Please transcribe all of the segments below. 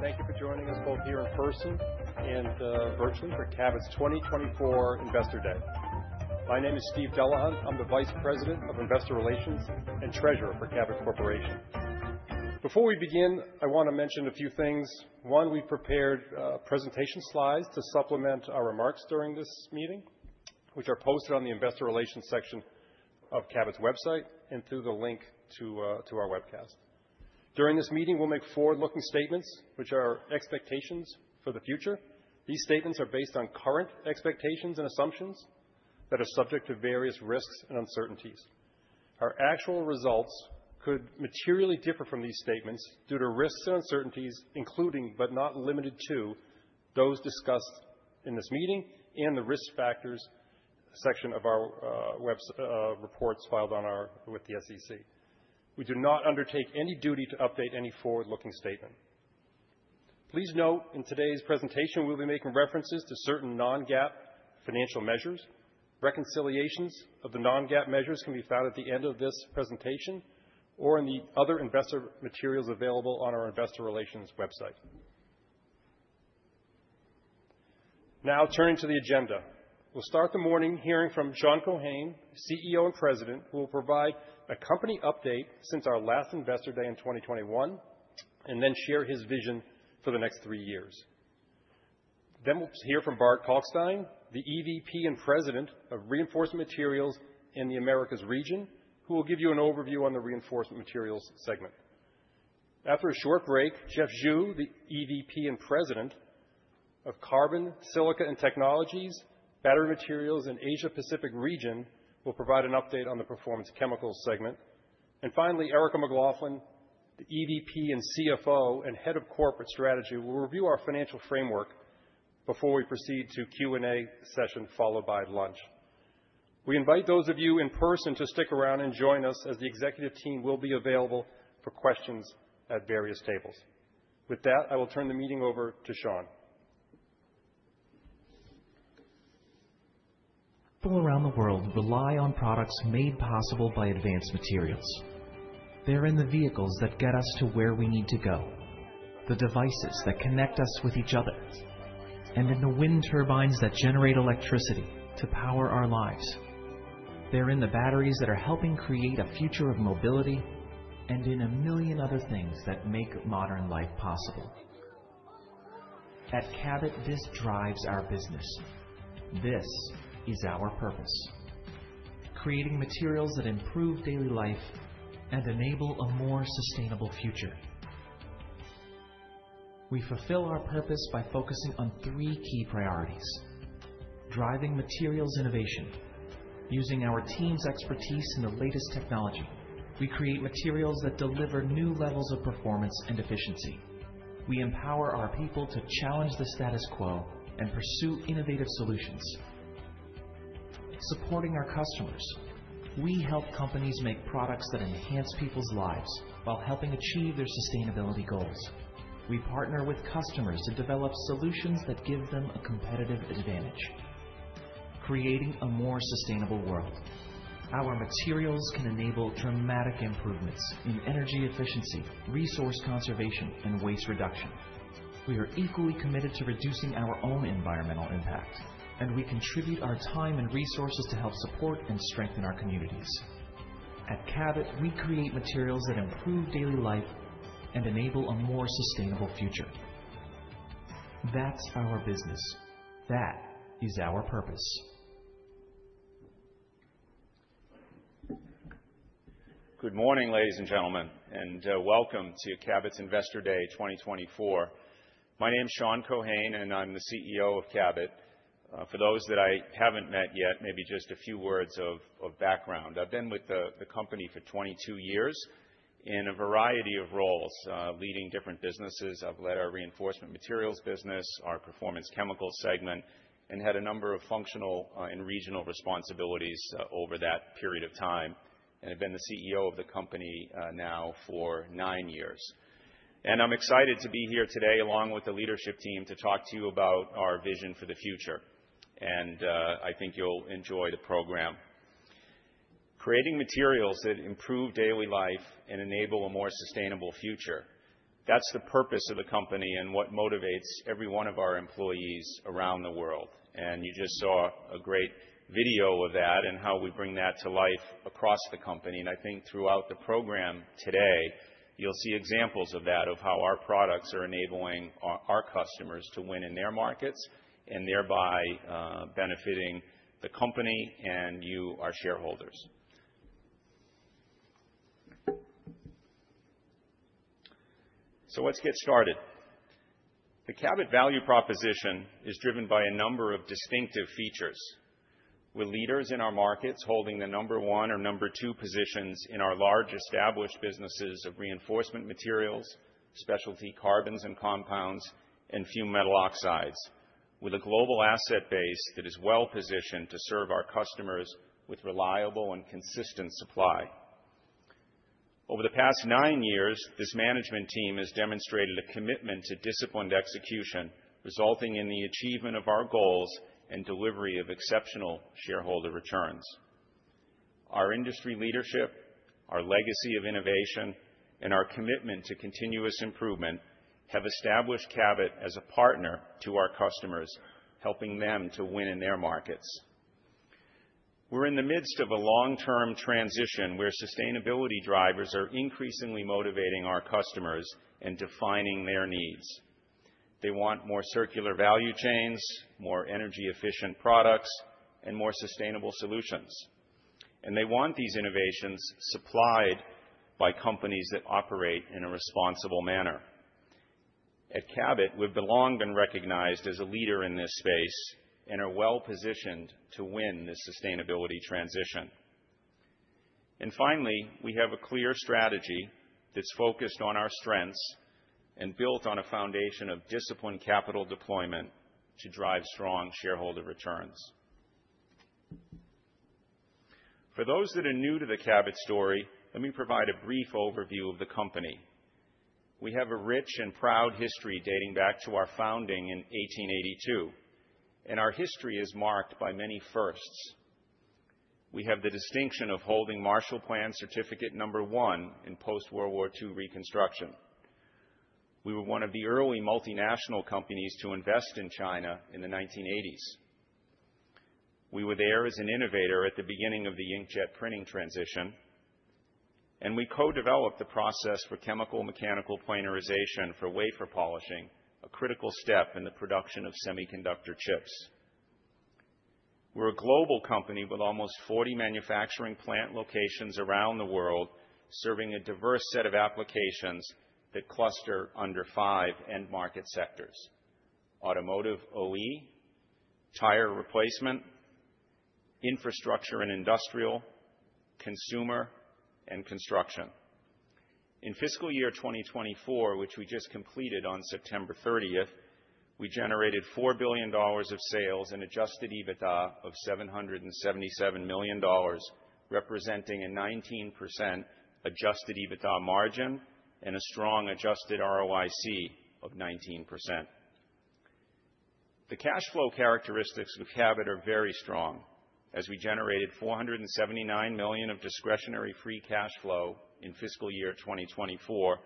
Thank you for joining us both here in person and virtually for Cabot's 2024 Investor Day. My name is Steve Delahunt. I'm the Vice President of Investor Relations and Treasurer for Cabot Corporation. Before we begin, I want to mention a few things. One, we've prepared presentation slides to supplement our remarks during this meeting, which are posted on the Investor Relations section of Cabot's website and through the link to our webcast. During this meeting, we'll make forward-looking statements, which are expectations for the future. These statements are based on current expectations and assumptions that are subject to various risks and uncertainties. Our actual results could materially differ from these statements due to risks and uncertainties, including, but not limited to, those discussed in this meeting and the risk factors section of our reports filed with the SEC. We do not undertake any duty to update any forward-looking statement. Please note, in today's presentation, we'll be making references to certain non-GAAP financial measures. Reconciliations of the non-GAAP measures can be found at the end of this presentation or in the other investor materials available on our Investor Relations website. Now, turning to the agenda, we'll start the morning hearing from Sean Keohane, CEO and President, who will provide a company update since our last Investor Day in 2021, and then share his vision for the next three years. Then we'll hear from Bart Kalkstein, the EVP and President of Reinforcement Materials in the Americas region, who will give you an overview on the Reinforcement Materials segment. After a short break, Jeff Zhu, the EVP and President of Carbon & Silica Technologies, Battery Materials in Asia-Pacific region, will provide an update on the Performance Chemicals segment. Finally, Erica McLaughlin, the EVP and CFO and Head of Corporate Strategy, will review our financial framework before we proceed to Q&A session followed by lunch. We invite those of you in person to stick around and join us as the executive team will be available for questions at various tables. With that, I will turn the meeting over to Sean. People around the world rely on products made possible by advanced materials. They're in the vehicles that get us to where we need to go, the devices that connect us with each other, and in the wind turbines that generate electricity to power our lives. They're in the batteries that are helping create a future of mobility and in a million other things that make modern life possible. At Cabot, this drives our business. This is our purpose: creating materials that improve daily life and enable a more sustainable future. We fulfill our purpose by focusing on three key priorities: driving materials innovation, using our team's expertise in the latest technology. We create materials that deliver new levels of performance and efficiency. We empower our people to challenge the status quo and pursue innovative solutions. Supporting our customers, we help companies make products that enhance people's lives while helping achieve their sustainability goals. We partner with customers to develop solutions that give them a competitive advantage, creating a more sustainable world. Our materials can enable dramatic improvements in energy efficiency, resource conservation, and waste reduction. We are equally committed to reducing our own environmental impact, and we contribute our time and resources to help support and strengthen our communities. At Cabot, we create materials that improve daily life and enable a more sustainable future. That's our business. That is our purpose. Good morning, ladies and gentlemen, and welcome to Cabot's Investor Day 2024. My name is Sean Keohane, and I'm the CEO of Cabot. For those that I haven't met yet, maybe just a few words of background. I've been with the company for 22 years in a variety of roles, leading different businesses. I've led our reinforcement materials business, our performance chemicals segment, and had a number of functional and regional responsibilities over that period of time, and I've been the CEO of the company now for nine years, and I'm excited to be here today along with the leadership team to talk to you about our vision for the future. And I think you'll enjoy the program. Creating materials that improve daily life and enable a more sustainable future, that's the purpose of the company and what motivates every one of our employees around the world. You just saw a great video of that and how we bring that to life across the company. I think throughout the program today, you'll see examples of that, of how our products are enabling our customers to win in their markets and thereby benefiting the company and you, our shareholders. Let's get started. The Cabot value proposition is driven by a number of distinctive features, with leaders in our markets holding the number one or number two positions in our large established businesses of reinforcement materials, specialty carbons and compounds, and fumed metal oxides, with a global asset base that is well positioned to serve our customers with reliable and consistent supply. Over the past nine years, this management team has demonstrated a commitment to disciplined execution, resulting in the achievement of our goals and delivery of exceptional shareholder returns. Our industry leadership, our legacy of innovation, and our commitment to continuous improvement have established Cabot as a partner to our customers, helping them to win in their markets. We're in the midst of a long-term transition where sustainability drivers are increasingly motivating our customers and defining their needs. They want more circular value chains, more energy-efficient products, and more sustainable solutions. And they want these innovations supplied by companies that operate in a responsible manner. At Cabot, we've been long recognized as a leader in this space and are well positioned to win this sustainability transition. And finally, we have a clear strategy that's focused on our strengths and built on a foundation of disciplined capital deployment to drive strong shareholder returns. For those that are new to the Cabot story, let me provide a brief overview of the company. We have a rich and proud history dating back to our founding in 1882, and our history is marked by many firsts. We have the distinction of holding Marshall Plan Certificate Number One in post-World War II reconstruction. We were one of the early multinational companies to invest in China in the 1980s. We were there as an innovator at the beginning of the inkjet printing transition, and we co-developed the process for chemical mechanical planarization for wafer polishing, a critical step in the production of semiconductor chips. We're a global company with almost 40 manufacturing plant locations around the world, serving a diverse set of applications that cluster under five end market sectors: automotive OE, tire replacement, infrastructure and industrial, consumer, and construction. In fiscal year 2024, which we just completed on September 30th, we generated $4 billion of sales and adjusted EBITDA of $777 million, representing a 19% adjusted EBITDA margin and a strong adjusted ROIC of 19%. The cash flow characteristics of Cabot are very strong, as we generated $479 million of discretionary free cash flow in fiscal year 2024,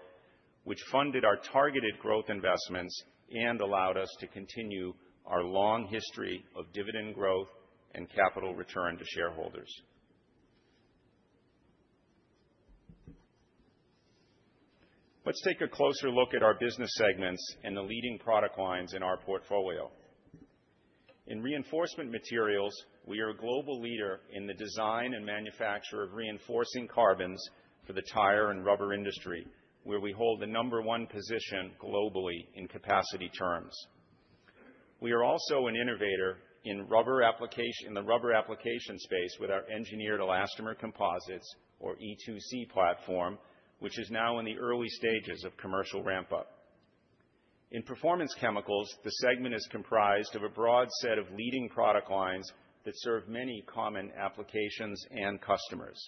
which funded our targeted growth investments and allowed us to continue our long history of dividend growth and capital return to shareholders. Let's take a closer look at our business segments and the leading product lines in our portfolio. In reinforcement materials, we are a global leader in the design and manufacture of reinforcing carbons for the tire and rubber industry, where we hold the number one position globally in capacity terms. We are also an innovator in the rubber application space with our engineered elastomer composites, or E2C platform, which is now in the early stages of commercial ramp-up. In performance chemicals, the segment is comprised of a broad set of leading product lines that serve many common applications and customers.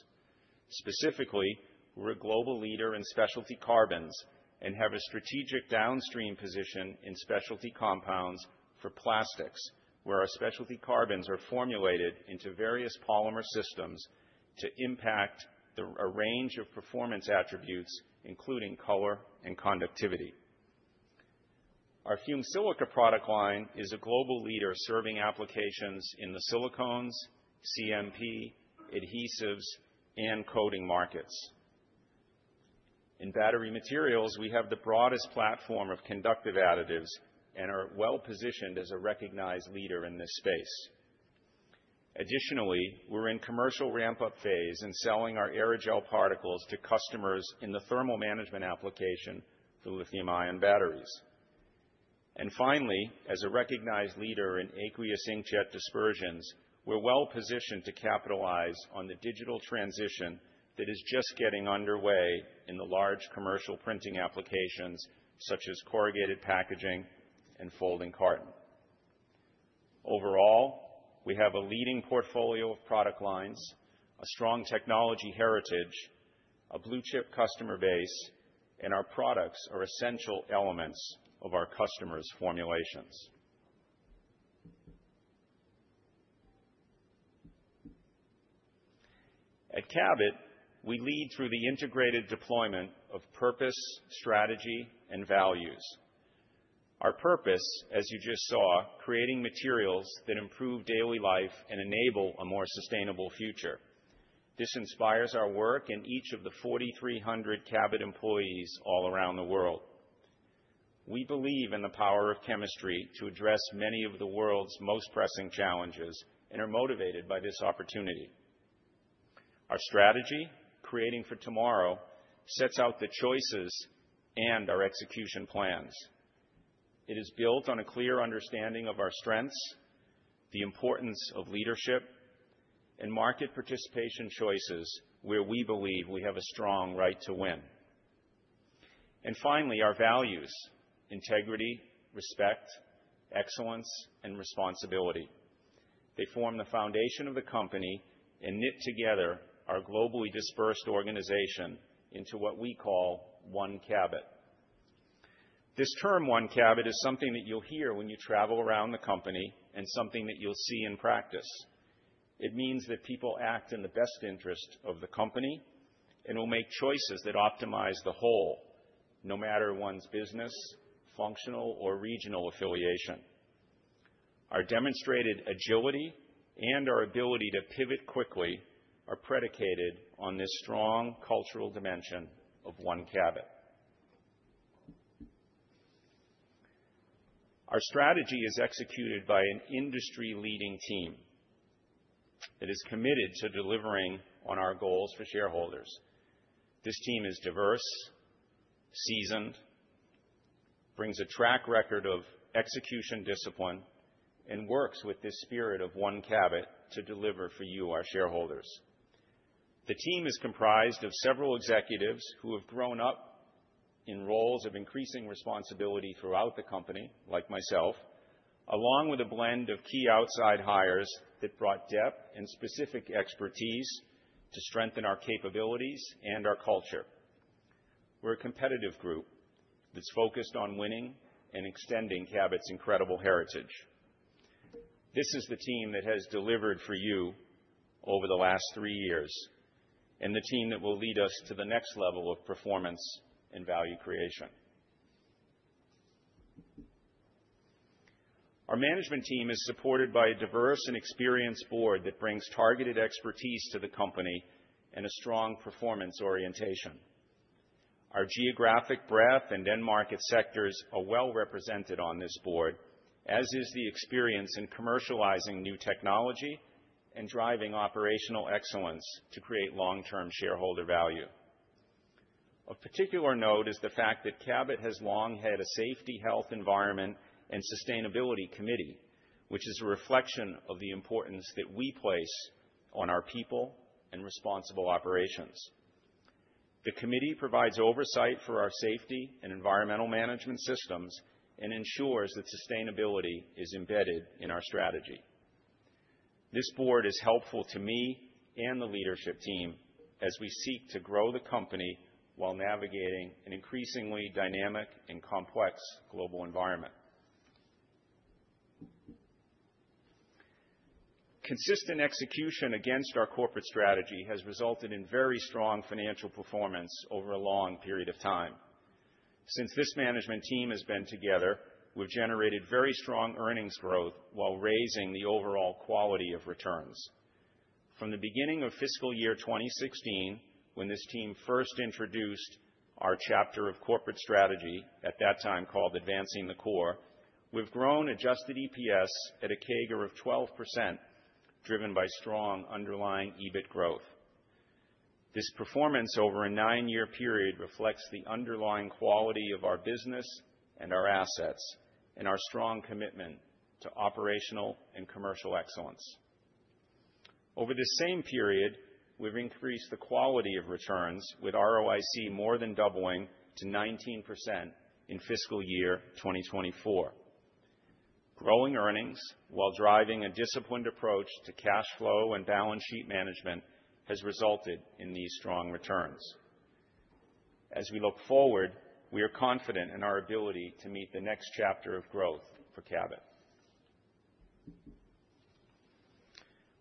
Specifically, we're a global leader in specialty carbons and have a strategic downstream position in specialty compounds for plastics, where our specialty carbons are formulated into various polymer systems to impact a range of performance attributes, including color and conductivity. Our fumed silica product line is a global leader serving applications in the silicones, CMP, adhesives, and coating markets. In battery materials, we have the broadest platform of conductive additives and are well positioned as a recognized leader in this space. Additionally, we're in commercial ramp-up phase and selling our aerogel particles to customers in the thermal management application for lithium-ion batteries, and finally, as a recognized leader in aqueous inkjet dispersions, we're well positioned to capitalize on the digital transition that is just getting underway in the large commercial printing applications such as corrugated packaging and folding carton. Overall, we have a leading portfolio of product lines, a strong technology heritage, a blue-chip customer base, and our products are essential elements of our customers' formulations. At Cabot, we lead through the integrated deployment of purpose, strategy, and values. Our purpose, as you just saw, is creating materials that improve daily life and enable a more sustainable future. This inspires our work and each of the 4,300 Cabot employees all around the world. We believe in the power of chemistry to address many of the world's most pressing challenges and are motivated by this opportunity. Our strategy, Creating for Tomorrow, sets out the choices and our execution plans. It is built on a clear understanding of our strengths, the importance of leadership, and market participation choices where we believe we have a strong right to win. And finally, our values: integrity, respect, excellence, and responsibility. They form the foundation of the company and knit together our globally dispersed organization into what we call One Cabot. This term One Cabot is something that you'll hear when you travel around the company and something that you'll see in practice. It means that people act in the best interest of the company and will make choices that optimize the whole, no matter one's business, functional, or regional affiliation. Our demonstrated agility and our ability to pivot quickly are predicated on this strong cultural dimension of One Cabot. Our strategy is executed by an industry-leading team that is committed to delivering on our goals for shareholders. This team is diverse, seasoned, brings a track record of execution discipline, and works with this spirit of One Cabot to deliver for you, our shareholders. The team is comprised of several executives who have grown up in roles of increasing responsibility throughout the company, like myself, along with a blend of key outside hires that brought depth and specific expertise to strengthen our capabilities and our culture. We're a competitive group that's focused on winning and extending Cabot's incredible heritage. This is the team that has delivered for you over the last three years and the team that will lead us to the next level of performance and value creation. Our management team is supported by a diverse and experienced board that brings targeted expertise to the company and a strong performance orientation. Our geographic breadth and end market sectors are well represented on this board, as is the experience in commercializing new technology and driving operational excellence to create long-term shareholder value. Of particular note is the fact that Cabot has long had a Safety, Health, Environment, and Sustainability Committee, which is a reflection of the importance that we place on our people and responsible operations. The committee provides oversight for our safety and environmental management systems and ensures that sustainability is embedded in our strategy. This board is helpful to me and the leadership team as we seek to grow the company while navigating an increasingly dynamic and complex global environment. Consistent execution against our corporate strategy has resulted in very strong financial performance over a long period of time. Since this management team has been together, we've generated very strong earnings growth while raising the overall quality of returns. From the beginning of fiscal year 2016, when this team first introduced our chapter of corporate strategy, at that time called Advancing the Core, we've grown Adjusted EPS at a CAGR of 12%, driven by strong underlying EBIT growth. This performance over a nine-year period reflects the underlying quality of our business and our assets and our strong commitment to operational and commercial excellence. Over this same period, we've increased the quality of returns, with ROIC more than doubling to 19% in fiscal year 2024. Growing earnings while driving a disciplined approach to cash flow and balance sheet management has resulted in these strong returns. As we look forward, we are confident in our ability to meet the next chapter of growth for Cabot.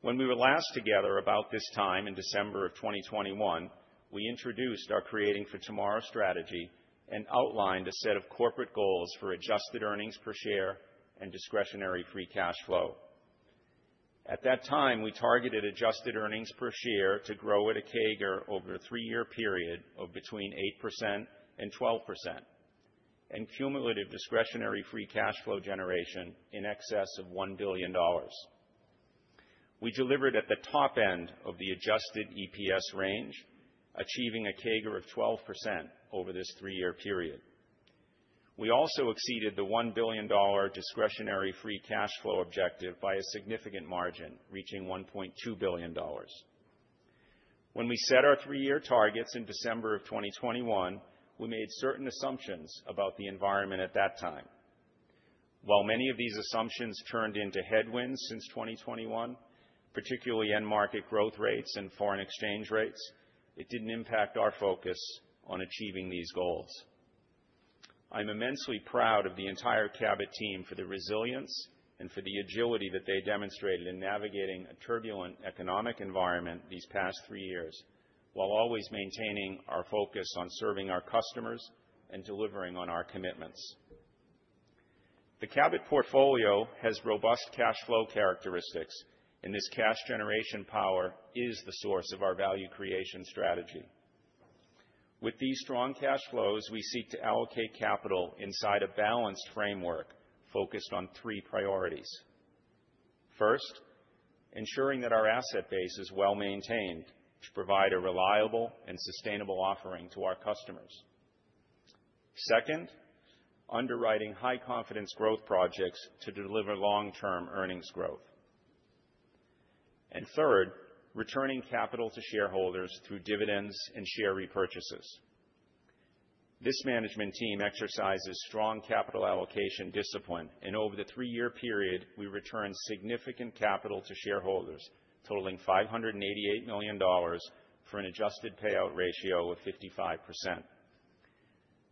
When we were last together about this time in December of 2021, we introduced our Creating for Tomorrow strategy and outlined a set of corporate goals for adjusted earnings per share and discretionary free cash flow. At that time, we targeted adjusted earnings per share to grow at a CAGR over a three-year period of between 8% and 12% and cumulative discretionary free cash flow generation in excess of $1 billion. We delivered at the top end of the adjusted EPS range, achieving a CAGR of 12% over this three-year period. We also exceeded the $1 billion discretionary free cash flow objective by a significant margin, reaching $1.2 billion. When we set our three-year targets in December of 2021, we made certain assumptions about the environment at that time. While many of these assumptions turned into headwinds since 2021, particularly end market growth rates and foreign exchange rates, it didn't impact our focus on achieving these goals. I'm immensely proud of the entire Cabot team for the resilience and for the agility that they demonstrated in navigating a turbulent economic environment these past three years, while always maintaining our focus on serving our customers and delivering on our commitments. The Cabot portfolio has robust cash flow characteristics, and this cash generation power is the source of our value creation strategy. With these strong cash flows, we seek to allocate capital inside a balanced framework focused on three priorities. First, ensuring that our asset base is well maintained to provide a reliable and sustainable offering to our customers. Second, underwriting high-confidence growth projects to deliver long-term earnings growth. And third, returning capital to shareholders through dividends and share repurchases. This management team exercises strong capital allocation discipline, and over the three-year period, we returned significant capital to shareholders, totaling $588 million for an adjusted payout ratio of 55%.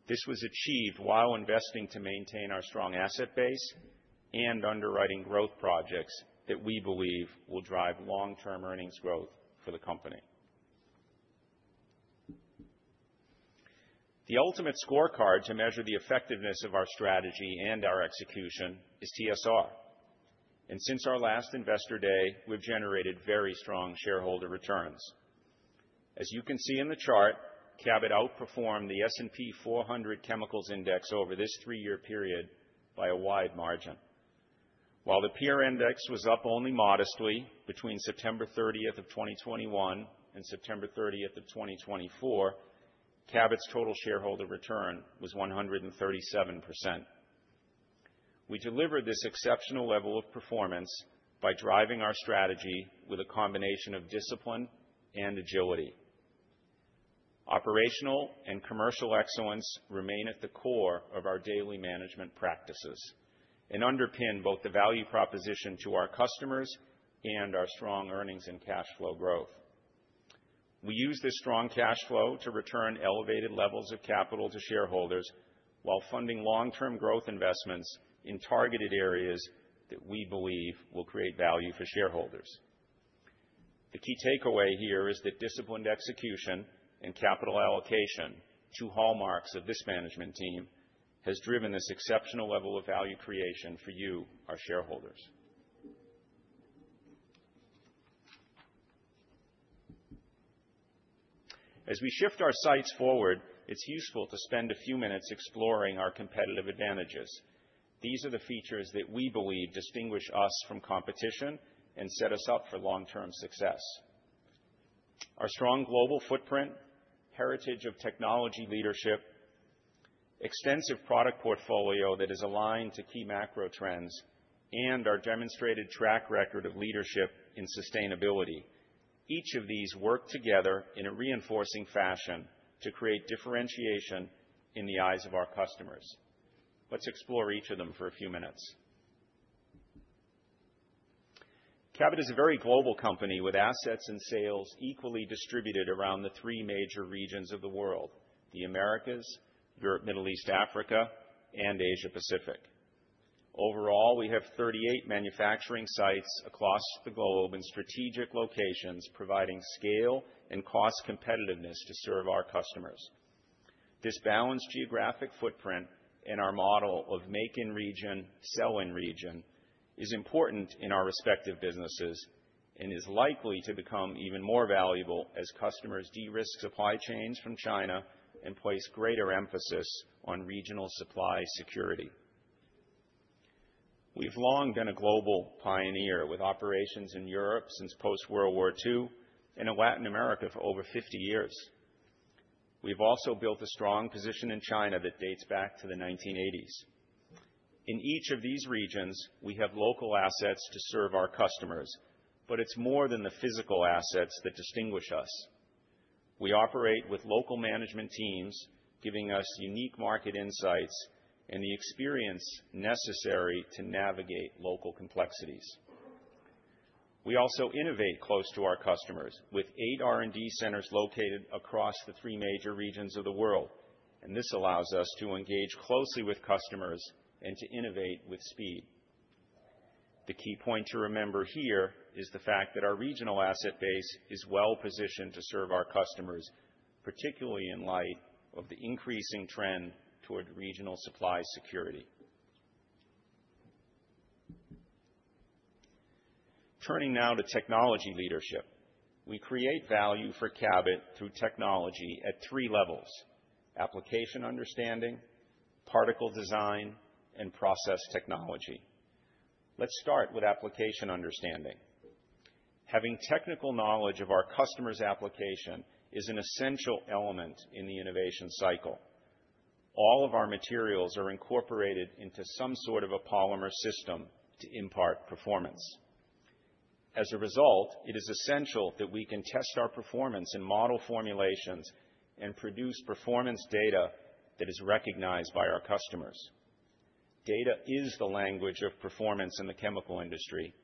This was achieved while investing to maintain our strong asset base and underwriting growth projects that we believe will drive long-term earnings growth for the company. The ultimate scorecard to measure the effectiveness of our strategy and our execution is TSR. And since our last investor day, we've generated very strong shareholder returns. As you can see in the chart, Cabot outperformed the S&P 400 Chemicals Index over this three-year period by a wide margin. While the peer index was up only modestly between September 30th of 2021 and September 30th of 2024, Cabot's total shareholder return was 137%. We delivered this exceptional level of performance by driving our strategy with a combination of discipline and agility. Operational and commercial excellence remain at the core of our daily management practices and underpin both the value proposition to our customers and our strong earnings and cash flow growth. We use this strong cash flow to return elevated levels of capital to shareholders while funding long-term growth investments in targeted areas that we believe will create value for shareholders. The key takeaway here is that disciplined execution and capital allocation, two hallmarks of this management team, have driven this exceptional level of value creation for you, our shareholders. As we shift our sights forward, it's useful to spend a few minutes exploring our competitive advantages. These are the features that we believe distinguish us from competition and set us up for long-term success. Our strong global footprint, heritage of technology leadership, extensive product portfolio that is aligned to key macro trends, and our demonstrated track record of leadership in sustainability, each of these work together in a reinforcing fashion to create differentiation in the eyes of our customers. Let's explore each of them for a few minutes. Cabot is a very global company with assets and sales equally distributed around the three major regions of the world: the Americas, Middle East, Africa, and Asia-Pacific. Overall, we have 38 manufacturing sites across the globe in strategic locations, providing scale and cost competitiveness to serve our customers. This balanced geographic footprint and our model of make-in-region, sell-in-region is important in our respective businesses and is likely to become even more valuable as customers de-risk supply chains from China and place greater emphasis on regional supply security. We've long been a global pioneer with operations in Europe since post-World War II and in Latin America for over 50 years. We've also built a strong position in China that dates back to the 1980s. In each of these regions, we have local assets to serve our customers, but it's more than the physical assets that distinguish us. We operate with local management teams, giving us unique market insights and the experience necessary to navigate local complexities. We also innovate close to our customers with eight R&D centers located across the three major regions of the world, and this allows us to engage closely with customers and to innovate with speed. The key point to remember here is the fact that our regional asset base is well positioned to serve our customers, particularly in light of the increasing trend toward regional supply security. Turning now to technology leadership, we create value for Cabot through technology at three levels: application understanding, particle design, and process technology. Let's start with application understanding. Having technical knowledge of our customer's application is an essential element in the innovation cycle. All of our materials are incorporated into some sort of a polymer system to impart performance. As a result, it is essential that we can test our performance in model formulations and produce performance data that is recognized by our customers. Data is the language of performance in the chemical industry,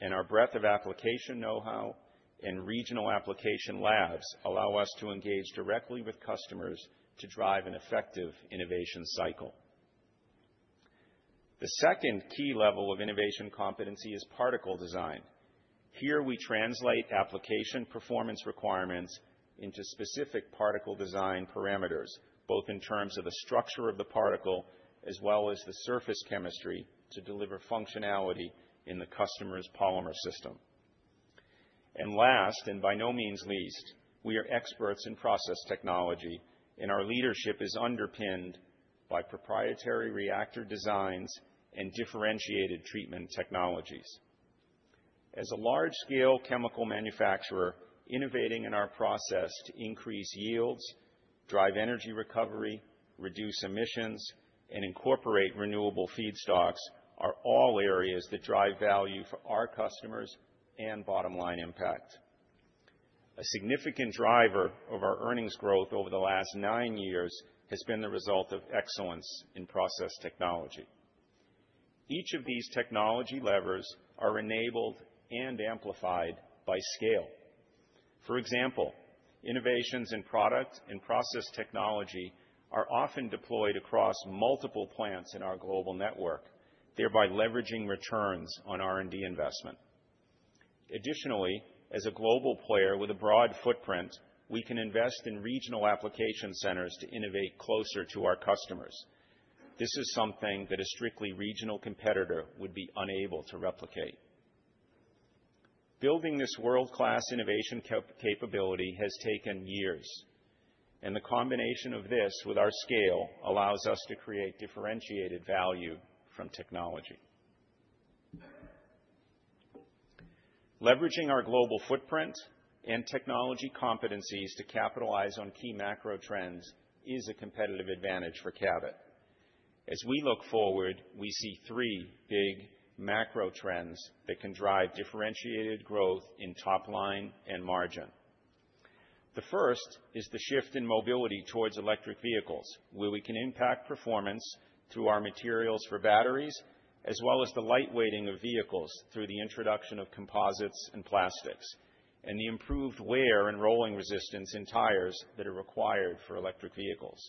and our breadth of application know-how and regional application labs allow us to engage directly with customers to drive an effective innovation cycle. The second key level of innovation competency is particle design. Here, we translate application performance requirements into specific particle design parameters, both in terms of the structure of the particle as well as the surface chemistry to deliver functionality in the customer's polymer system, and last, and by no means least, we are experts in process technology, and our leadership is underpinned by proprietary reactor designs and differentiated treatment technologies. As a large-scale chemical manufacturer, innovating in our process to increase yields, drive energy recovery, reduce emissions, and incorporate renewable feedstocks are all areas that drive value for our customers and bottom-line impact. A significant driver of our earnings growth over the last nine years has been the result of excellence in process technology. Each of these technology levers is enabled and amplified by scale. For example, innovations in product and process technology are often deployed across multiple plants in our global network, thereby leveraging returns on R&D investment. Additionally, as a global player with a broad footprint, we can invest in regional application centers to innovate closer to our customers. This is something that a strictly regional competitor would be unable to replicate. Building this world-class innovation capability has taken years, and the combination of this with our scale allows us to create differentiated value from technology. Leveraging our global footprint and technology competencies to capitalize on key macro trends is a competitive advantage for Cabot. As we look forward, we see three big macro trends that can drive differentiated growth in top line and margin. The first is the shift in mobility towards electric vehicles, where we can impact performance through our materials for batteries, as well as the light weighting of vehicles through the introduction of composites and plastics, and the improved wear and rolling resistance in tires that are required for electric vehicles.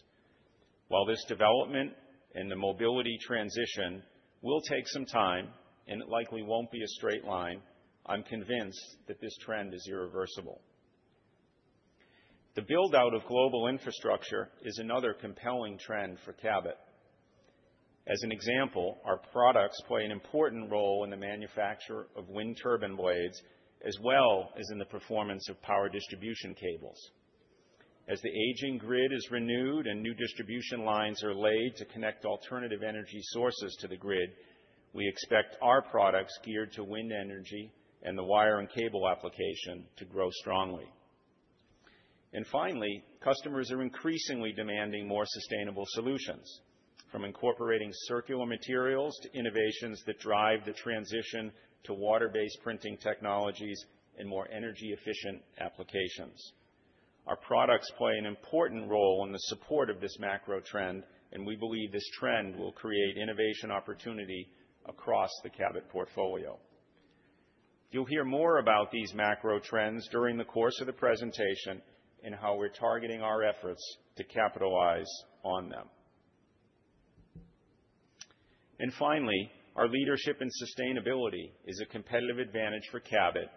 While this development and the mobility transition will take some time, and it likely won't be a straight line, I'm convinced that this trend is irreversible. The build-out of global infrastructure is another compelling trend for Cabot. As an example, our products play an important role in the manufacture of wind turbine blades, as well as in the performance of power distribution cables. As the aging grid is renewed and new distribution lines are laid to connect alternative energy sources to the grid, we expect our products geared to wind energy and the wire and cable application to grow strongly. And finally, customers are increasingly demanding more sustainable solutions, from incorporating circular materials to innovations that drive the transition to water-based printing technologies and more energy-efficient applications. Our products play an important role in the support of this macro trend, and we believe this trend will create innovation opportunity across the Cabot portfolio. You'll hear more about these macro trends during the course of the presentation and how we're targeting our efforts to capitalize on them. And finally, our leadership in sustainability is a competitive advantage for Cabot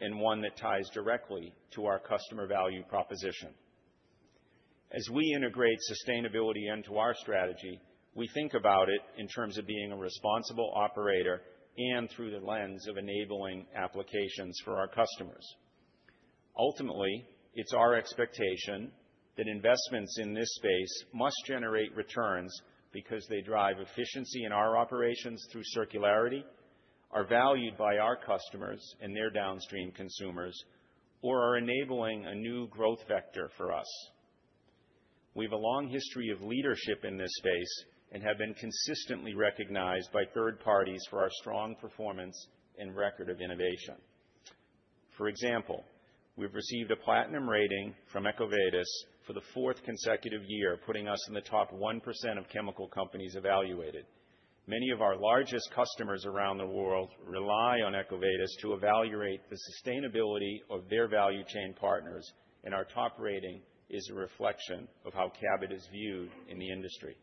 and one that ties directly to our customer value proposition. As we integrate sustainability into our strategy, we think about it in terms of being a responsible operator and through the lens of enabling applications for our customers. Ultimately, it's our expectation that investments in this space must generate returns because they drive efficiency in our operations through circularity, are valued by our customers and their downstream consumers, or are enabling a new growth vector for us. We have a long history of leadership in this space and have been consistently recognized by third parties for our strong performance and record of innovation. For example, we've received a platinum rating from EcoVadis for the fourth consecutive year, putting us in the top 1% of chemical companies evaluated. Many of our largest customers around the world rely on EcoVadis to evaluate the sustainability of their value chain partners, and our top rating is a reflection of how Cabot is viewed in the industry.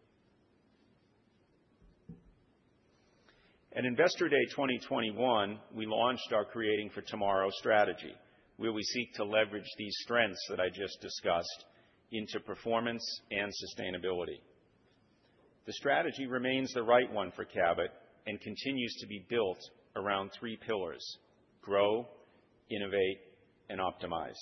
At Investor Day 2021, we launched our Creating for Tomorrow strategy, where we seek to leverage these strengths that I just discussed into performance and sustainability. The strategy remains the right one for Cabot and continues to be built around three pillars: grow, innovate, and optimize.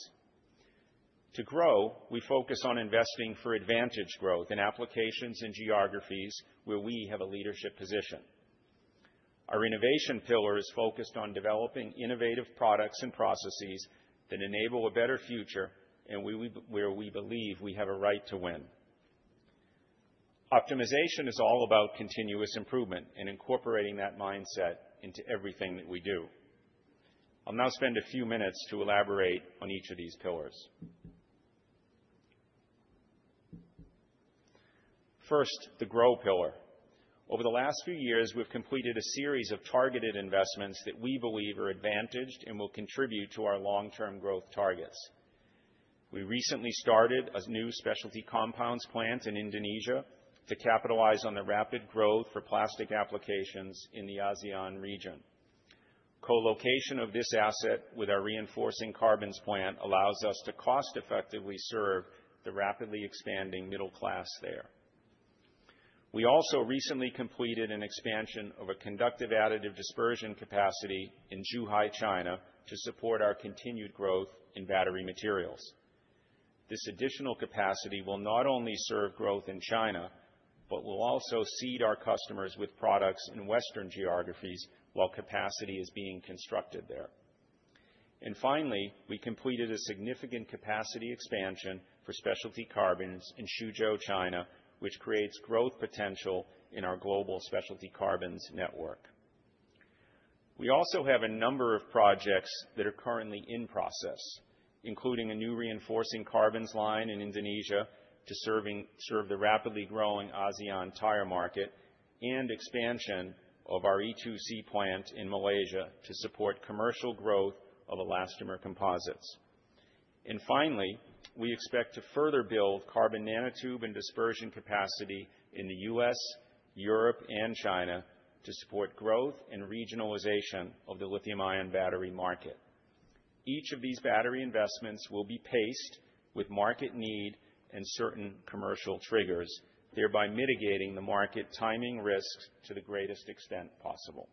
To grow, we focus on investing for advantage growth in applications and geographies where we have a leadership position. Our innovation pillar is focused on developing innovative products and processes that enable a better future and where we believe we have a right to win. Optimization is all about continuous improvement and incorporating that mindset into everything that we do. I'll now spend a few minutes to elaborate on each of these pillars. First, the grow pillar. Over the last few years, we've completed a series of targeted investments that we believe are advantaged and will contribute to our long-term growth targets. We recently started a new specialty compounds plant in Indonesia to capitalize on the rapid growth for plastic applications in the ASEAN region. Co-location of this asset with our reinforcing carbons plant allows us to cost-effectively serve the rapidly expanding middle class there. We also recently completed an expansion of a conductive additive dispersion capacity in Zhuhai, China, to support our continued growth in battery materials. This additional capacity will not only serve growth in China but will also seed our customers with products in Western geographies while capacity is being constructed there. Finally, we completed a significant capacity expansion for specialty carbons in Suzhou, China, which creates growth potential in our global specialty carbons network. We also have a number of projects that are currently in process, including a new reinforcing carbons line in Indonesia to serve the rapidly growing ASEAN tire market and expansion of our E2C plant in Malaysia to support commercial growth of elastomer composites. Finally, we expect to further build carbon nanotube and dispersion capacity in the U.S., Europe, and China to support growth and regionalization of the lithium-ion battery market. Each of these battery investments will be paced with market need and certain commercial triggers, thereby mitigating the market timing risks to the greatest extent possible.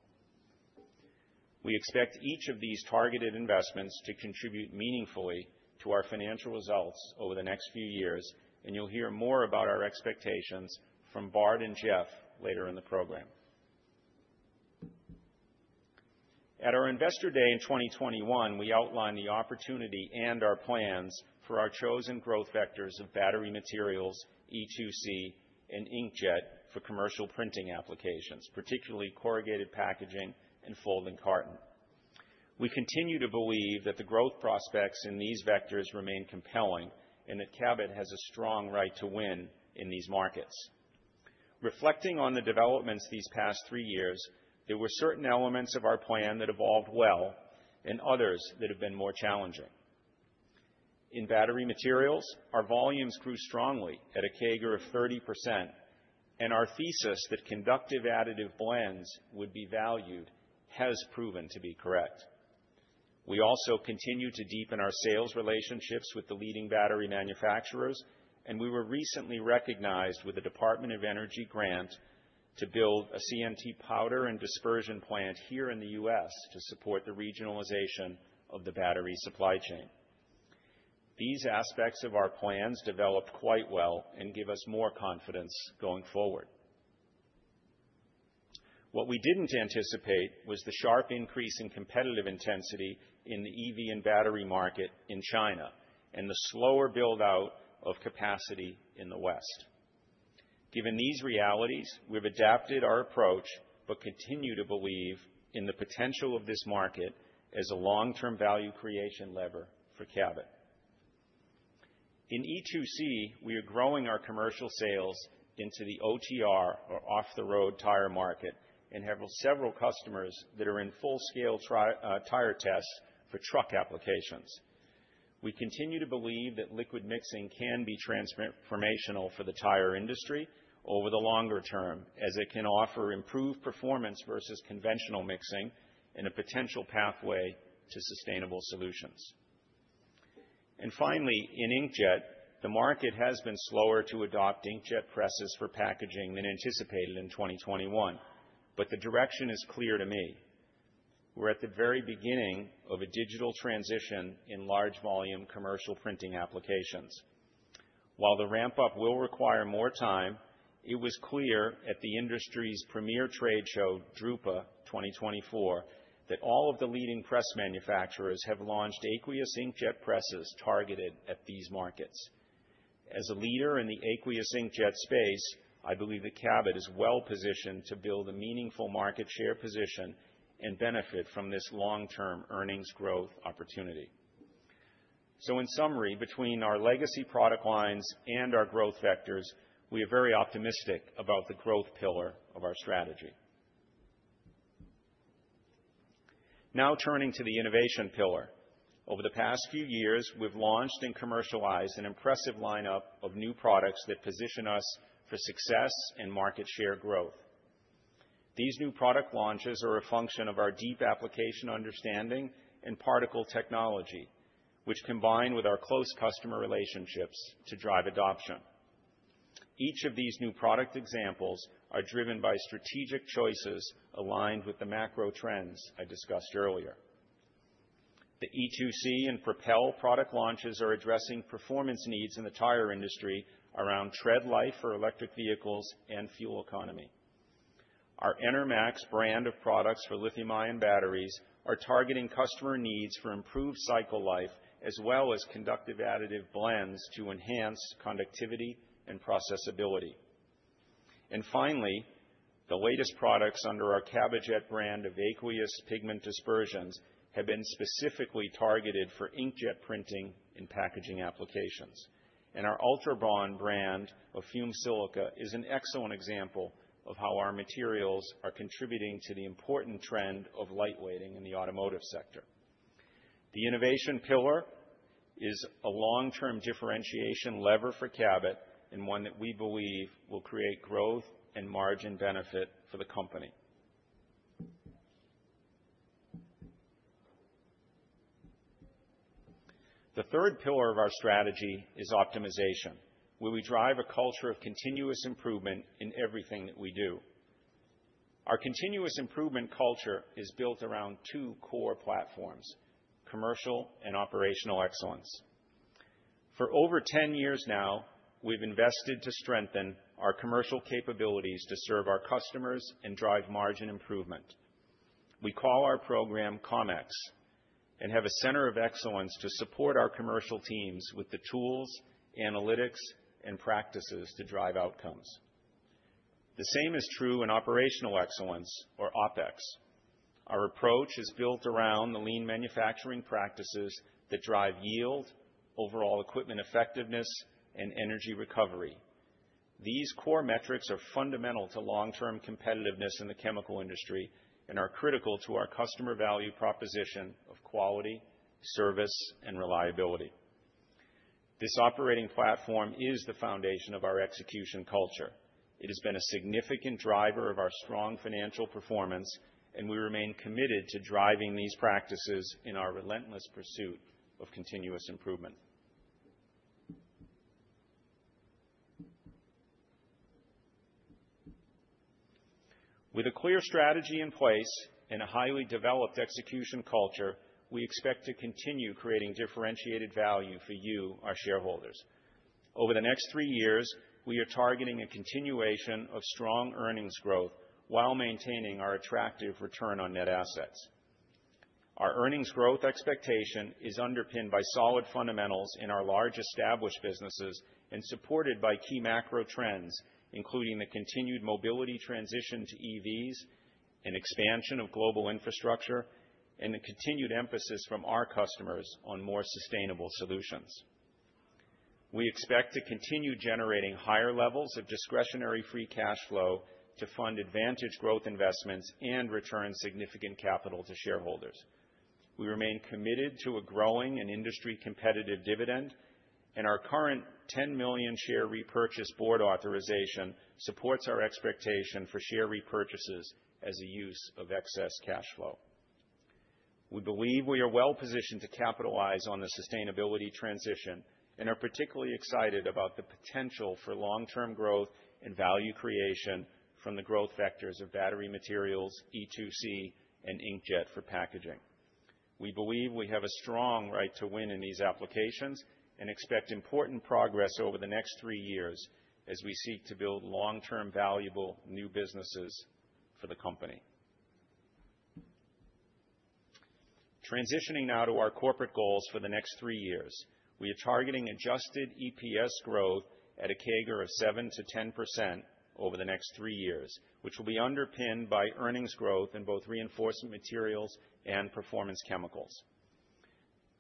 We expect each of these targeted investments to contribute meaningfully to our financial results over the next few years, and you'll hear more about our expectations from Bart and Jeff later in the program. At our Investor Day in 2021, we outlined the opportunity and our plans for our chosen growth vectors of battery materials, E2C, and inkjet for commercial printing applications, particularly corrugated packaging and folding carton. We continue to believe that the growth prospects in these vectors remain compelling and that Cabot has a strong right to win in these markets. Reflecting on the developments these past three years, there were certain elements of our plan that evolved well and others that have been more challenging. In battery materials, our volumes grew strongly at a CAGR of 30%, and our thesis that conductive additive blends would be valued has proven to be correct. We also continue to deepen our sales relationships with the leading battery manufacturers, and we were recently recognized with a Department of Energy grant to build a CNT powder and dispersion plant here in the U.S. to support the regionalization of the battery supply chain. These aspects of our plans developed quite well and give us more confidence going forward. What we didn't anticipate was the sharp increase in competitive intensity in the EV and battery market in China and the slower build-out of capacity in the West. Given these realities, we've adapted our approach but continue to believe in the potential of this market as a long-term value creation lever for Cabot. In E2C, we are growing our commercial sales into the OTR, or off-the-road tire market, and have several customers that are in full-scale tire tests for truck applications. We continue to believe that liquid mixing can be transformational for the tire industry over the longer term, as it can offer improved performance versus conventional mixing and a potential pathway to sustainable solutions, and finally, in inkjet, the market has been slower to adopt inkjet presses for packaging than anticipated in 2021, but the direction is clear to me. We're at the very beginning of a digital transition in large-volume commercial printing applications. While the ramp-up will require more time, it was clear at the industry's premier trade show, DRUPA 2024, that all of the leading press manufacturers have launched aqueous inkjet presses targeted at these markets. As a leader in the aqueous inkjet space, I believe that Cabot is well-positioned to build a meaningful market share position and benefit from this long-term earnings growth opportunity. So in summary, between our legacy product lines and our growth vectors, we are very optimistic about the growth pillar of our strategy. Now turning to the innovation pillar. Over the past few years, we've launched and commercialized an impressive lineup of new products that position us for success and market share growth. These new product launches are a function of our deep application understanding and particle technology, which combine with our close customer relationships to drive adoption. Each of these new product examples is driven by strategic choices aligned with the macro trends I discussed earlier. The E2C and PROPEL product launches are addressing performance needs in the tire industry around tread life for electric vehicles and fuel economy. Our ENERMAX brand of products for lithium-ion batteries is targeting customer needs for improved cycle life as well as conductive additive blends to enhance conductivity and processability. Finally, the latest products under our CAB-O-JET brand of aqueous pigment dispersions have been specifically targeted for inkjet printing and packaging applications. Our UltraBond brand of fumed silica is an excellent example of how our materials are contributing to the important trend of lightweighting in the automotive sector. The innovation pillar is a long-term differentiation lever for Cabot and one that we believe will create growth and margin benefit for the company. The third pillar of our strategy is optimization, where we drive a culture of continuous improvement in everything that we do. Our continuous improvement culture is built around two core platforms: commercial and operational excellence. For over 10 years now, we've invested to strengthen our commercial capabilities to serve our customers and drive margin improvement. We call our program ComEx and have a center of excellence to support our commercial teams with the tools, analytics, and practices to drive outcomes. The same is true in operational excellence, or OpEx. Our approach is built around the lean manufacturing practices that drive yield, overall equipment effectiveness, and energy recovery. These core metrics are fundamental to long-term competitiveness in the chemical industry and are critical to our customer value proposition of quality, service, and reliability. This operating platform is the foundation of our execution culture. It has been a significant driver of our strong financial performance, and we remain committed to driving these practices in our relentless pursuit of continuous improvement. With a clear strategy in place and a highly developed execution culture, we expect to continue creating differentiated value for you, our shareholders. Over the next three years, we are targeting a continuation of strong earnings growth while maintaining our attractive return on net assets. Our earnings growth expectation is underpinned by solid fundamentals in our large established businesses and supported by key macro trends, including the continued mobility transition to EVs, an expansion of global infrastructure, and the continued emphasis from our customers on more sustainable solutions. We expect to continue generating higher levels of discretionary free cash flow to fund advantage growth investments and return significant capital to shareholders. We remain committed to a growing and industry competitive dividend, and our current 10 million share repurchase board authorization supports our expectation for share repurchases as a use of excess cash flow. We believe we are well-positioned to capitalize on the sustainability transition and are particularly excited about the potential for long-term growth and value creation from the growth vectors of battery materials, E2C, and inkjet for packaging. We believe we have a strong right to win in these applications and expect important progress over the next three years as we seek to build long-term valuable new businesses for the company. Transitioning now to our corporate goals for the next three years, we are targeting adjusted EPS growth at a CAGR of 7%-10% over the next three years, which will be underpinned by earnings growth in both reinforcement materials and performance chemicals.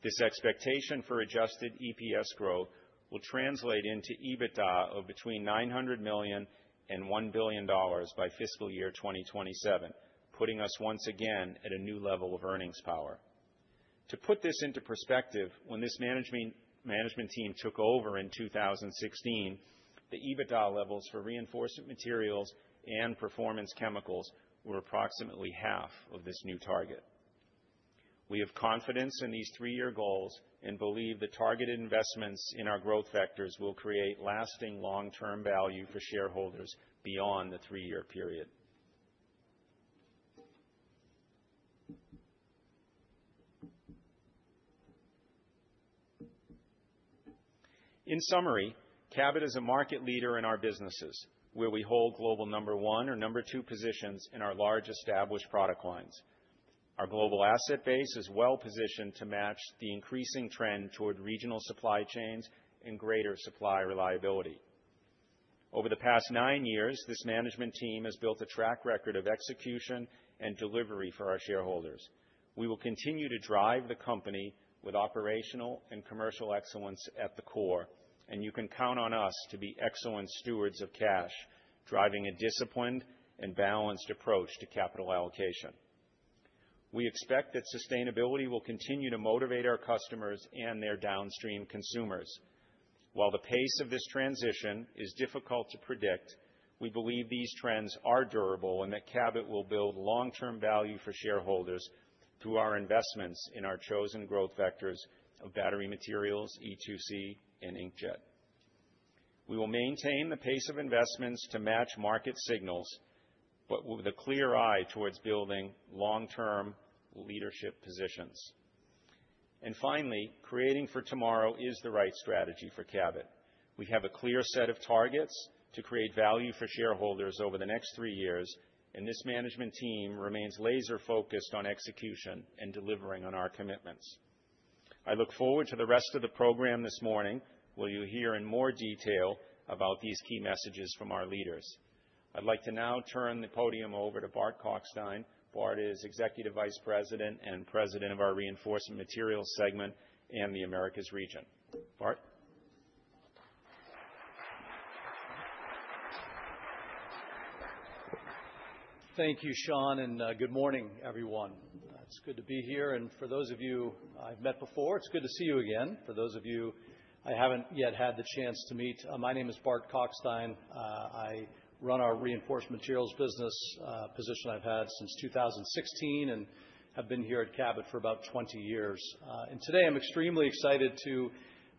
This expectation for adjusted EPS growth will translate into EBITDA of between $900 million and $1 billion by fiscal year 2027, putting us once again at a new level of earnings power. To put this into perspective, when this management team took over in 2016, the EBITDA levels for reinforcement materials and performance chemicals were approximately half of this new target. We have confidence in these three-year goals and believe the targeted investments in our growth vectors will create lasting long-term value for shareholders beyond the three-year period. In summary, Cabot is a market leader in our businesses where we hold global number one or number two positions in our large established product lines. Our global asset base is well-positioned to match the increasing trend toward regional supply chains and greater supply reliability. Over the past nine years, this management team has built a track record of execution and delivery for our shareholders. We will continue to drive the company with operational and commercial excellence at the core, and you can count on us to be excellent stewards of cash, driving a disciplined and balanced approach to capital allocation. We expect that sustainability will continue to motivate our customers and their downstream consumers. While the pace of this transition is difficult to predict, we believe these trends are durable and that Cabot will build long-term value for shareholders through our investments in our chosen growth vectors of battery materials, E2C, and inkjet. We will maintain the pace of investments to match market signals but with a clear eye towards building long-term leadership positions, and finally, creating for tomorrow is the right strategy for Cabot. We have a clear set of targets to create value for shareholders over the next three years, and this management team remains laser-focused on execution and delivering on our commitments. I look forward to the rest of the program this morning where you'll hear in more detail about these key messages from our leaders. I'd like to now turn the podium over to Bart Kalkstein. Bart is Executive Vice President and President of our Reinforcement Materials segment and the Americas region. Bart. Thank you, Sean, and good morning, everyone. It's good to be here. And for those of you I've met before, it's good to see you again. For those of you I haven't yet had the chance to meet, my name is Bart Kalkstein. I run our Reinforcement Materials business position I've had since 2016 and have been here at Cabot for about 20 years. Today, I'm extremely excited to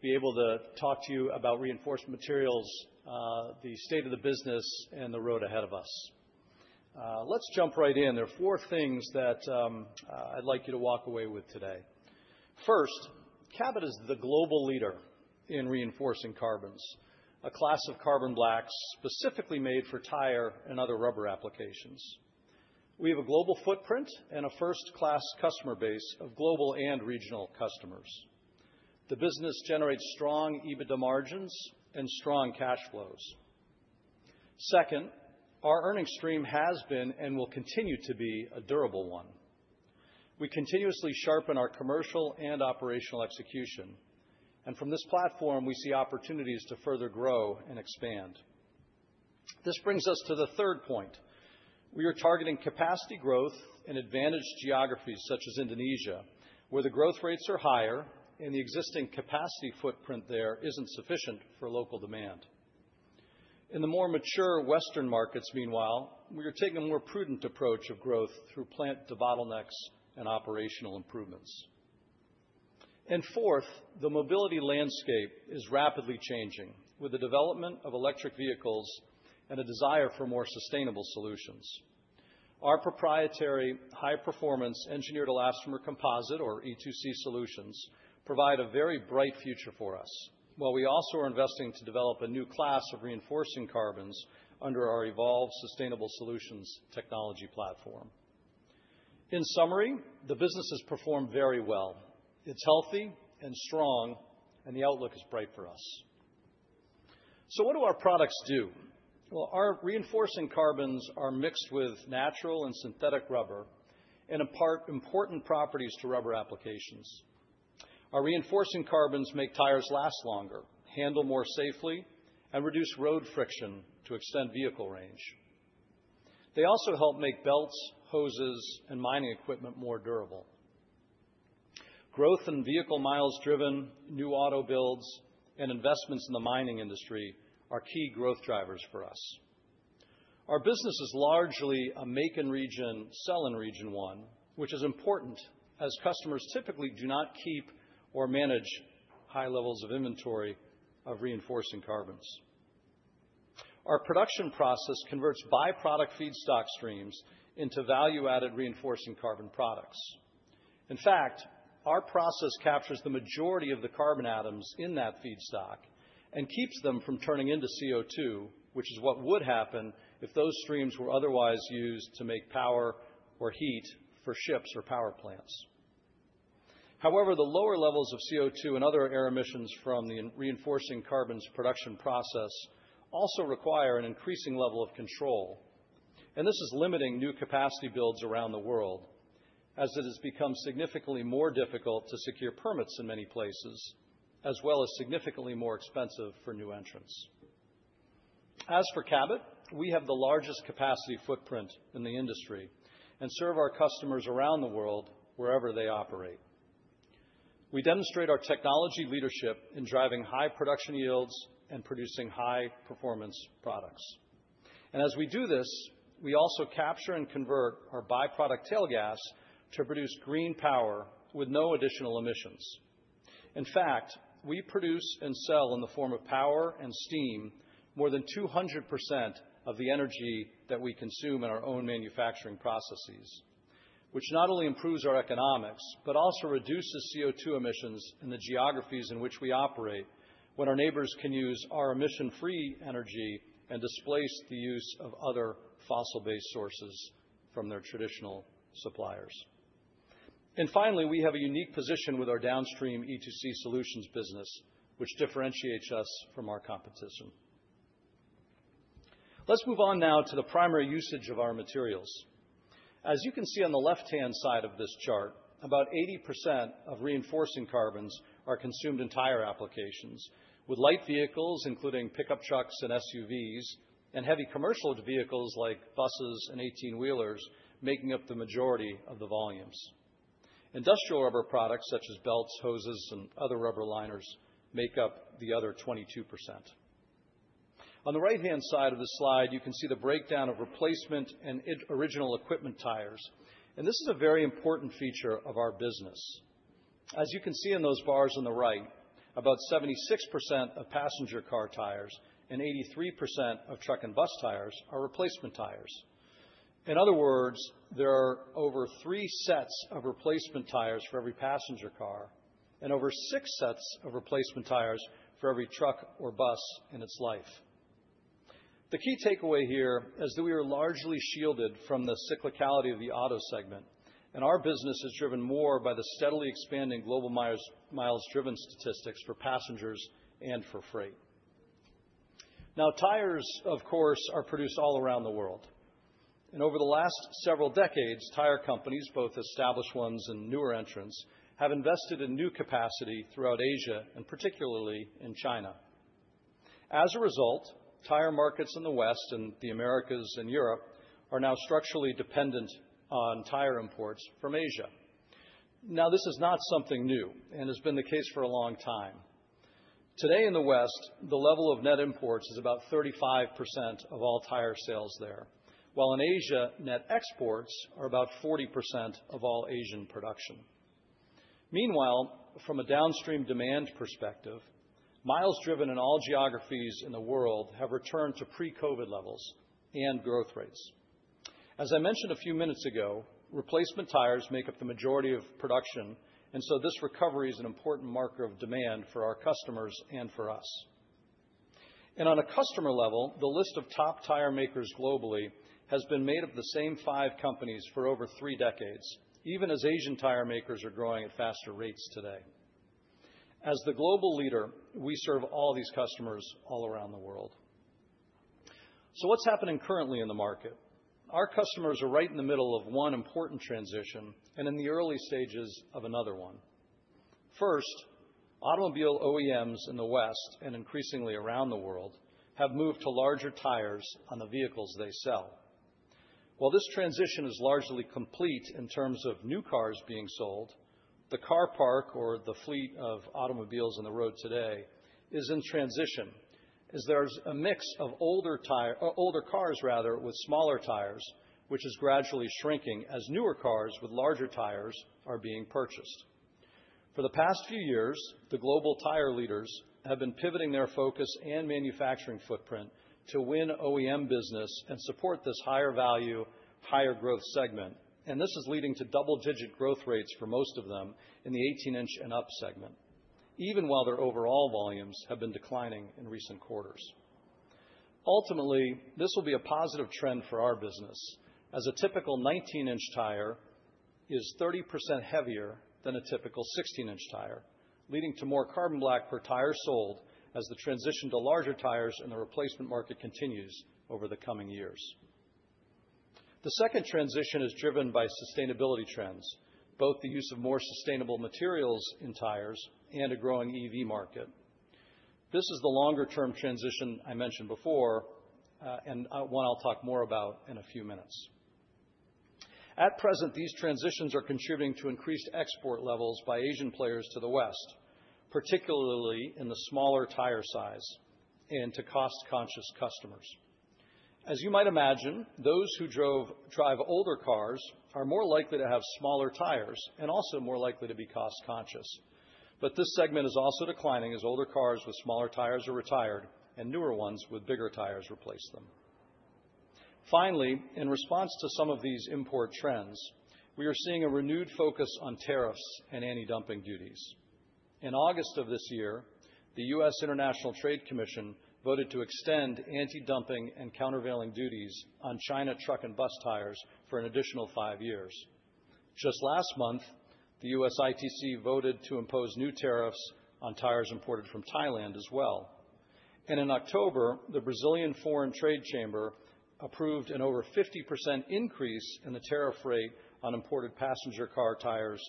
be able to talk to you about reinforcement materials, the state of the business, and the road ahead of us. Let's jump right in. There are four things that I'd like you to walk away with today. First, Cabot is the global leader in reinforcing carbons, a class of carbon blacks specifically made for tire and other rubber applications. We have a global footprint and a first-class customer base of global and regional customers. The business generates strong EBITDA margins and strong cash flows. Second, our earnings stream has been and will continue to be a durable one. We continuously sharpen our commercial and operational execution, and from this platform, we see opportunities to further grow and expand. This brings us to the third point. We are targeting capacity growth in advantaged geographies such as Indonesia, where the growth rates are higher and the existing capacity footprint there isn't sufficient for local demand. In the more mature Western markets, meanwhile, we are taking a more prudent approach to growth through plant debottlenecks and operational improvements. Fourth, the mobility landscape is rapidly changing with the development of electric vehicles and a desire for more sustainable solutions. Our proprietary high-performance engineered elastomer composite, or E2C solutions, provide a very bright future for us, while we also are investing to develop a new class of reinforcing carbons under our EVOLVER Sustainable Solutions technology platform. In summary, the business has performed very well. It's healthy and strong, and the outlook is bright for us. What do our products do? Our reinforcing carbons are mixed with natural and synthetic rubber and impart important properties to rubber applications. Our reinforcing carbons make tires last longer, handle more safely, and reduce road friction to extend vehicle range. They also help make belts, hoses, and mining equipment more durable. Growth and vehicle miles driven, new auto builds, and investments in the mining industry are key growth drivers for us. Our business is largely a make-in-region, sell-in-region one, which is important as customers typically do not keep or manage high levels of inventory of reinforcing carbons. Our production process converts byproduct feedstock streams into value-added reinforcing carbon products. In fact, our process captures the majority of the carbon atoms in that feedstock and keeps them from turning into CO2, which is what would happen if those streams were otherwise used to make power or heat for ships or power plants. However, the lower levels of CO2 and other air emissions from the reinforcing carbons production process also require an increasing level of control, and this is limiting new capacity builds around the world as it has become significantly more difficult to secure permits in many places, as well as significantly more expensive for new entrants. As for Cabot, we have the largest capacity footprint in the industry and serve our customers around the world wherever they operate. We demonstrate our technology leadership in driving high production yields and producing high-performance products. And as we do this, we also capture and convert our byproduct tail gas to produce green power with no additional emissions. In fact, we produce and sell in the form of power and steam more than 200% of the energy that we consume in our own manufacturing processes, which not only improves our economics but also reduces CO2 emissions in the geographies in which we operate when our neighbors can use our emission-free energy and displace the use of other fossil-based sources from their traditional suppliers, and finally, we have a unique position with our downstream E2C solutions business, which differentiates us from our competition. Let's move on now to the primary usage of our materials. As you can see on the left-hand side of this chart, about 80% of reinforcing carbons are consumed in tire applications, with light vehicles including pickup trucks and SUVs and heavy commercial vehicles like buses and 18-wheelers making up the majority of the volumes. Industrial rubber products such as belts, hoses, and other rubber liners make up the other 22%. On the right-hand side of the slide, you can see the breakdown of replacement and original equipment tires, and this is a very important feature of our business. As you can see in those bars on the right, about 76% of passenger car tires and 83% of truck and bus tires are replacement tires. In other words, there are over three sets of replacement tires for every passenger car and over six sets of replacement tires for every truck or bus in its life. The key takeaway here is that we are largely shielded from the cyclicality of the auto segment, and our business is driven more by the steadily expanding global miles driven statistics for passengers and for freight. Now, tires, of course, are produced all around the world. And over the last several decades, tire companies, both established ones and newer entrants, have invested in new capacity throughout Asia and particularly in China. As a result, tire markets in the West and the Americas and Europe are now structurally dependent on tire imports from Asia. Now, this is not something new and has been the case for a long time. Today, in the West, the level of net imports is about 35% of all tire sales there, while in Asia, net exports are about 40% of all Asian production. Meanwhile, from a downstream demand perspective, miles driven in all geographies in the world have returned to pre-COVID levels and growth rates. As I mentioned a few minutes ago, replacement tires make up the majority of production, and so this recovery is an important marker of demand for our customers and for us. On a customer level, the list of top tire makers globally has been made up of the same five companies for over three decades, even as Asian tire makers are growing at faster rates today. As the global leader, we serve all these customers all around the world. What's happening currently in the market? Our customers are right in the middle of one important transition and in the early stages of another one. First, automobile OEMs in the West and increasingly around the world have moved to larger tires on the vehicles they sell. While this transition is largely complete in terms of new cars being sold, the car park or the fleet of automobiles on the road today is in transition as there's a mix of older cars, rather, with smaller tires, which is gradually shrinking as newer cars with larger tires are being purchased. For the past few years, the global tire leaders have been pivoting their focus and manufacturing footprint to win OEM business and support this higher value, higher growth segment, and this is leading to double-digit growth rates for most of them in the 18-inch and up segment, even while their overall volumes have been declining in recent quarters. Ultimately, this will be a positive trend for our business as a typical 19-inch tire is 30% heavier than a typical 16-inch tire, leading to more carbon black per tire sold as the transition to larger tires in the replacement market continues over the coming years. The second transition is driven by sustainability trends, both the use of more sustainable materials in tires and a growing EV market. This is the longer-term transition I mentioned before and one I'll talk more about in a few minutes. At present, these transitions are contributing to increased export levels by Asian players to the West, particularly in the smaller tire size and to cost-conscious customers. As you might imagine, those who drive older cars are more likely to have smaller tires and also more likely to be cost-conscious, but this segment is also declining as older cars with smaller tires are retired and newer ones with bigger tires replace them. Finally, in response to some of these import trends, we are seeing a renewed focus on tariffs and anti-dumping duties. In August of this year, the U.S. International Trade Commission voted to extend anti-dumping and countervailing duties on Chinese truck and bus tires for an additional five years. Just last month, the U.S. ITC voted to impose new tariffs on tires imported from Thailand as well. In October, the Brazilian Foreign Trade Chamber approved an over 50% increase in the tariff rate on imported passenger car tires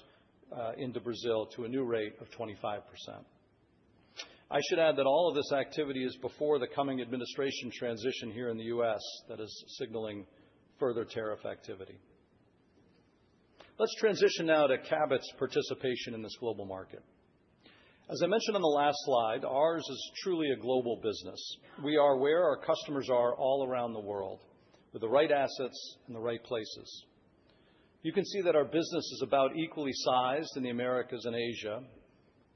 into Brazil to a new rate of 25%. I should add that all of this activity is before the coming administration transition here in the U.S. that is signaling further tariff activity. Let's transition now to Cabot's participation in this global market. As I mentioned on the last slide, ours is truly a global business. We are where our customers are all around the world with the right assets in the right places. You can see that our business is about equally sized in the Americas and Asia,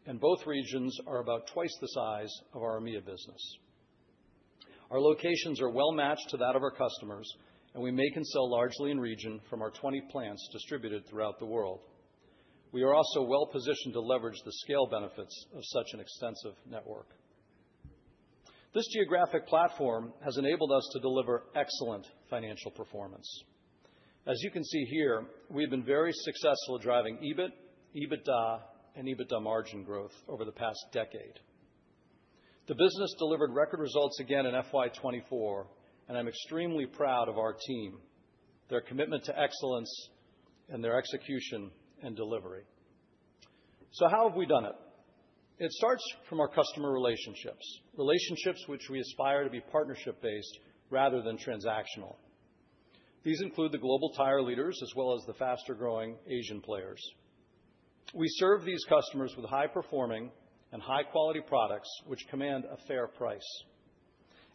and both regions are about twice the size of our EMEA business. Our locations are well-matched to that of our customers, and we make and sell largely in region from our 20 plants distributed throughout the world. We are also well-positioned to leverage the scale benefits of such an extensive network. This geographic platform has enabled us to deliver excellent financial performance. As you can see here, we have been very successful at driving EBIT, EBITDA, and EBITDA margin growth over the past decade. The business delivered record results again in FY24, and I'm extremely proud of our team, their commitment to excellence, and their execution and delivery. So how have we done it? It starts from our customer relationships, relationships which we aspire to be partnership-based rather than transactional. These include the global tire leaders as well as the faster-growing Asian players. We serve these customers with high-performing and high-quality products which command a fair price,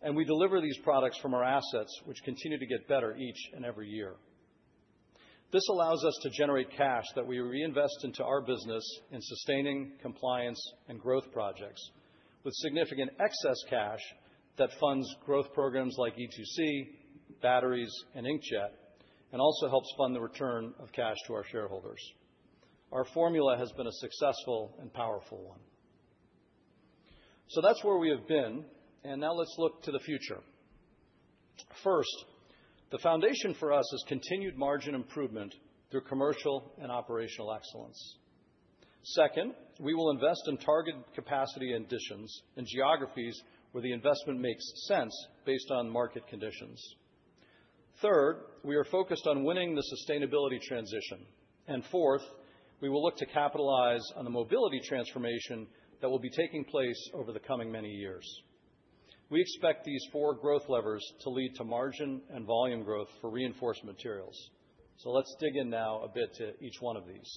and we deliver these products from our assets which continue to get better each and every year. This allows us to generate cash that we reinvest into our business in sustaining compliance and growth projects with significant excess cash that funds growth programs like E2C, batteries, and Inkjet, and also helps fund the return of cash to our shareholders. Our formula has been a successful and powerful one. So that's where we have been, and now let's look to the future. First, the foundation for us is continued margin improvement through commercial and operational excellence. Second, we will invest in targeted capacity additions in geographies where the investment makes sense based on market conditions. Third, we are focused on winning the sustainability transition. And fourth, we will look to capitalize on the mobility transformation that will be taking place over the coming many years. We expect these four growth levers to lead to margin and volume growth for Reinforcement Materials. So let's dig in now a bit to each one of these.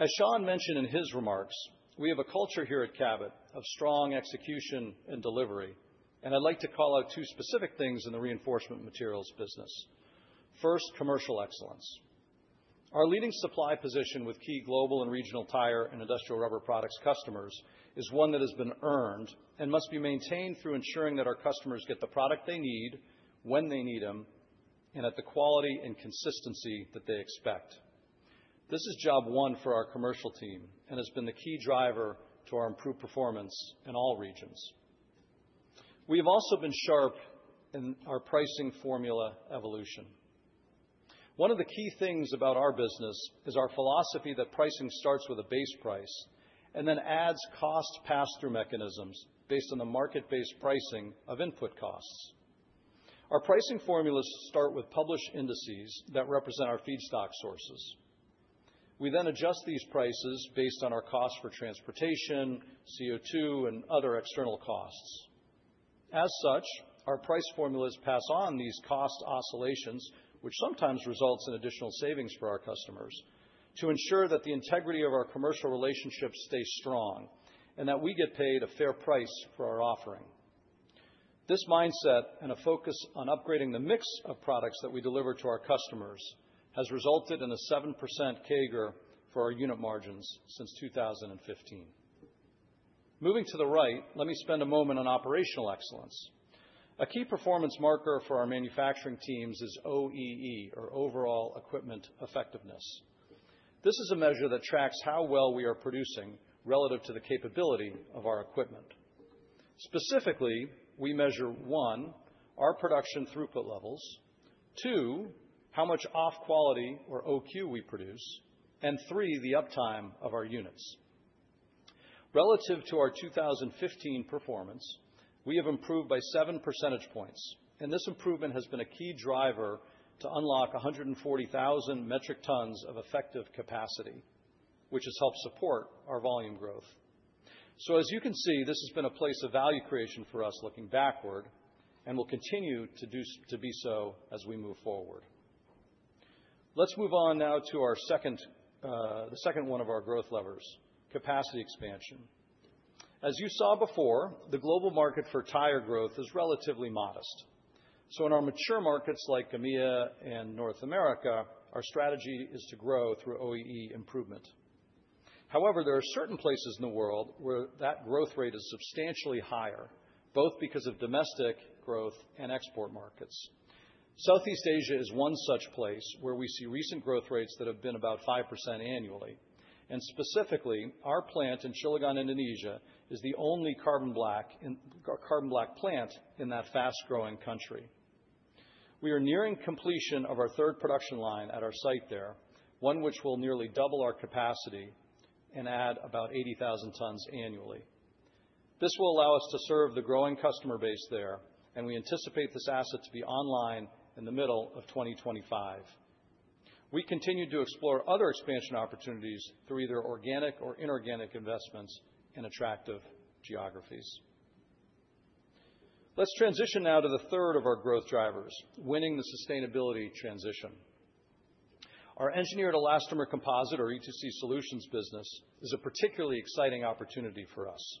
As Sean mentioned in his remarks, we have a culture here at Cabot of strong execution and delivery, and I'd like to call out two specific things in the reinforcement materials business. First, commercial excellence. Our leading supply position with key global and regional tire and industrial rubber products customers is one that has been earned and must be maintained through ensuring that our customers get the product they need when they need them and at the quality and consistency that they expect. This is job one for our commercial team and has been the key driver to our improved performance in all regions. We have also been sharp in our pricing formula evolution. One of the key things about our business is our philosophy that pricing starts with a base price and then adds cost pass-through mechanisms based on the market-based pricing of input costs. Our pricing formulas start with published indices that represent our feedstock sources. We then adjust these prices based on our cost for transportation, CO2, and other external costs. As such, our price formulas pass on these cost oscillations, which sometimes results in additional savings for our customers, to ensure that the integrity of our commercial relationships stays strong and that we get paid a fair price for our offering. This mindset and a focus on upgrading the mix of products that we deliver to our customers has resulted in a 7% CAGR for our unit margins since 2015. Moving to the right, let me spend a moment on operational excellence. A key performance marker for our manufacturing teams is OEE, or overall equipment effectiveness. This is a measure that tracks how well we are producing relative to the capability of our equipment. Specifically, we measure, one, our production throughput levels, two, how much off-quality or OQ we produce, and three, the uptime of our units. Relative to our 2015 performance, we have improved by 7 percentage points, and this improvement has been a key driver to unlock 140,000 metric tons of effective capacity, which has helped support our volume growth, so as you can see, this has been a place of value creation for us looking backward and will continue to be so as we move forward. Let's move on now to the second one of our growth levers, capacity expansion. As you saw before, the global market for tire growth is relatively modest. So in our mature markets like EMEA and North America, our strategy is to grow through OEE improvement. However, there are certain places in the world where that growth rate is substantially higher, both because of domestic growth and export markets. Southeast Asia is one such place where we see recent growth rates that have been about 5% annually, and specifically, our plant in Cilegon, Indonesia, is the only carbon black plant in that fast-growing country. We are nearing completion of our third production line at our site there, one which will nearly double our capacity and add about 80,000 tons annually. This will allow us to serve the growing customer base there, and we anticipate this asset to be online in the middle of 2025. We continue to explore other expansion opportunities through either organic or inorganic investments in attractive geographies. Let's transition now to the third of our growth drivers, winning the sustainability transition. Our engineered elastomer composite, or E2C solutions business, is a particularly exciting opportunity for us.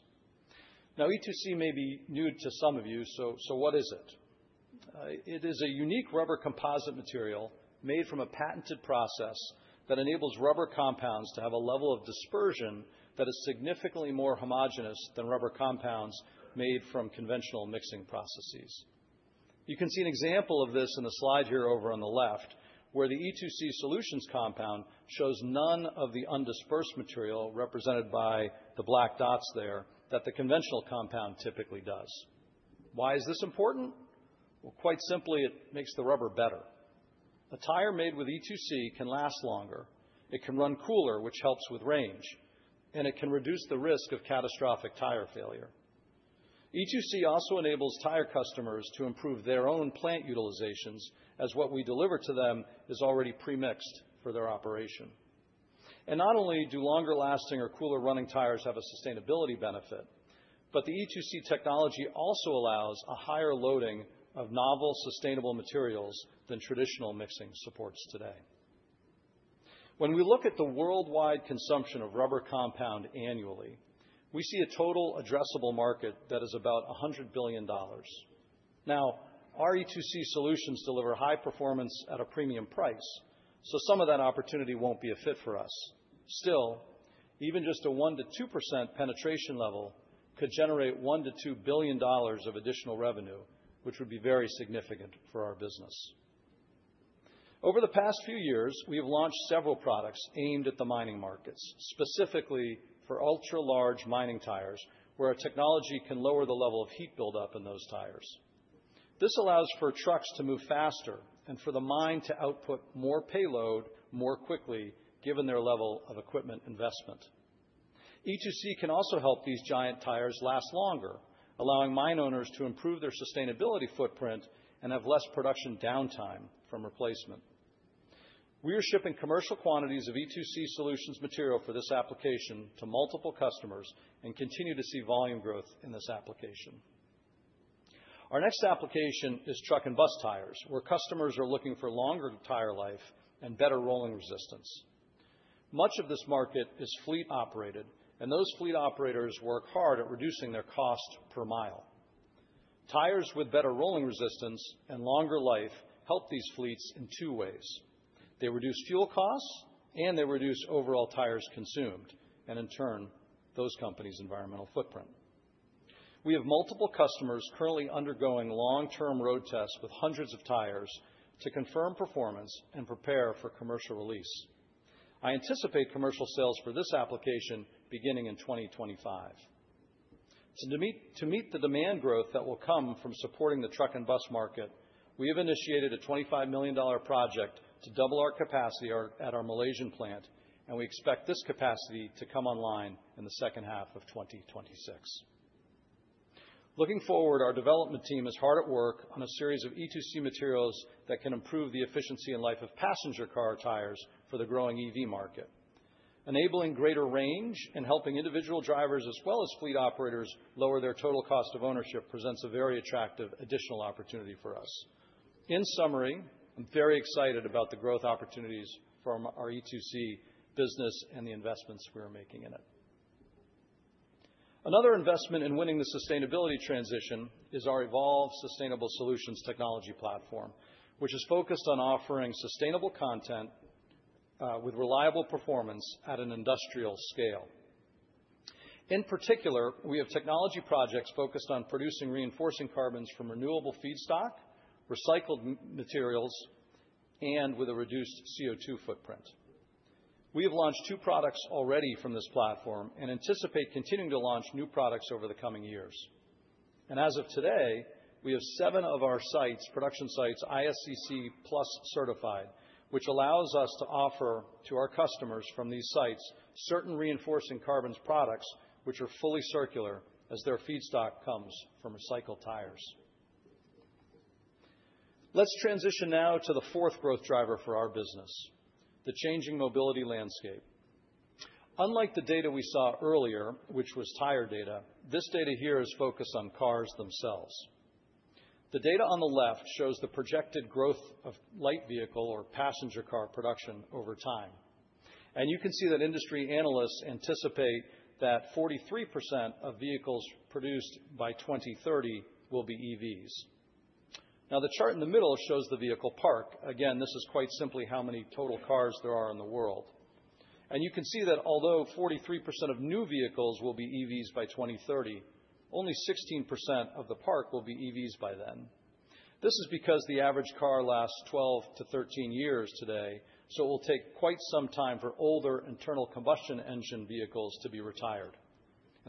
Now, E2C may be new to some of you, so what is it? It is a unique rubber composite material made from a patented process that enables rubber compounds to have a level of dispersion that is significantly more homogeneous than rubber compounds made from conventional mixing processes. You can see an example of this in the slide here over on the left, where the E2C solutions compound shows none of the undispersed material represented by the black dots there that the conventional compound typically does. Why is this important? Well, quite simply, it makes the rubber better. A tire made with E2C can last longer, it can run cooler, which helps with range, and it can reduce the risk of catastrophic tire failure. E2C also enables tire customers to improve their own plant utilizations as what we deliver to them is already premixed for their operation. And not only do longer-lasting or cooler-running tires have a sustainability benefit, but the E2C technology also allows a higher loading of novel sustainable materials than traditional mixing supports today. When we look at the worldwide consumption of rubber compound annually, we see a total addressable market that is about $100 billion. Now, our E2C solutions deliver high performance at a premium price, so some of that opportunity won't be a fit for us. Still, even just a 1-2% penetration level could generate $1-2 billion of additional revenue, which would be very significant for our business. Over the past few years, we have launched several products aimed at the mining markets, specifically for ultra-large mining tires where our technology can lower the level of heat buildup in those tires. This allows for trucks to move faster and for the mine to output more payload more quickly given their level of equipment investment. E2C can also help these giant tires last longer, allowing mine owners to improve their sustainability footprint and have less production downtime from replacement. We are shipping commercial quantities of E2C solutions material for this application to multiple customers and continue to see volume growth in this application. Our next application is truck and bus tires, where customers are looking for longer tire life and better rolling resistance. Much of this market is fleet-operated, and those fleet operators work hard at reducing their cost per mile. Tires with better rolling resistance and longer life help these fleets in two ways. They reduce fuel costs, and they reduce overall tires consumed and, in turn, those companies' environmental footprint. We have multiple customers currently undergoing long-term road tests with hundreds of tires to confirm performance and prepare for commercial release. I anticipate commercial sales for this application beginning in 2025. To meet the demand growth that will come from supporting the truck and bus market, we have initiated a $25 million project to double our capacity at our Malaysian plant, and we expect this capacity to come online in the second half of 2026. Looking forward, our development team is hard at work on a series of E2C materials that can improve the efficiency and life of passenger car tires for the growing EV market. Enabling greater range and helping individual drivers as well as fleet operators lower their total cost of ownership presents a very attractive additional opportunity for us. In summary, I'm very excited about the growth opportunities from our E2C business and the investments we are making in it. Another investment in winning the sustainability transition is our Evolve Sustainable Solutions technology platform, which is focused on offering sustainable content with reliable performance at an industrial scale. In particular, we have technology projects focused on producing reinforcing carbons from renewable feedstock, recycled materials, and with a reduced CO2 footprint. We have launched two products already from this platform and anticipate continuing to launch new products over the coming years. As of today, we have seven of our production sites ISCC Plus certified, which allows us to offer to our customers from these sites certain reinforcing carbons products, which are fully circular as their feedstock comes from recycled tires. Let's transition now to the fourth growth driver for our business, the changing mobility landscape. Unlike the data we saw earlier, which was tire data, this data here is focused on cars themselves. The data on the left shows the projected growth of light vehicle or passenger car production over time. You can see that industry analysts anticipate that 43% of vehicles produced by 2030 will be EVs. Now, the chart in the middle shows the vehicle park. Again, this is quite simply how many total cars there are in the world. You can see that although 43% of new vehicles will be EVs by 2030, only 16% of the park will be EVs by then. This is because the average car lasts 12 to 13 years today, so it will take quite some time for older internal combustion engine vehicles to be retired.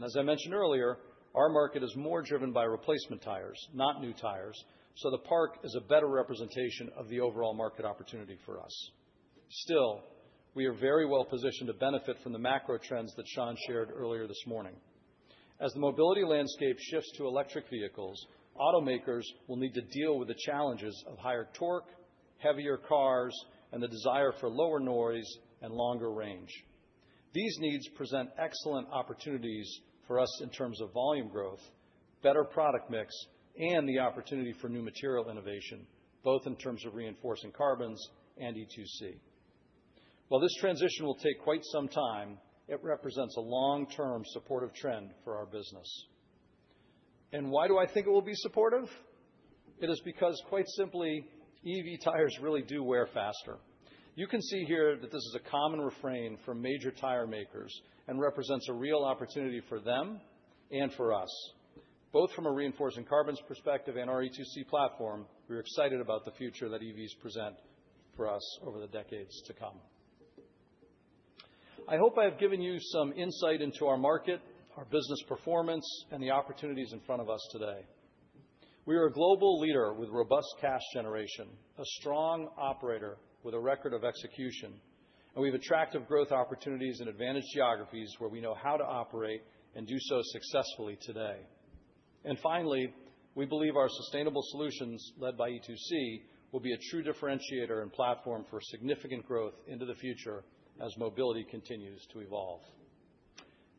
As I mentioned earlier, our market is more driven by replacement tires, not new tires, so the park is a better representation of the overall market opportunity for us. Still, we are very well positioned to benefit from the macro trends that Sean shared earlier this morning. As the mobility landscape shifts to electric vehicles, automakers will need to deal with the challenges of higher torque, heavier cars, and the desire for lower noise and longer range. These needs present excellent opportunities for us in terms of volume growth, better product mix, and the opportunity for new material innovation, both in terms of reinforcing carbons and E2C. While this transition will take quite some time, it represents a long-term supportive trend for our business. Why do I think it will be supportive? It is because, quite simply, EV tires really do wear faster. You can see here that this is a common refrain from major tire makers and represents a real opportunity for them and for us. Both from a reinforcing carbons perspective and our E2C platform, we are excited about the future that EVs present for us over the decades to come. I hope I have given you some insight into our market, our business performance, and the opportunities in front of us today. We are a global leader with robust cash generation, a strong operator with a record of execution, and we have attractive growth opportunities in advantaged geographies where we know how to operate and do so successfully today. And finally, we believe our sustainable solutions led by E2C will be a true differentiator and platform for significant growth into the future as mobility continues to evolve.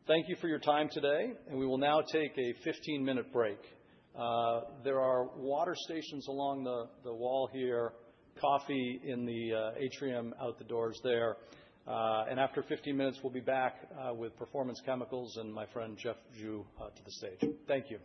Thank you for your time today, and we will now take a 15-minute break. There are water stations along the wall here, coffee in the atrium out the doors there. And after 15 minutes, we'll be back with Performance Chemicals and my friend Jeff Zhu to the stage. Thank you.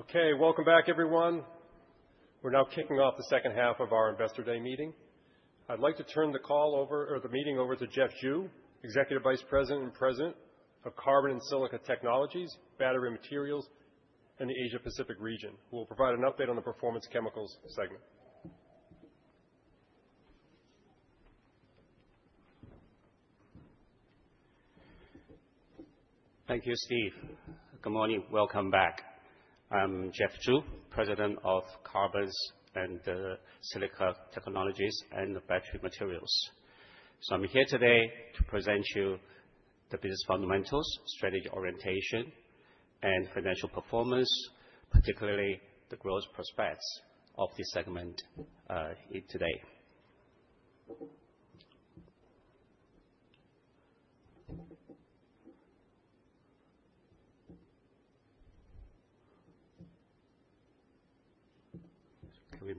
Okay, welcome back, everyone. We're now kicking off the second half of our Investor Day meeting. I'd like to turn the call over, or the meeting, over to Jeff Zhu, Executive Vice President and President of Carbon and Silica Technologies, Battery Materials, and the Asia Pacific region, who will provide an update on the Performance Chemicals segment. Thank you, Steve. Good morning. Welcome back. I'm Jeff Zhu, President of Carbon and Silica Technologies and Battery Materials. So I'm here today to present to you the business fundamentals, strategy orientation, and financial performance, particularly the growth prospects of this segment here today.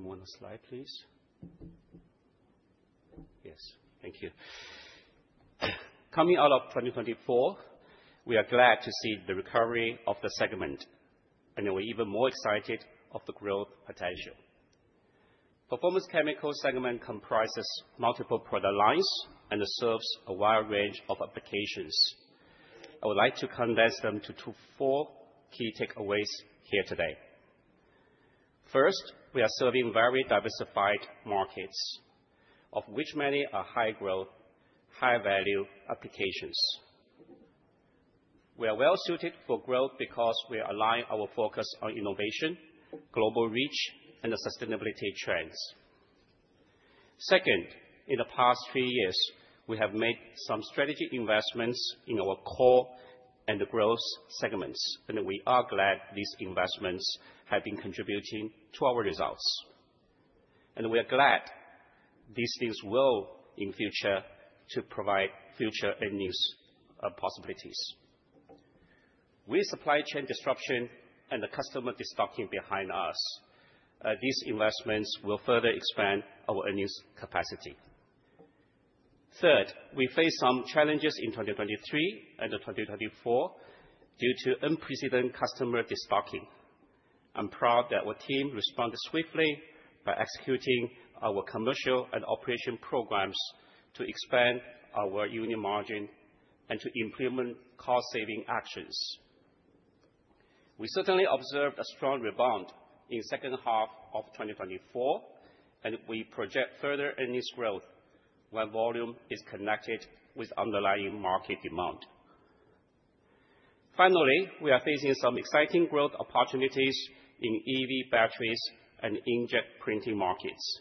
Can we move on the slide, please? Yes, thank you. Coming out of 2024, we are glad to see the recovery of the segment, and we're even more excited about the growth potential. The Performance Chemicals segment comprises multiple product lines and serves a wide range of applications. I would like to condense them to four key takeaways here today. First, we are serving very diversified markets, of which many are high-growth, high-value applications. We are well-suited for growth because we align our focus on innovation, global reach, and the sustainability trends. Second, in the past three years, we have made some strategic investments in our core and the growth segments, and we are glad these investments have been contributing to our results, and we are glad these things will, in the future, provide future earnings possibilities. With supply chain disruption and the customer destocking behind us, these investments will further expand our earnings capacity. Third, we faced some challenges in 2023 and 2024 due to unprecedented customer destocking. I'm proud that our team responded swiftly by executing our commercial and operation programs to expand our unit margin and to implement cost-saving actions. We certainly observed a strong rebound in the second half of 2024, and we project further earnings growth when volume is connected with underlying market demand. Finally, we are facing some exciting growth opportunities in EV batteries and inkjet printing markets.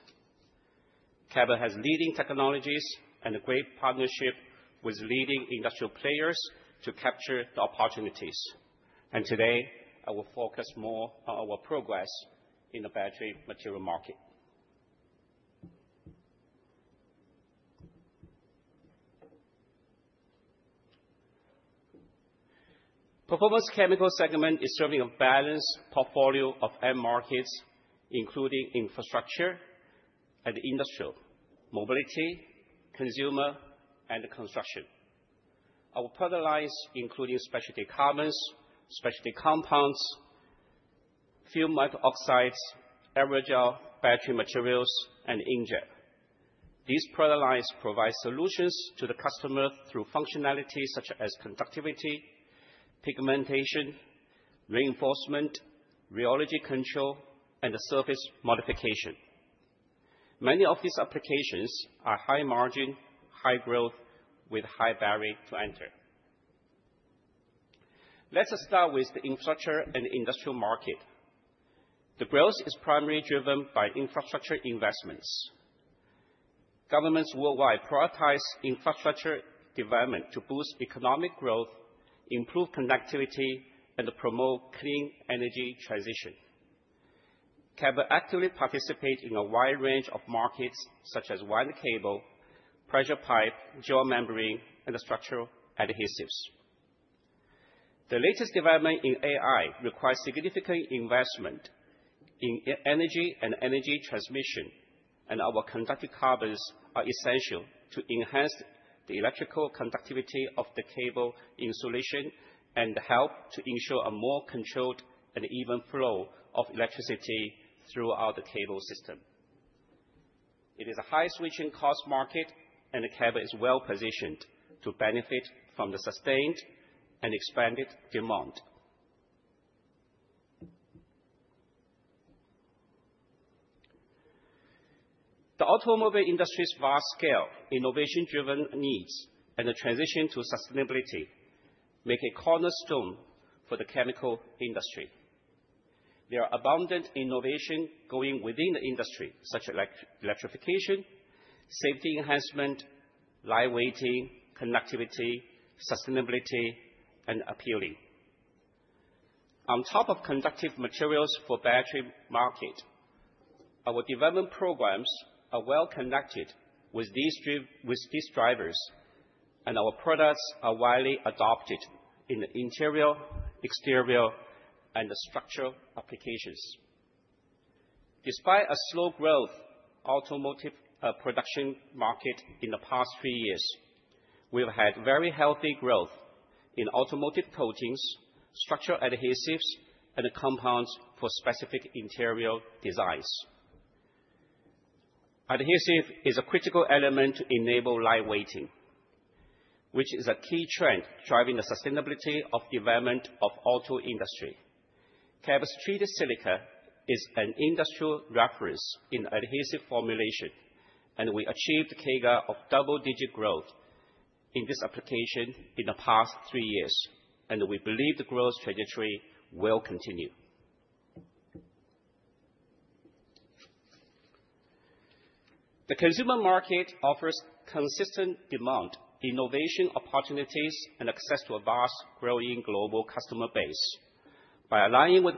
Cabot has leading technologies and a great partnership with leading industrial players to capture the opportunities. Today, I will focus more on our progress in the battery material market. The Performance Chemicals segment is serving a balanced portfolio of end markets, including infrastructure and industrial, mobility, consumer, and construction. Our product lines include specialty carbons, specialty compounds, fumed metal oxides, aerogel, battery materials, and inkjet. These product lines provide solutions to the customer through functionalities such as conductivity, pigmentation, reinforcement, rheology control, and surface modification. Many of these applications are high-margin, high-growth, with high barrier to enter. Let's start with the infrastructure and industrial market. The growth is primarily driven by infrastructure investments. Governments worldwide prioritize infrastructure development to boost economic growth, improve connectivity, and promote clean energy transition. Cabot actively participates in a wide range of markets such as wind cable, pressure pipe, geomembrane, and structural adhesives. The latest development in AI requires significant investment in energy and energy transmission, and our conductive carbons are essential to enhance the electrical conductivity of the cable insulation and help to ensure a more controlled and even flow of electricity throughout the cable system. It is a high-switching cost market, and Cabot is well-positioned to benefit from the sustained and expanded demand. The automobile industry's vast scale, innovation-driven needs, and the transition to sustainability make a cornerstone for the chemical industry. There are abundant innovations going within the industry, such as electrification, safety enhancement, lightweighting, connectivity, sustainability, and appealing. On top of conductive materials for the battery market, our development programs are well-connected with these drivers, and our products are widely adopted in the interior, exterior, and structural applications. Despite a slow growth in the automotive production market in the past three years, we've had very healthy growth in automotive coatings, structural adhesives, and compounds for specific interior designs. Adhesive is a critical element to enable lightweighting, which is a key trend driving the sustainability of the development of the auto industry. Cabot's fumed silica is an industrial reference in adhesive formulation, and we achieved a CAGR of double-digit growth in this application in the past three years, and we believe the growth trajectory will continue. The consumer market offers consistent demand, innovation opportunities, and access to a vast growing global customer base. By aligning with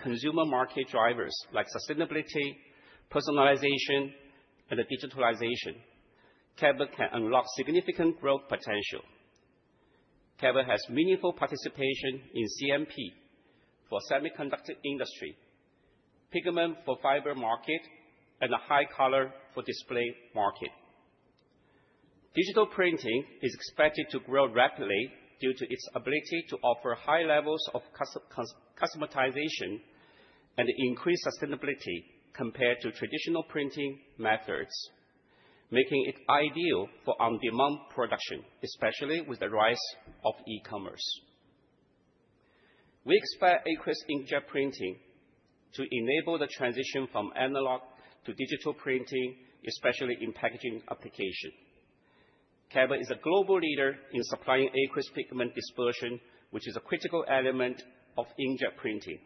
consumer market drivers like sustainability, personalization, and digitalization, Cabot can unlock significant growth potential. Cabot has meaningful participation in CMP for the semiconductor industry, pigment for the fiber market, and a high color for the display market. Digital printing is expected to grow rapidly due to its ability to offer high levels of customization and increased sustainability compared to traditional printing methods, making it ideal for on-demand production, especially with the rise of e-commerce. We expect aqueous inkjet printing to enable the transition from analog to digital printing, especially in packaging applications. Cabot is a global leader in supplying aqueous pigment dispersion, which is a critical element of inkjet printing.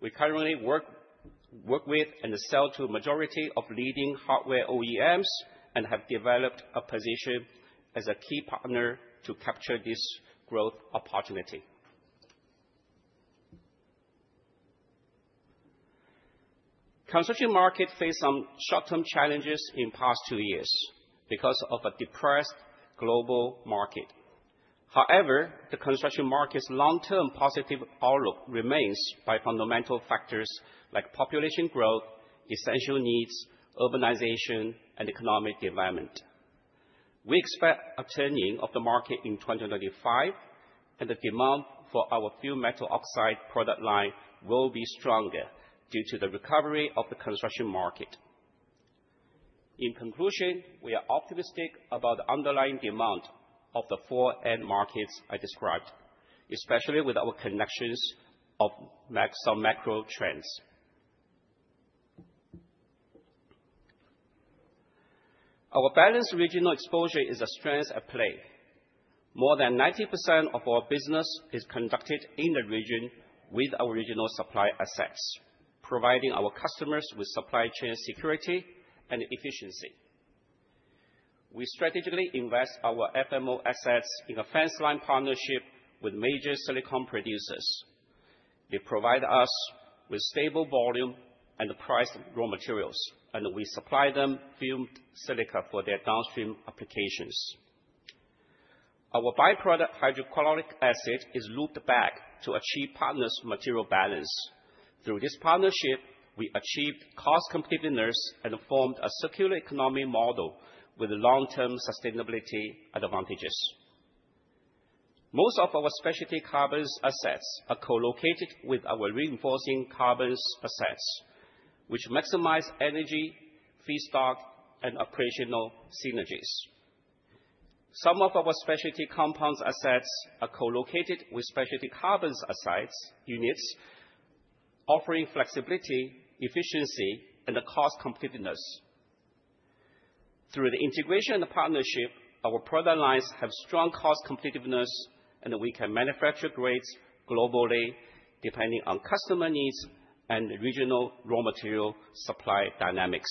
We currently work with and sell to a majority of leading hardware OEMs and have developed a position as a key partner to capture this growth opportunity. The construction market faced some short-term challenges in the past two years because of a depressed global market. However, the construction market's long-term positive outlook remains by fundamental factors like population growth, essential needs, urbanization, and economic development. We expect a turning of the market in 2025, and the demand for our fumed metal oxide product line will be stronger due to the recovery of the construction market. In conclusion, we are optimistic about the underlying demand of the four end markets I described, especially with our connections of some macro trends. Our balanced regional exposure is a strength at play. More than 90% of our business is conducted in the region with our regional supply assets, providing our customers with supply chain security and efficiency. We strategically invest our FMO assets in a fence-line partnership with major silicon producers. They provide us with stable volume and price raw materials, and we supply them fumed silica for their downstream applications. Our byproduct, hydrochloric acid, is looped back to achieve partners' material balance. Through this partnership, we achieved cost competitiveness and formed a circular economy model with long-term sustainability advantages. Most of our specialty carbon assets are co-located with our reinforcing carbon assets, which maximize energy, feedstock, and operational synergies. Some of our specialty compounds assets are co-located with specialty carbon asset units, offering flexibility, efficiency, and cost competitiveness. Through the integration and the partnership, our product lines have strong cost competitiveness, and we can manufacture grades globally depending on customer needs and regional raw material supply dynamics.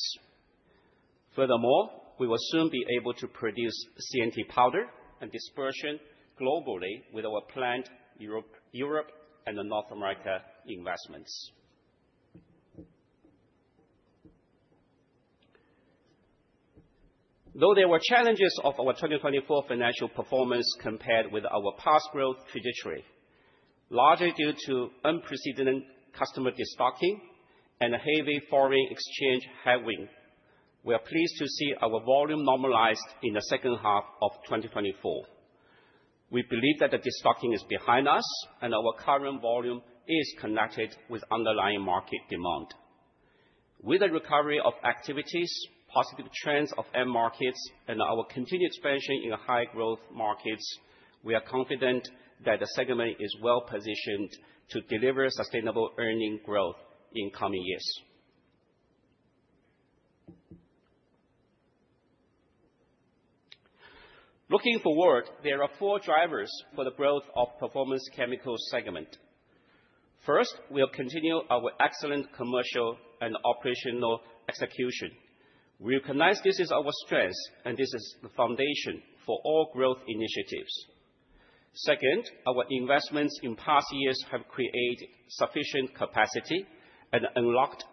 Furthermore, we will soon be able to produce CNT powder and dispersion globally with our plant in Europe and North America investments. Though there were challenges of our 2024 financial performance compared with our past growth trajectory, largely due to unprecedented customer destocking and a heavy foreign exchange headwind, we are pleased to see our volume normalized in the second half of 2024. We believe that the destocking is behind us, and our current volume is connected with underlying market demand. With the recovery of activities, positive trends of end markets, and our continued expansion in high-growth markets, we are confident that the segment is well-positioned to deliver sustainable earnings growth in coming years. Looking forward, there are four drivers for the growth of the Performance Chemicals segment. First, we will continue our excellent commercial and operational execution. We recognize this is our strength, and this is the foundation for all growth initiatives. Second, our investments in past years have created sufficient capacity and unlocked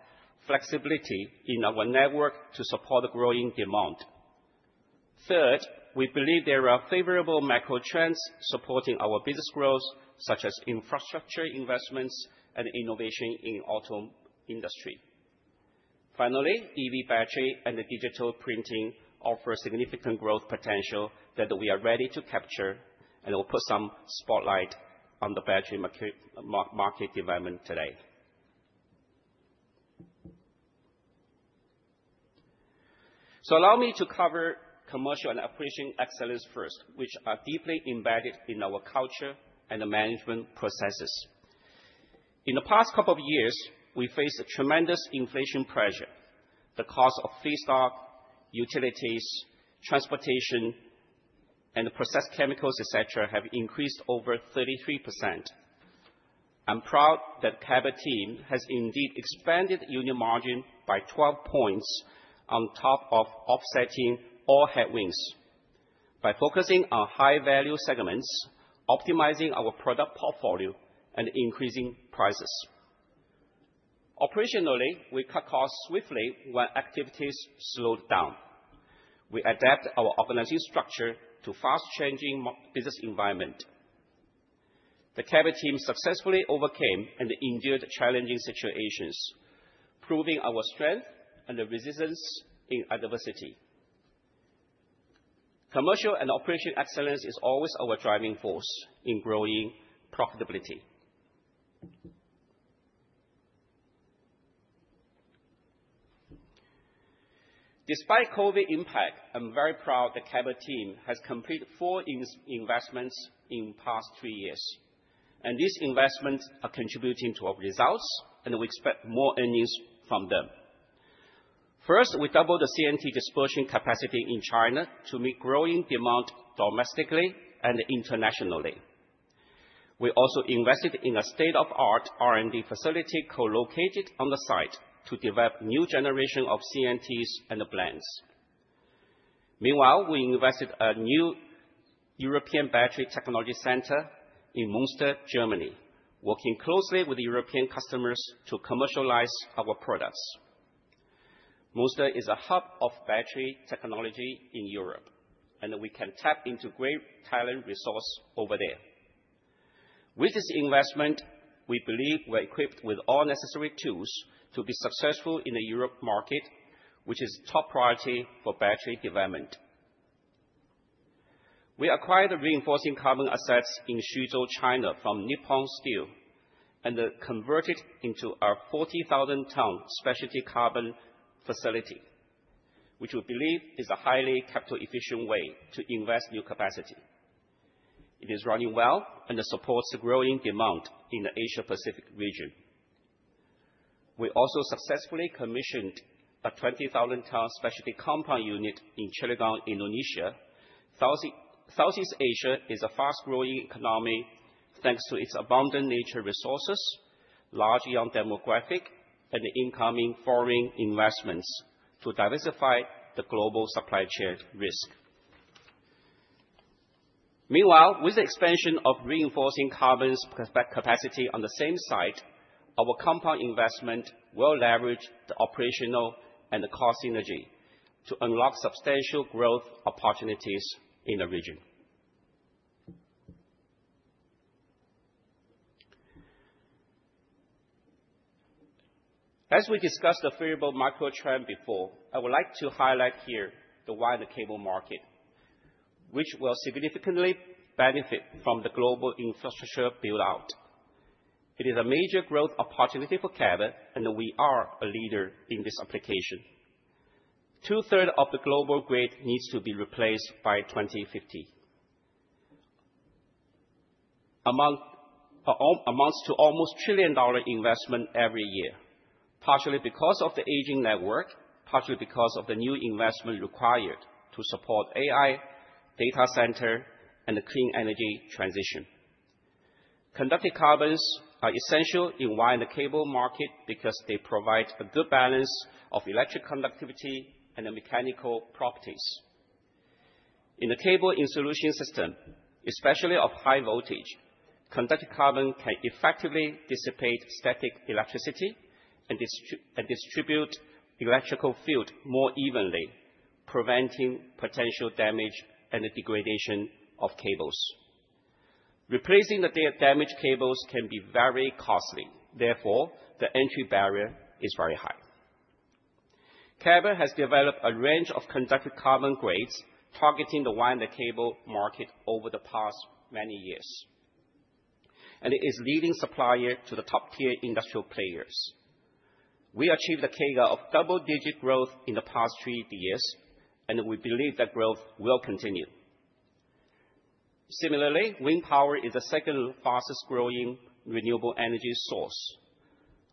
flexibility in our network to support the growing demand. Third, we believe there are favorable macro trends supporting our business growth, such as infrastructure investments and innovation in the auto industry. Finally, EV battery and digital printing offer significant growth potential that we are ready to capture, and we'll put some spotlight on the battery market development today. So allow me to cover commercial and operational excellence first, which are deeply embedded in our culture and management processes. In the past couple of years, we faced tremendous inflation pressure. The cost of feedstock, utilities, transportation, and process chemicals, etc., have increased over 33%. I'm proud that the Cabot team has indeed expanded unit margin by 12 points on top of offsetting all headwinds by focusing on high-value segments, optimizing our product portfolio, and increasing prices. Operationally, we cut costs swiftly when activities slowed down. We adapt our organizing structure to fast-changing business environments. The Cabot team successfully overcame and endured challenging situations, proving our strength and resilience in adversity. Commercial and operational excellence is always our driving force in growing profitability. Despite COVID impact, I'm very proud that the Cabot team has completed four investments in the past three years, and these investments are contributing to our results, and we expect more earnings from them. First, we doubled the CNT dispersion capacity in China to meet growing demand domestically and internationally. We also invested in a state-of-the-art R&D facility co-located on the site to develop a new generation of CNTs and blends. Meanwhile, we invested in a new European battery technology center in Münster, Germany, working closely with European customers to commercialize our products. Münster is a hub of battery technology in Europe, and we can tap into great talent resources over there. With this investment, we believe we're equipped with all necessary tools to be successful in the Europe market, which is a top priority for battery development. We acquired the reinforcing carbon assets in Suzhou, China, from Nippon Steel, and converted it into our 40,000-ton specialty carbon facility, which we believe is a highly capital-efficient way to invest new capacity. It is running well, and it supports the growing demand in the Asia-Pacific region. We also successfully commissioned a 20,000-ton specialty compound unit in Cilegon, Indonesia. Southeast Asia is a fast-growing economy thanks to its abundant natural resources, large young demographic, and incoming foreign investments to diversify the global supply chain risk. Meanwhile, with the expansion of reinforcing carbon capacity on the same site, our compound investment will leverage the operational and the cost synergy to unlock substantial growth opportunities in the region. As we discussed the favorable macro trend before, I would like to highlight here the wider cable market, which will significantly benefit from the global infrastructure build-out. It is a major growth opportunity for Cabot, and we are a leader in this application. Two-thirds of the global grid needs to be replaced by 2050, amounts to almost a $1 trillion investment every year, partially because of the aging network, partially because of the new investment required to support AI, data center, and the clean energy transition. Conductive carbons are essential in the wire and the cable market because they provide a good balance of electric conductivity and the mechanical properties. In the cable insulation system, especially of high voltage, conductive carbon can effectively dissipate static electricity and distribute electrical fields more evenly, preventing potential damage and the degradation of cables. Replacing the damaged cables can be very costly. Therefore, the entry barrier is very high. Cabot has developed a range of conductive carbon grades targeting the wire and the cable market over the past many years, and it is a leading supplier to the top-tier industrial players. We achieved a CAGR of double-digit growth in the past three years, and we believe that growth will continue. Similarly, wind power is the second fastest-growing renewable energy source.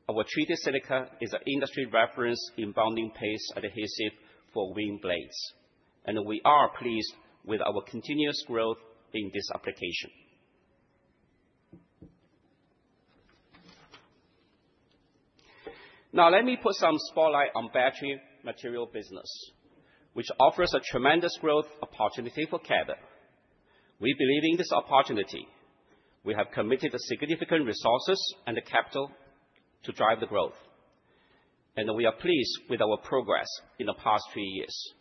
Our treated silica is an industry reference in bonding paste adhesive for wind blades, and we are pleased with our continuous growth in this application. Now, let me put some spotlight on the battery material business, which offers a tremendous growth opportunity for Cabot. We believe in this opportunity. We have committed significant resources and capital to drive the growth, and we are pleased with our progress in the past three years.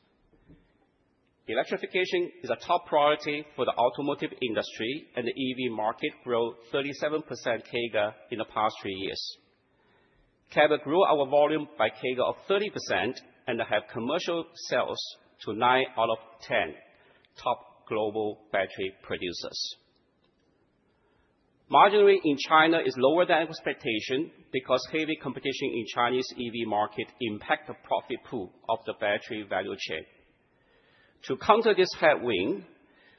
Electrification is a top priority for the automotive industry, and the EV market grew 37% CAGR in the past three years. Cabot grew our volume by CAGR of 30% and had commercial sales to nine out of 10 top global battery producers. Margin in China is lower than expectations because heavy competition in the Chinese EV market impacts the profit pool of the battery value chain. To counter this headwind,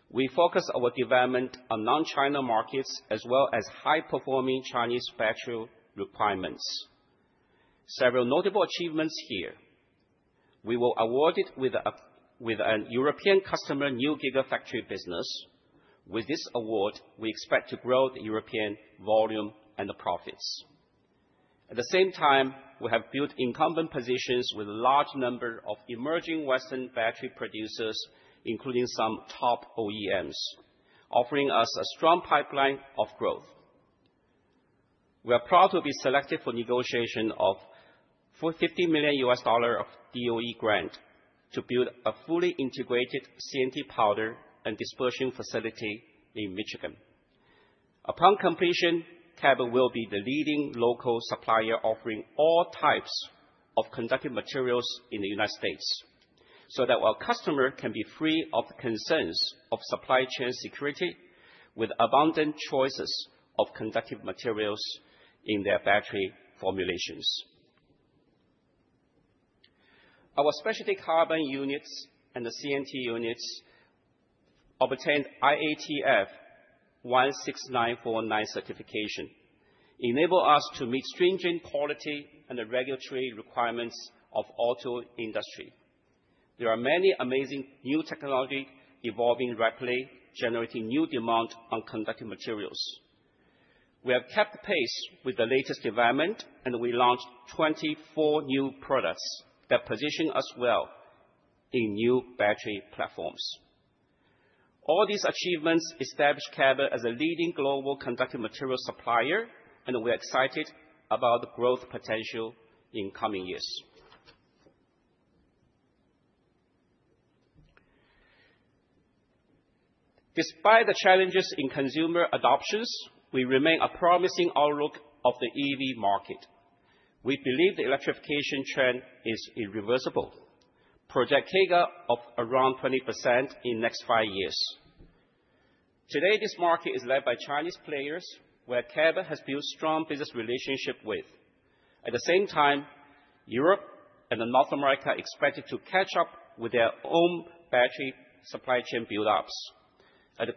we focus our development on non-China markets as well as high-performing Chinese battery requirements. Several notable achievements here. We were awarded with a European customer new gigafactory business. With this award, we expect to grow the European volume and the profits. At the same time, we have built incumbent positions with a large number of emerging Western battery producers, including some top OEMs, offering us a strong pipeline of growth. We are proud to be selected for negotiation of a $50 million U.S. dollar DOE grant to build a fully integrated CNT powder and dispersion facility in Michigan. Upon completion, Cabot will be the leading local supplier offering all types of conductive materials in the United States so that our customers can be free of the concerns of supply chain security with abundant choices of conductive materials in their battery formulations. Our specialty carbon units and the CNT units obtained IATF 16949 certification, enabling us to meet stringent quality and regulatory requirements of the auto industry. There are many amazing new technologies evolving rapidly, generating new demand on conductive materials. We have kept pace with the latest development, and we launched 24 new products that position us well in new battery platforms. All these achievements establish Cabot as a leading global conductive material supplier, and we are excited about the growth potential in coming years. Despite the challenges in consumer adoptions, we remain a promising outlook of the EV market. We believe the electrification trend is irreversible. Projected CAGR of around 20% in the next five years. Today, this market is led by Chinese players, where Cabot has built strong business relationships with. At the same time, Europe and North America are expected to catch up with their own battery supply chain build-ups.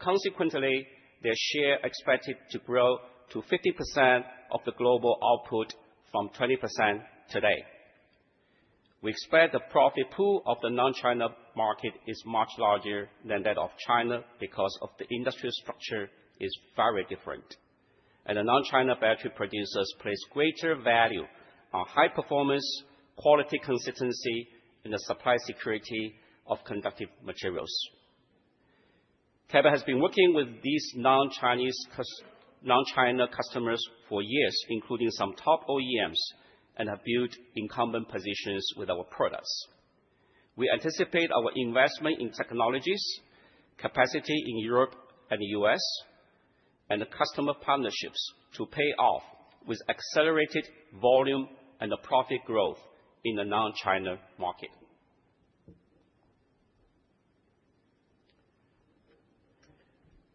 Consequently, their share is expected to grow to 50% of the global output from 20% today. We expect the profit pool of the non-China market is much larger than that of China because the industry structure is very different, and the non-China battery producers place greater value on high performance, quality consistency, and the supply security of conductive materials. Cabot has been working with these non-China customers for years, including some top OEMs, and have built incumbent positions with our products. We anticipate our investment in technologies, capacity in Europe and the US, and customer partnerships to pay off with accelerated volume and profit growth in the non-China market.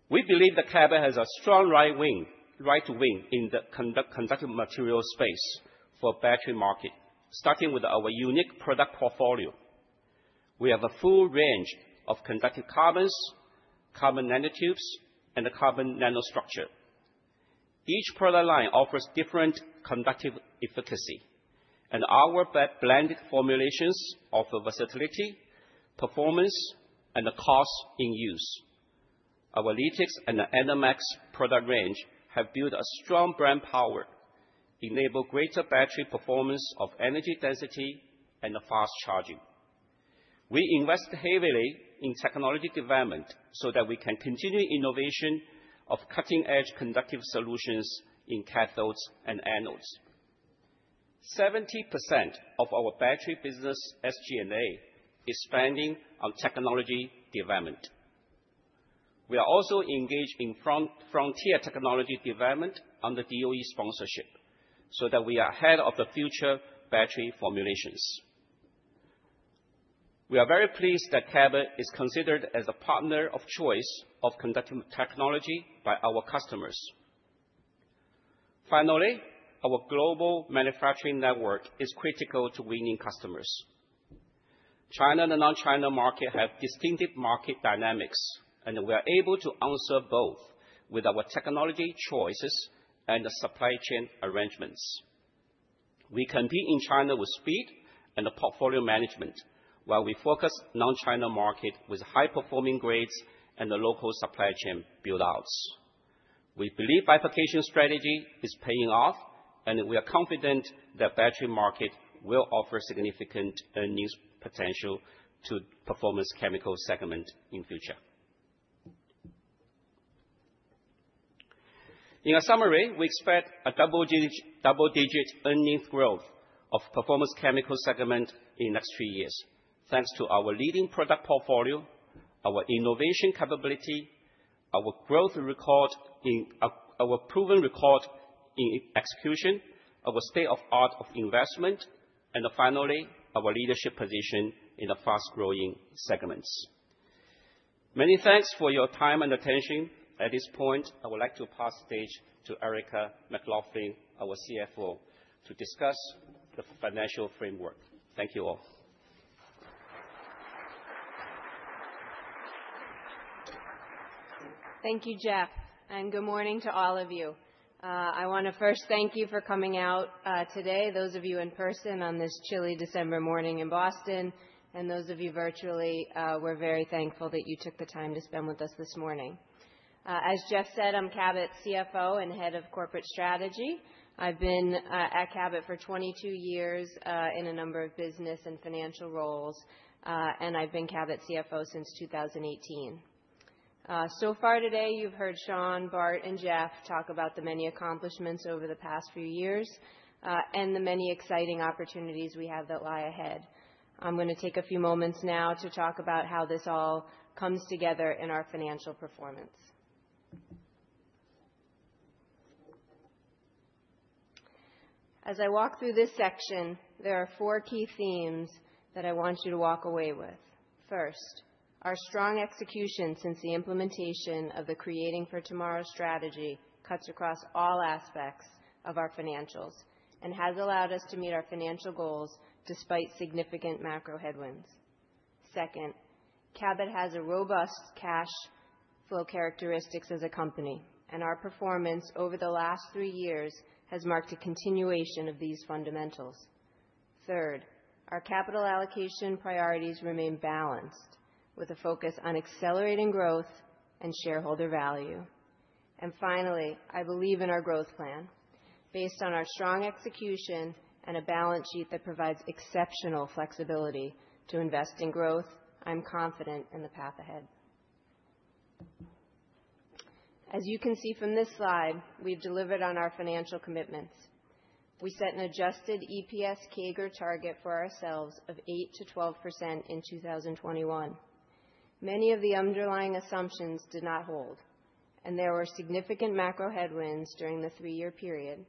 We believe that Cabot has a strong right to win in the conductive material space for the battery market, starting with our unique product portfolio. We have a full range of conductive carbons, carbon nanotubes, and the carbon nanostructure. Each product line offers different conductive efficacy, and our blended formulations offer versatility, performance, and the cost in use. Our LITX and Enermax product range have built a strong brand power, enabling greater battery performance of energy density and fast charging. We invest heavily in technology development so that we can continue innovation of cutting-edge conductive solutions in cathodes and anodes. 70% of our battery business SG&A is spending on technology development. We are also engaged in frontier technology development under DOE sponsorship so that we are ahead of the future battery formulations. We are very pleased that Cabot is considered as a partner of choice of conductive technology by our customers. Finally, our global manufacturing network is critical to winning customers. China and the non-China market have distinctive market dynamics, and we are able to answer both with our technology choices and the supply chain arrangements. We compete in China with speed and the portfolio management, while we focus on the non-China market with high-performing grades and the local supply chain build-outs. We believe bifurcation strategy is paying off, and we are confident that the battery market will offer significant earnings potential to the performance chemical segment in the future. In summary, we expect a double-digit earnings growth of the performance chemical segment in the next three years, thanks to our leading product portfolio, our innovation capability, our proven record in execution, our state-of-the-art investment, and finally, our leadership position in the fast-growing segments. Many thanks for your time and attention. At this point, I would like to pass the stage to Erica McLaughlin, our CFO, to discuss the financial framework. Thank you all. Thank you, Jeff, and good morning to all of you. I want to first thank you for coming out today, those of you in person on this chilly December morning in Boston, and those of you virtually. We're very thankful that you took the time to spend with us this morning. As Jeff said, I'm Cabot's CFO and head of corporate strategy. I've been at Cabot for 22 years in a number of business and financial roles, and I've been Cabot's CFO since 2018. So far today, you've heard Sean, Bart, and Jeff talk about the many accomplishments over the past few years and the many exciting opportunities we have that lie ahead. I'm going to take a few moments now to talk about how this all comes together in our financial performance. As I walk through this section, there are four key themes that I want you to walk away with. First, our strong execution since the implementation of the Creating for Tomorrow strategy cuts across all aspects of our financials and has allowed us to meet our financial goals despite significant macro headwinds. Second, Cabot has robust cash flow characteristics as a company, and our performance over the last three years has marked a continuation of these fundamentals. Third, our capital allocation priorities remain balanced with a focus on accelerating growth and shareholder value, and finally, I believe in our growth plan. Based on our strong execution and a balance sheet that provides exceptional flexibility to invest in growth, I'm confident in the path ahead. As you can see from this slide, we've delivered on our financial commitments. We set an adjusted EPS CAGR target for ourselves of 8%-12% in 2021. Many of the underlying assumptions did not hold, and there were significant macro headwinds during the three-year period,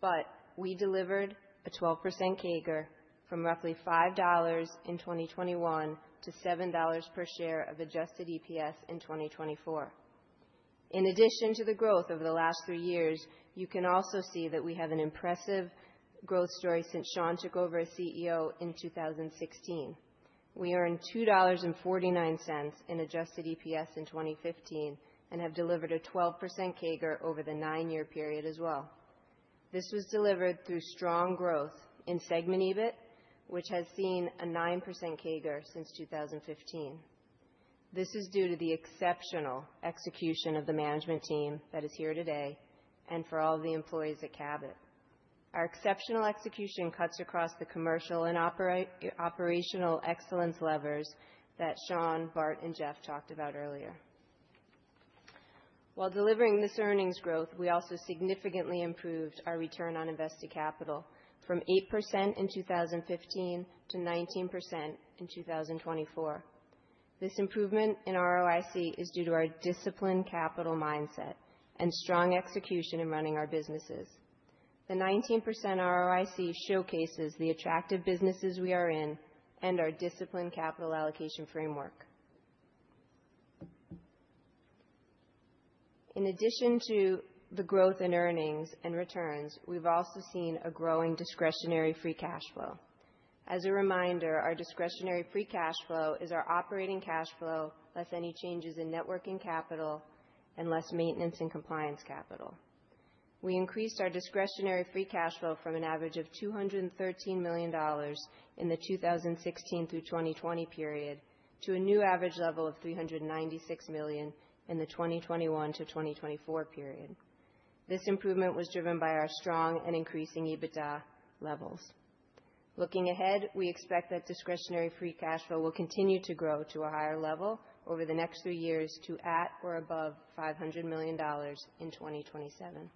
but we delivered a 12% CAGR from roughly $5 in 2021 to $7 per share of adjusted EPS in 2024. In addition to the growth over the last three years, you can also see that we have an impressive growth story since Sean took over as CEO in 2016. We earned $2.49 in adjusted EPS in 2015 and have delivered a 12% CAGR over the nine-year period as well. This was delivered through strong growth in segment EBIT, which has seen a 9% CAGR since 2015. This is due to the exceptional execution of the management team that is here today and for all of the employees at Cabot. Our exceptional execution cuts across the commercial and operational excellence levers that Sean, Bart, and Jeff talked about earlier. While delivering this earnings growth, we also significantly improved our return on invested capital from 8% in 2015 to 19% in 2024. This improvement in ROIC is due to our disciplined capital mindset and strong execution in running our businesses. The 19% ROIC showcases the attractive businesses we are in and our disciplined capital allocation framework. In addition to the growth in earnings and returns, we've also seen a growing discretionary free cash flow. As a reminder, our discretionary free cash flow is our operating cash flow less any changes in net working capital and less maintenance and compliance capital. We increased our discretionary free cash flow from an average of $213 million in the 2016 through 2020 period to a new average level of $396 million in the 2021 to 2024 period. This improvement was driven by our strong and increasing EBITDA levels. Looking ahead, we expect that discretionary free cash flow will continue to grow to a higher level over the next three years to at or above $500 million in 2027.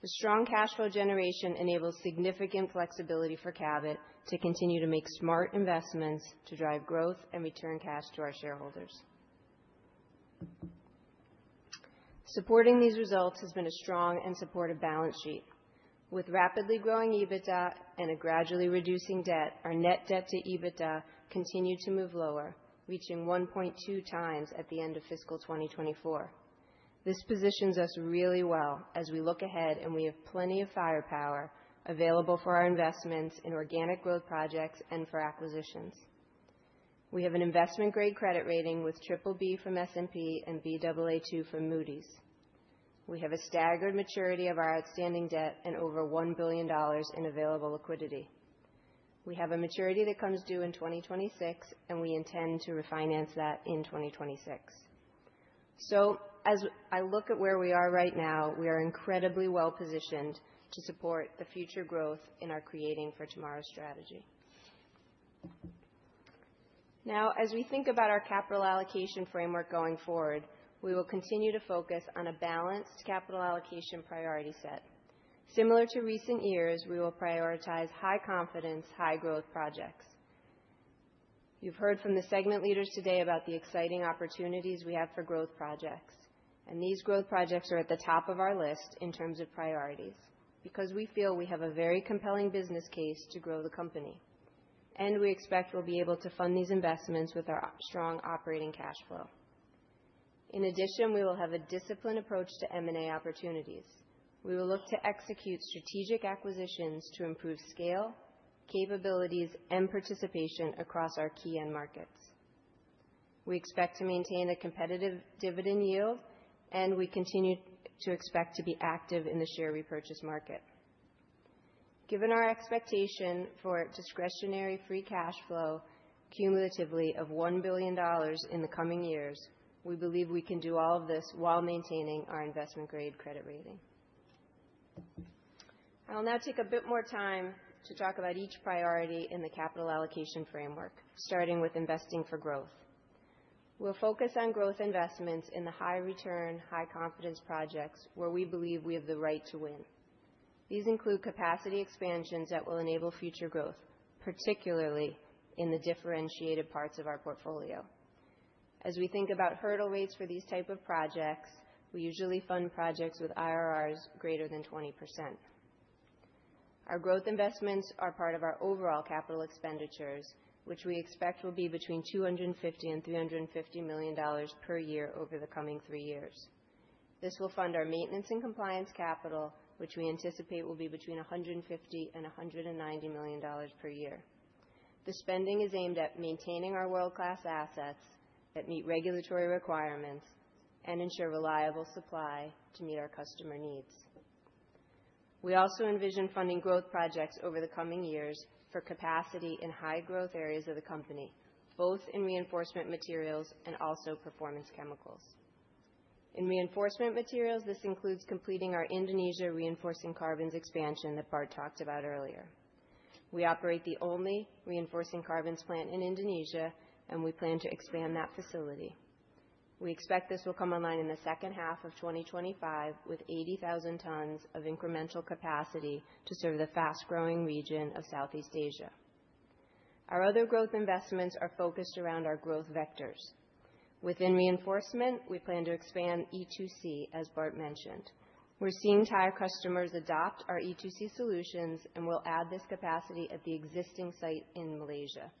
The strong cash flow generation enables significant flexibility for Cabot to continue to make smart investments to drive growth and return cash to our shareholders. Supporting these results has been a strong and supportive balance sheet. With rapidly growing EBITDA and a gradually reducing debt, our net debt to EBITDA continued to move lower, reaching 1.2 times at the end of fiscal 2024. This positions us really well as we look ahead, and we have plenty of firepower available for our investments in organic growth projects and for acquisitions. We have an investment-grade credit rating with BBB from S&P and Baa2 from Moody's. We have a staggered maturity of our outstanding debt and over $1 billion in available liquidity. We have a maturity that comes due in 2026, and we intend to refinance that in 2026. So, as I look at where we are right now, we are incredibly well positioned to support the future growth in our Creating for Tomorrow strategy. Now, as we think about our capital allocation framework going forward, we will continue to focus on a balanced capital allocation priority set. Similar to recent years, we will prioritize high-confidence, high-growth projects. You've heard from the segment leaders today about the exciting opportunities we have for growth projects, and these growth projects are at the top of our list in terms of priorities because we feel we have a very compelling business case to grow the company, and we expect we'll be able to fund these investments with our strong operating cash flow. In addition, we will have a disciplined approach to M&A opportunities. We will look to execute strategic acquisitions to improve scale, capabilities, and participation across our key end markets. We expect to maintain a competitive dividend yield, and we continue to expect to be active in the share repurchase market. Given our expectation for discretionary free cash flow cumulatively of $1 billion in the coming years, we believe we can do all of this while maintaining our investment-grade credit rating. I'll now take a bit more time to talk about each priority in the capital allocation framework, starting with investing for growth. We'll focus on growth investments in the high-return, high-confidence projects where we believe we have the right to win. These include capacity expansions that will enable future growth, particularly in the differentiated parts of our portfolio. As we think about hurdle rates for these types of projects, we usually fund projects with IRRs greater than 20%. Our growth investments are part of our overall capital expenditures, which we expect will be between $250 and $350 million per year over the coming three years. This will fund our maintenance and compliance capital, which we anticipate will be between $150 and $190 million per year. The spending is aimed at maintaining our world-class assets that meet regulatory requirements and ensure reliable supply to meet our customer needs. We also envision funding growth projects over the coming years for capacity in high-growth areas of the company, both in reinforcement materials and also performance chemicals. In reinforcement materials, this includes completing our Indonesia reinforcing carbons expansion that Bart talked about earlier. We operate the only reinforcing carbons plant in Indonesia, and we plan to expand that facility. We expect this will come online in the second half of 2025 with 80,000 tons of incremental capacity to serve the fast-growing region of Southeast Asia. Our other growth investments are focused around our growth vectors. Within reinforcement, we plan to expand E2C, as Bart mentioned. We're seeing Thai customers adopt our E2C solutions, and we'll add this capacity at the existing site in Malaysia.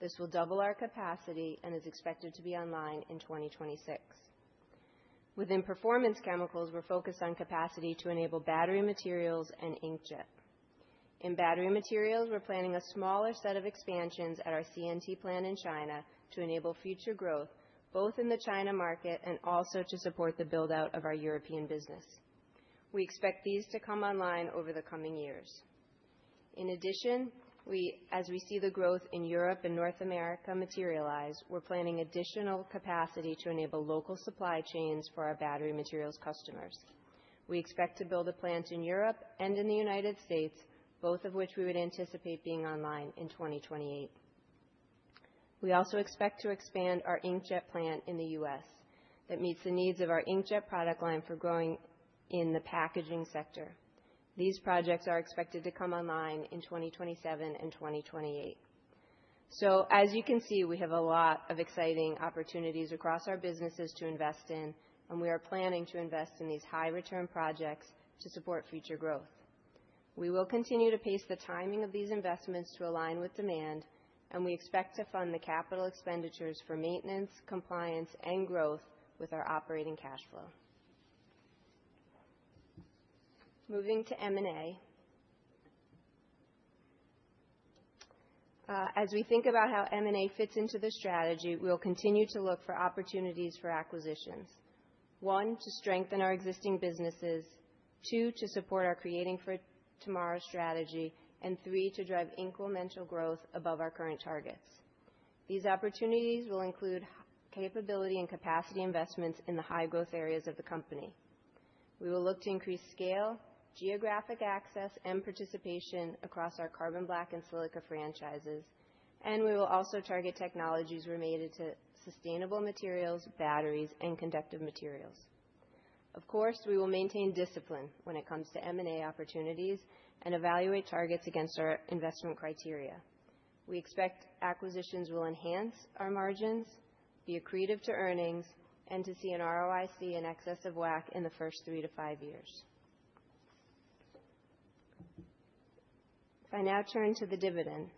This will double our capacity and is expected to be online in 2026. Within performance chemicals, we're focused on capacity to enable battery materials and inkjet. In battery materials, we're planning a smaller set of expansions at our CNT plant in China to enable future growth both in the China market and also to support the build-out of our European business. We expect these to come online over the coming years. In addition, as we see the growth in Europe and North America materialize, we're planning additional capacity to enable local supply chains for our battery materials customers. We expect to build a plant in Europe and in the United States, both of which we would anticipate being online in 2028. We also expect to expand our inkjet plant in the U.S. that meets the needs of our inkjet product line for growing in the packaging sector. These projects are expected to come online in 2027 and 2028. So, as you can see, we have a lot of exciting opportunities across our businesses to invest in, and we are planning to invest in these high-return projects to support future growth. We will continue to pace the timing of these investments to align with demand, and we expect to fund the capital expenditures for maintenance, compliance, and growth with our operating cash flow. Moving to M&A. As we think about how M&A fits into the strategy, we'll continue to look for opportunities for acquisitions. One, to strengthen our existing businesses. Two, to support our Creating for Tomorrow strategy. And three, to drive incremental growth above our current targets. These opportunities will include capability and capacity investments in the high-growth areas of the company. We will look to increase scale, geographic access, and participation across our carbon black and silica franchises, and we will also target technologies related to sustainable materials, batteries, and conductive materials. Of course, we will maintain discipline when it comes to M&A opportunities and evaluate targets against our investment criteria. We expect acquisitions will enhance our margins, be accretive to earnings, and to see an ROIC in excess of WACC in the first three to five years. If I now turn to the dividend.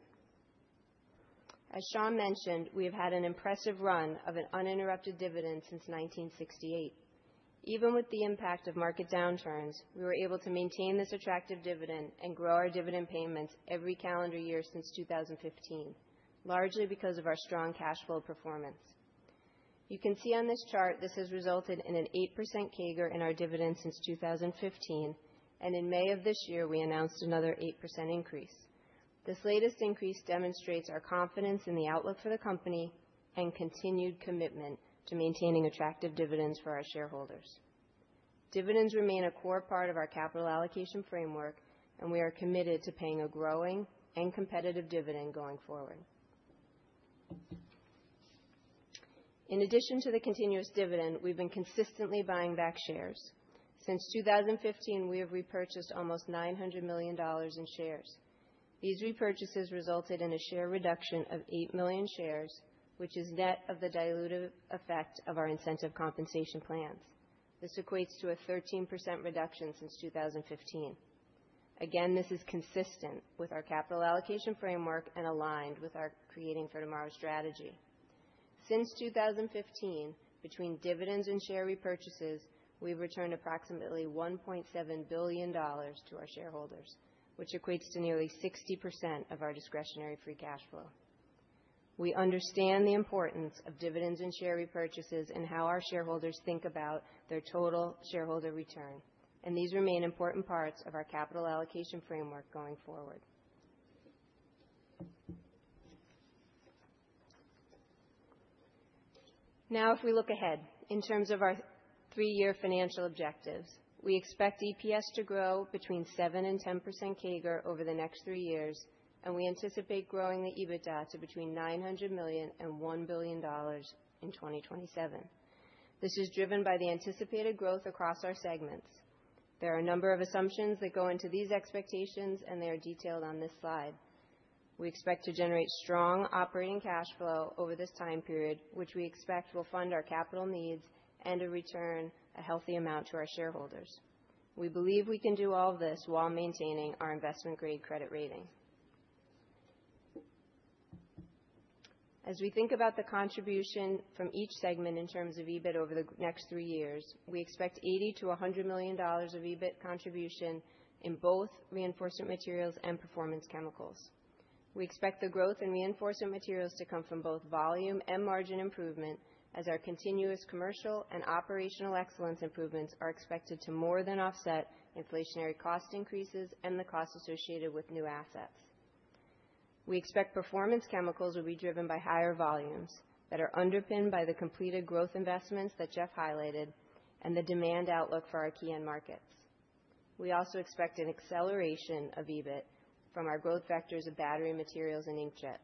As Sean mentioned, we have had an impressive run of an uninterrupted dividend since 1968. Even with the impact of market downturns, we were able to maintain this attractive dividend and grow our dividend payments every calendar year since 2015, largely because of our strong cash flow performance. You can see on this chart this has resulted in an 8% CAGR in our dividend since 2015, and in May of this year, we announced another 8% increase. This latest increase demonstrates our confidence in the outlook for the company and continued commitment to maintaining attractive dividends for our shareholders. Dividends remain a core part of our capital allocation framework, and we are committed to paying a growing and competitive dividend going forward. In addition to the continuous dividend, we've been consistently buying back shares. Since 2015, we have repurchased almost $900 million in shares. These repurchases resulted in a share reduction of eight million shares, which is net of the dilutive effect of our incentive compensation plans. This equates to a 13% reduction since 2015. Again, this is consistent with our capital allocation framework and aligned with our Creating for Tomorrow strategy. Since 2015, between dividends and share repurchases, we've returned approximately $1.7 billion to our shareholders, which equates to nearly 60% of our discretionary free cash flow. We understand the importance of dividends and share repurchases and how our shareholders think about their total shareholder return, and these remain important parts of our capital allocation framework going forward. Now, if we look ahead in terms of our three-year financial objectives, we expect EPS to grow between 7% and 10% CAGR over the next three years, and we anticipate growing the EBITDA to between $900 million and $1 billion in 2027. This is driven by the anticipated growth across our segments. There are a number of assumptions that go into these expectations, and they are detailed on this slide. We expect to generate strong operating cash flow over this time period, which we expect will fund our capital needs and to return a healthy amount to our shareholders. We believe we can do all of this while maintaining our investment-grade credit rating. As we think about the contribution from each segment in terms of EBIT over the next three years, we expect $80-$100 million of EBIT contribution in both Reinforcement Materials and Performance Chemicals. We expect the growth in reinforcement materials to come from both volume and margin improvement, as our continuous commercial and operational excellence improvements are expected to more than offset inflationary cost increases and the cost associated with new assets. We expect performance chemicals will be driven by higher volumes that are underpinned by the completed growth investments that Jeff highlighted and the demand outlook for our key end markets. We also expect an acceleration of EBIT from our growth factors of battery materials and inkjet.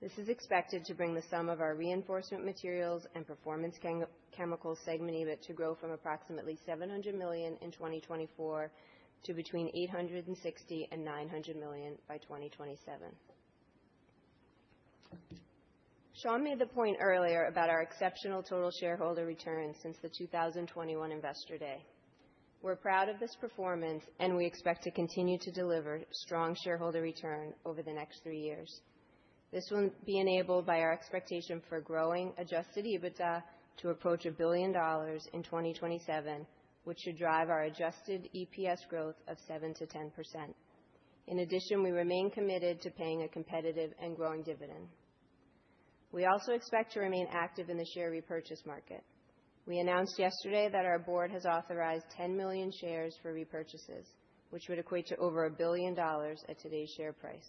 This is expected to bring the sum of our reinforcement materials and performance chemicals segment EBIT to grow from approximately $700 million in 2024 to between $860 and $900 million by 2027. Sean made the point earlier about our exceptional total shareholder return since the 2021 Investor Day. We're proud of this performance, and we expect to continue to deliver strong shareholder return over the next three years. This will be enabled by our expectation for growing Adjusted EBITDA to approach $1 billion in 2027, which should drive our Adjusted EPS growth of 7%-10%. In addition, we remain committed to paying a competitive and growing dividend. We also expect to remain active in the share repurchase market. We announced yesterday that our board has authorized 10 million shares for repurchases, which would equate to over $1 billion at today's share price.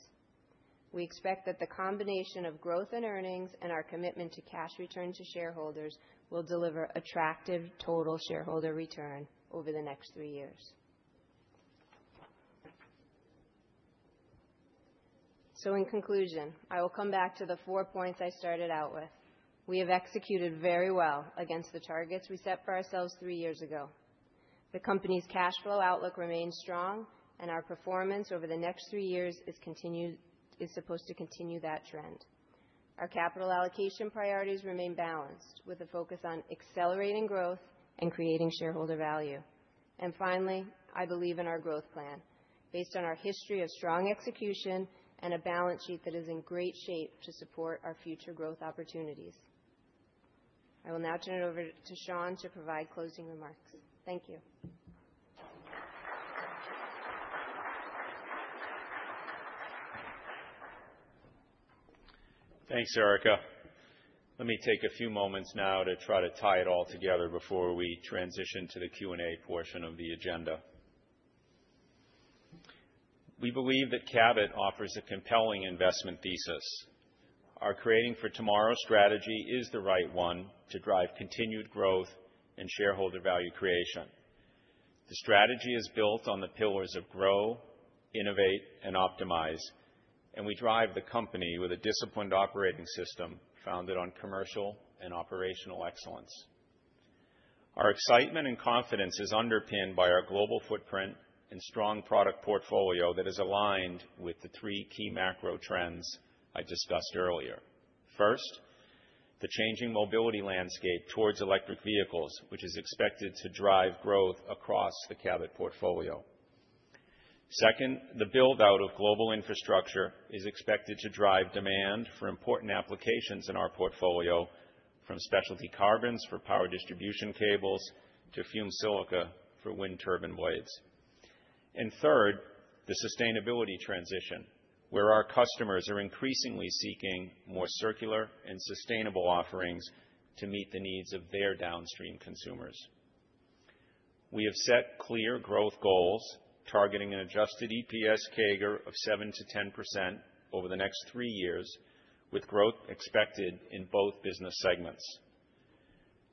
We expect that the combination of growth and earnings and our commitment to cash return to shareholders will deliver attractive Total Shareholder Return over the next three years. So, in conclusion, I will come back to the four points I started out with. We have executed very well against the targets we set for ourselves three years ago. The company's cash flow outlook remains strong, and our performance over the next three years is supposed to continue that trend. Our capital allocation priorities remain balanced with a focus on accelerating growth and creating shareholder value. And finally, I believe in our growth plan based on our history of strong execution and a balance sheet that is in great shape to support our future growth opportunities. I will now turn it over to Sean to provide closing remarks. Thank you. Thanks, Erica. Let me take a few moments now to try to tie it all together before we transition to the Q&A portion of the agenda. We believe that Cabot offers a compelling investment thesis. Our Creating for Tomorrow strategy is the right one to drive continued growth and shareholder value creation. The strategy is built on the pillars of grow, innovate, and optimize, and we drive the company with a disciplined operating system founded on commercial and operational excellence. Our excitement and confidence is underpinned by our global footprint and strong product portfolio that is aligned with the three key macro trends I discussed earlier. First, the changing mobility landscape towards electric vehicles, which is expected to drive growth across the Cabot portfolio. Second, the build-out of global infrastructure is expected to drive demand for important applications in our portfolio, from specialty carbons for power distribution cables to fumed silica for wind turbine blades. Third, the sustainability transition, where our customers are increasingly seeking more circular and sustainable offerings to meet the needs of their downstream consumers. We have set clear growth goals targeting an adjusted EPS CAGR of 7%-10% over the next three years, with growth expected in both business segments.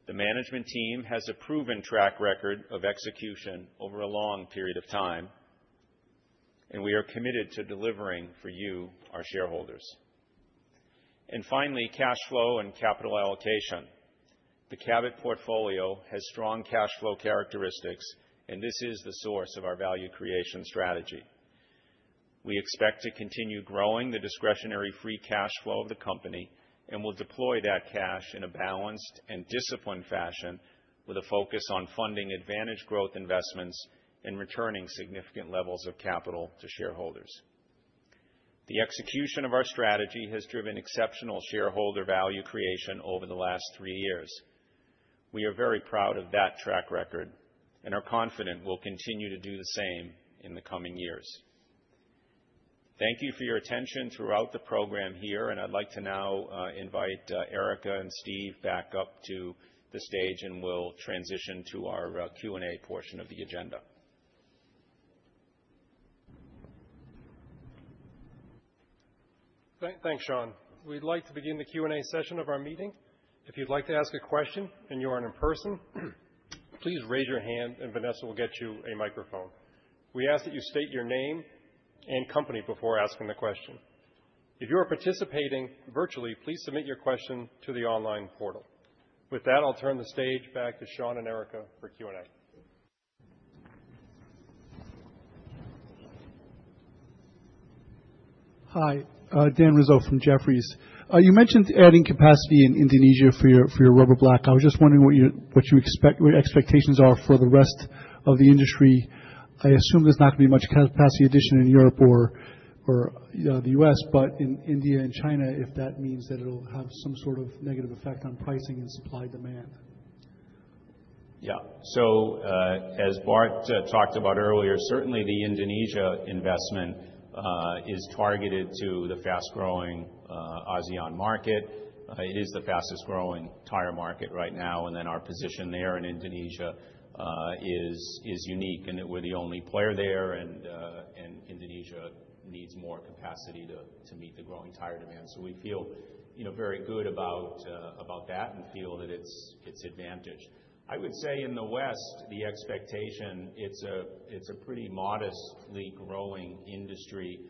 The management team has a proven track record of execution over a long period of time, and we are committed to delivering for you, our shareholders. Finally, cash flow and capital allocation. The Cabot portfolio has strong cash flow characteristics, and this is the source of our value creation strategy. We expect to continue growing the discretionary free cash flow of the company and will deploy that cash in a balanced and disciplined fashion, with a focus on funding advantage growth investments and returning significant levels of capital to shareholders. The execution of our strategy has driven exceptional shareholder value creation over the last three years. We are very proud of that track record and are confident we'll continue to do the same in the coming years. Thank you for your attention throughout the program here, and I'd like to now invite Erica and Steve back up to the stage, and we'll transition to our Q&A portion of the agenda. Thanks, Sean. We'd like to begin the Q&A session of our meeting. If you'd like to ask a question and you aren't in person, please raise your hand, and Vanessa will get you a microphone. We ask that you state your name and company before asking the question. If you are participating virtually, please submit your question to the online portal. With that, I'll turn the stage back to Sean and Erica for Q&A. Hi, Dan Rizzo from Jefferies. You mentioned adding capacity in Indonesia for your rubber black. I was just wondering what your expectations are for the rest of the industry. I assume there's not going to be much capacity addition in Europe or the U.S., but in India and China, if that means that it'll have some sort of negative effect on pricing and supply demand? Yeah. So, as Bart talked about earlier, certainly the Indonesia investment is targeted to the fast-growing ASEAN market. It is the fastest-growing tire market right now, and then our position there in Indonesia is unique, and we're the only player there, and Indonesia needs more capacity to meet the growing tire demand. So we feel very good about that and feel that it's advantaged. I would say in the West, the expectation, it's a pretty modestly growing industry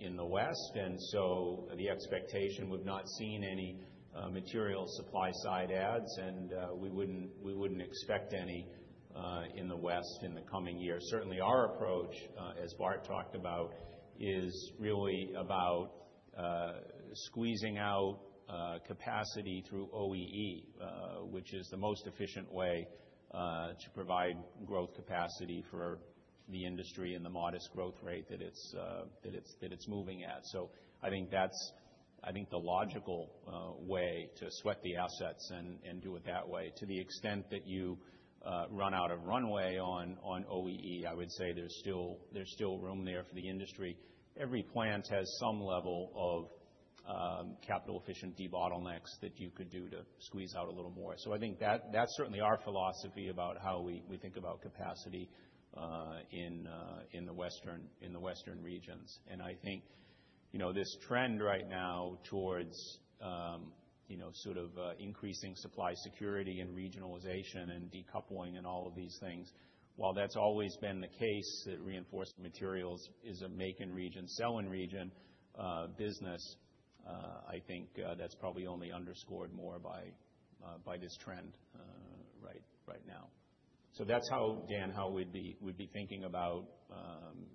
in the West, and so the expectation we've not seen any material supply-side adds, and we wouldn't expect any in the West in the coming year. Certainly, our approach, as Bart talked about, is really about squeezing out capacity through OEE, which is the most efficient way to provide growth capacity for the industry and the modest growth rate that it's moving at. So I think that's the logical way to sweat the assets and do it that way. To the extent that you run out of runway on OEE, I would say there's still room there for the industry. Every plant has some level of capital-efficient debottlenecks that you could do to squeeze out a little more. So I think that's certainly our philosophy about how we think about capacity in the Western regions. And I think this trend right now towards sort of increasing supply security and regionalization and decoupling and all of these things, while that's always been the case, that reinforced materials is a make-in-region, sell-in-region business, I think that's probably only underscored more by this trend right now. So that's how, Dan, how we'd be thinking about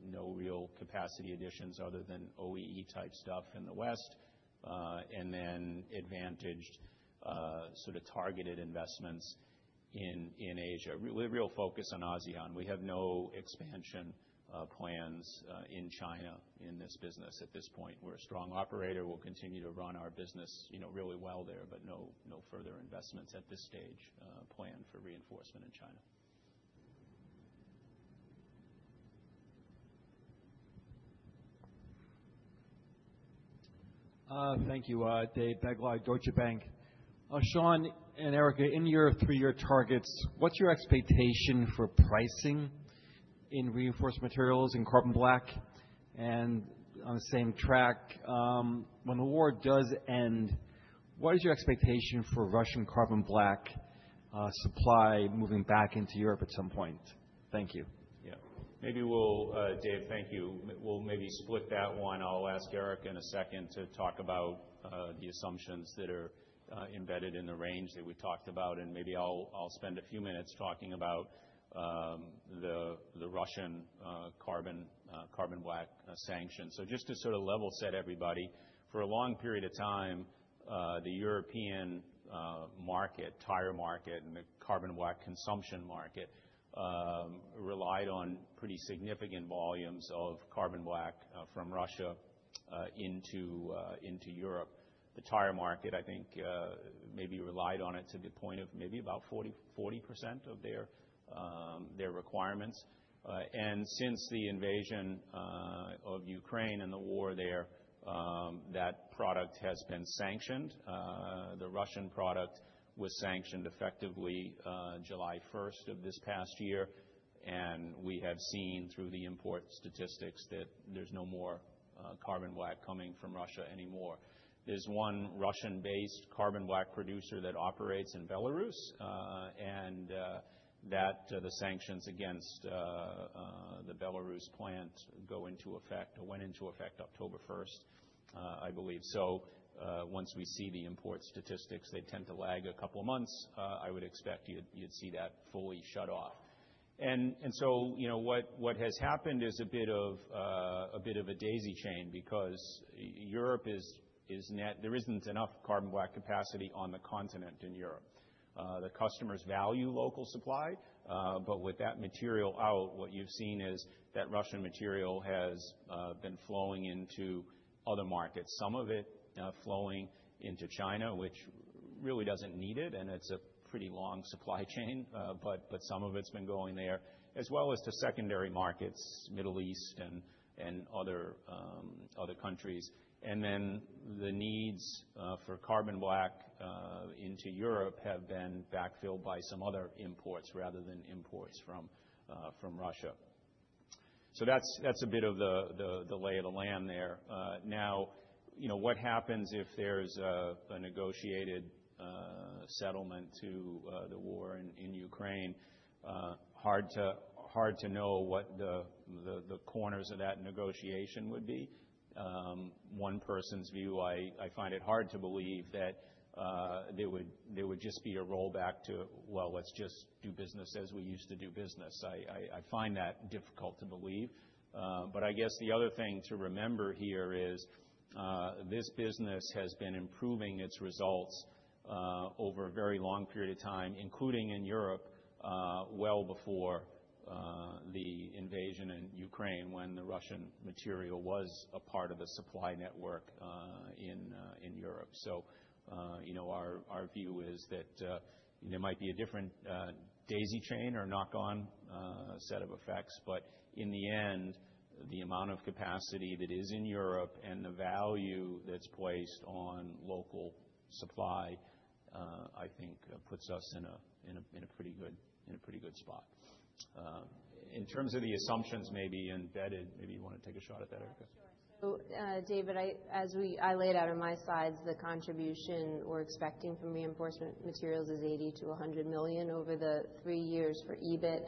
no real capacity additions other than OEE-type stuff in the West, and then advantaged sort of targeted investments in Asia. Real focus on ASEAN. We have no expansion plans in China in this business at this point. We're a strong operator. We'll continue to run our business really well there, but no further investments at this stage planned for reinforcement in China. Thank you, Dave Begleiter, Deutsche Bank. Sean and Erica, in your three-year targets, what's your expectation for pricing in reinforcement materials and carbon black? And on the same track, when the war does end, what is your expectation for Russian carbon black supply moving back into Europe at some point? Thank you. Yeah. Dave, thank you. We'll maybe split that one. I'll ask Erica in a second to talk about the assumptions that are embedded in the range that we talked about, and maybe I'll spend a few minutes talking about the Russian carbon black sanction. So just to sort of level set everybody, for a long period of time, the European market, tire market, and the carbon black consumption market relied on pretty significant volumes of carbon black from Russia into Europe. The tire market, I think, maybe relied on it to the point of maybe about 40% of their requirements, and since the invasion of Ukraine and the war there, that product has been sanctioned. The Russian product was sanctioned effectively July 1st of this past year, and we have seen through the import statistics that there's no more carbon black coming from Russia anymore. There's one Russian-based carbon black producer that operates in Belarus, and that the sanctions against the Belarus plant went into effect October 1st, I believe. So once we see the import statistics, they tend to lag a couple of months. I would expect you'd see that fully shut off, and so what has happened is a bit of a daisy chain because Europe is net short, there isn't enough carbon black capacity on the continent in Europe. The customers value local supply, but with that material out, what you've seen is that Russian material has been flowing into other markets, some of it flowing into China, which really doesn't need it, and it's a pretty long supply chain, but some of it's been going there, as well as to secondary markets, Middle East and other countries. And then the needs for carbon black into Europe have been backfilled by some other imports rather than imports from Russia. So that's a bit of the lay of the land there. Now, what happens if there's a negotiated settlement to the war in Ukraine? Hard to know what the corners of that negotiation would be. One person's view, I find it hard to believe that there would just be a rollback to, well, let's just do business as we used to do business. I find that difficult to believe. But I guess the other thing to remember here is this business has been improving its results over a very long period of time, including in Europe well before the invasion in Ukraine when the Russian material was a part of the supply network in Europe. So our view is that there might be a different daisy chain or knock-on set of effects, but in the end, the amount of capacity that is in Europe and the value that's placed on local supply, I think, puts us in a pretty good spot. In terms of the assumptions maybe embedded, maybe you want to take a shot at that, Erica? Sure. So, David, as I laid out on my slides, the contribution we're expecting from reinforcement materials is $80-$100 million over the three years for EBIT.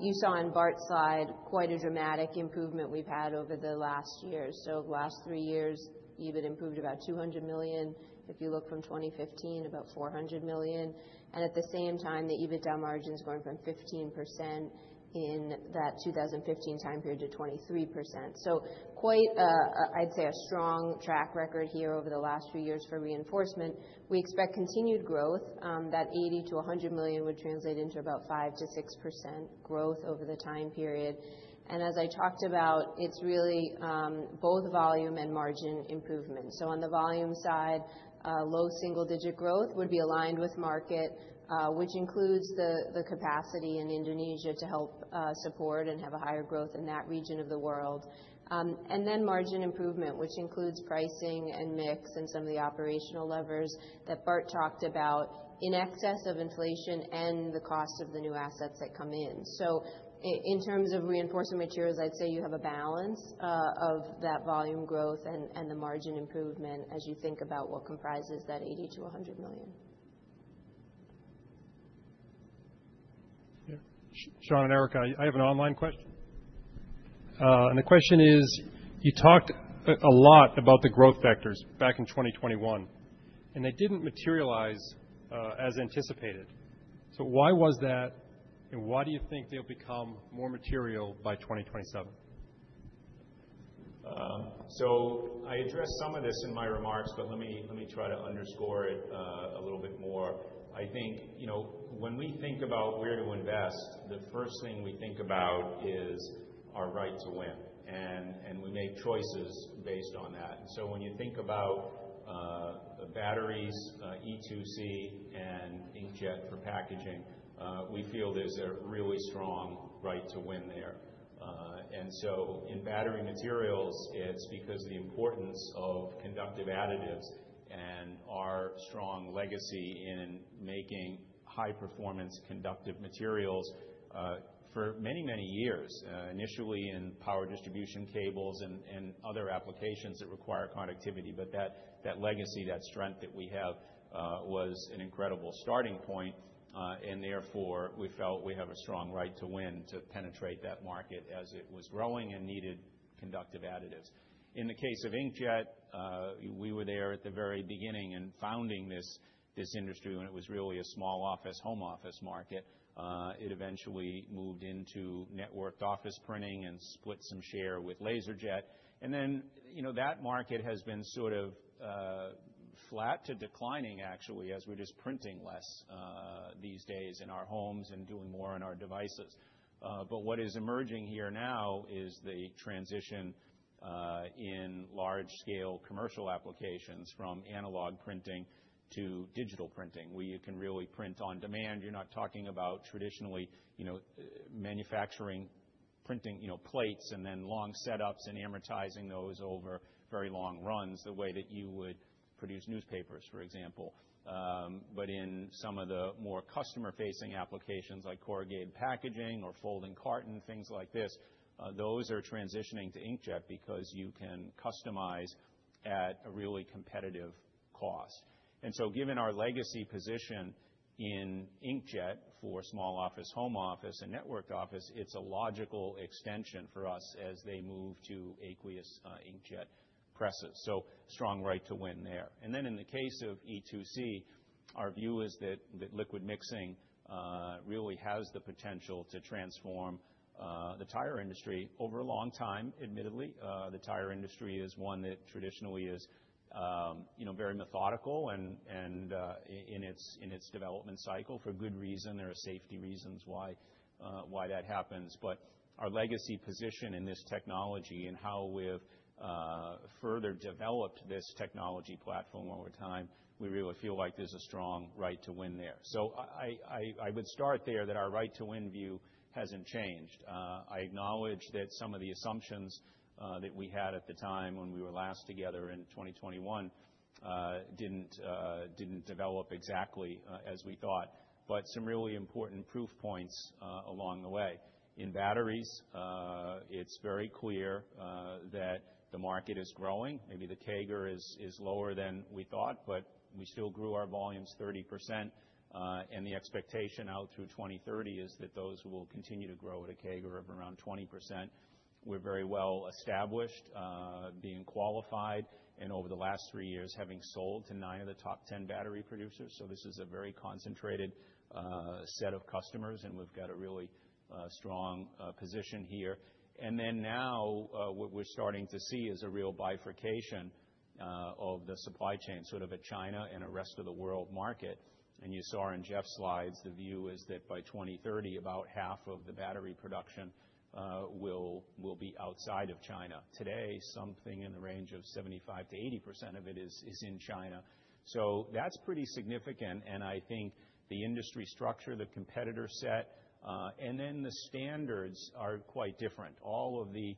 You saw on Bart's slide quite a dramatic improvement we've had over the last year. So last three years, EBIT improved about $200 million. If you look from 2015, about $400 million. And at the same time, the EBITDA margin's going from 15% in that 2015 time period to 23%. So quite, I'd say, a strong track record here over the last few years for reinforcement. We expect continued growth. That $80-$100 million would translate into about 5%-6% growth over the time period. And as I talked about, it's really both volume and margin improvement. So on the volume side, low single-digit growth would be aligned with market, which includes the capacity in Indonesia to help support and have a higher growth in that region of the world. And then margin improvement, which includes pricing and mix and some of the operational levers that Bart talked about in excess of inflation and the cost of the new assets that come in. So in terms of reinforcement materials, I'd say you have a balance of that volume growth and the margin improvement as you think about what comprises that $80 million-$100 million. Yeah. Sean and Erica, I have an online question. And the question is, you talked a lot about the growth factors back in 2021, and they didn't materialize as anticipated. So why was that, and why do you think they'll become more material by 2027? So I addressed some of this in my remarks, but let me try to underscore it a little bit more. I think when we think about where to invest, the first thing we think about is our right to win, and we make choices based on that. And so when you think about batteries, E2C, and inkjet for packaging, we feel there's a really strong right to win there. And so in battery materials, it's because of the importance of conductive additives and our strong legacy in making high-performance conductive materials for many, many years, initially in power distribution cables and other applications that require connectivity. But that legacy, that strength that we have was an incredible starting point, and therefore we felt we have a strong right to win to penetrate that market as it was growing and needed conductive additives. In the case of inkjet, we were there at the very beginning in founding this industry, and it was really a small office, home office market. It eventually moved into networked office printing and split some share with laser jet. And then that market has been sort of flat to declining, actually, as we're just printing less these days in our homes and doing more on our devices. But what is emerging here now is the transition in large-scale commercial applications from analog printing to digital printing, where you can really print on demand. You're not talking about traditionally manufacturing printing plates and then long setups and amortizing those over very long runs the way that you would produce newspapers, for example. But in some of the more customer-facing applications like corrugated packaging or folding carton, things like this, those are transitioning to inkjet because you can customize at a really competitive cost. And so given our legacy position in inkjet for small office, home office, and networked office, it's a logical extension for us as they move to aqueous inkjet presses. So strong right to win there. And then in the case of E2C, our view is that liquid mixing really has the potential to transform the tire industry over a long time, admittedly. The tire industry is one that traditionally is very methodical in its development cycle for good reason. There are safety reasons why that happens. But our legacy position in this technology and how we've further developed this technology platform over time, we really feel like there's a strong right to win there. I would start there that our right to win view hasn't changed. I acknowledge that some of the assumptions that we had at the time when we were last together in 2021 didn't develop exactly as we thought, but some really important proof points along the way. In batteries, it's very clear that the market is growing. Maybe the CAGR is lower than we thought, but we still grew our volumes 30%. The expectation out through 2030 is that those will continue to grow at a CAGR of around 20%. We're very well established, being qualified, and over the last three years having sold to nine of the top 10 battery producers. This is a very concentrated set of customers, and we've got a really strong position here. And then now what we're starting to see is a real bifurcation of the supply chain sort of at China and the rest of the world market. And you saw in Jeff's slides, the view is that by 2030, about half of the battery production will be outside of China. Today, something in the range of 75%-80% of it is in China. So that's pretty significant. And I think the industry structure, the competitor set, and then the standards are quite different. All of the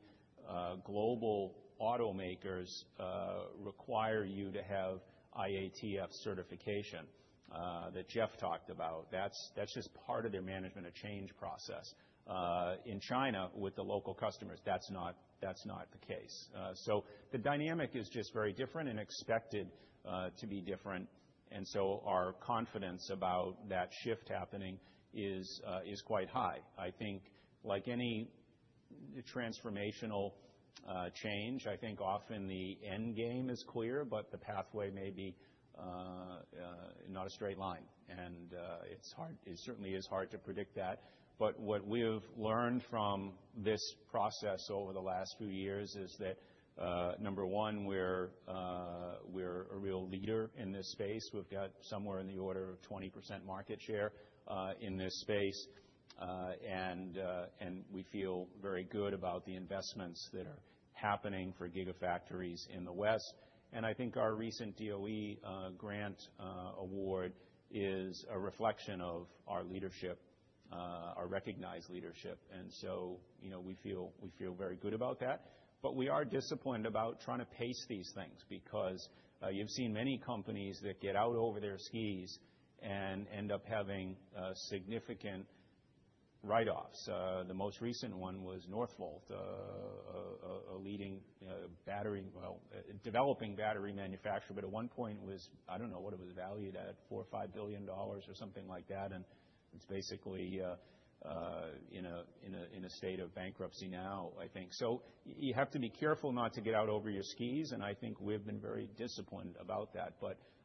global automakers require you to have IATF certification that Jeff talked about. That's just part of their management of change process. In China, with the local customers, that's not the case. So the dynamic is just very different and expected to be different. And so our confidence about that shift happening is quite high. I think like any transformational change, I think often the end game is clear, but the pathway may not be a straight line. And it certainly is hard to predict that. But what we've learned from this process over the last few years is that, number one, we're a real leader in this space. We've got somewhere in the order of 20% market share in this space, and we feel very good about the investments that are happening for gigafactories in the West. And I think our recent DOE grant award is a reflection of our leadership, our recognized leadership. And so we feel very good about that. But we are disciplined about trying to pace these things because you've seen many companies that get out over their skis and end up having significant write-offs. The most recent one was Northvolt, a leading battery, well, developing battery manufacturer, but at one point was, I don't know what it was valued at, $4 or $5 billion or something like that. And it's basically in a state of bankruptcy now, I think. So you have to be careful not to get out over your skis, and I think we've been very disciplined about that.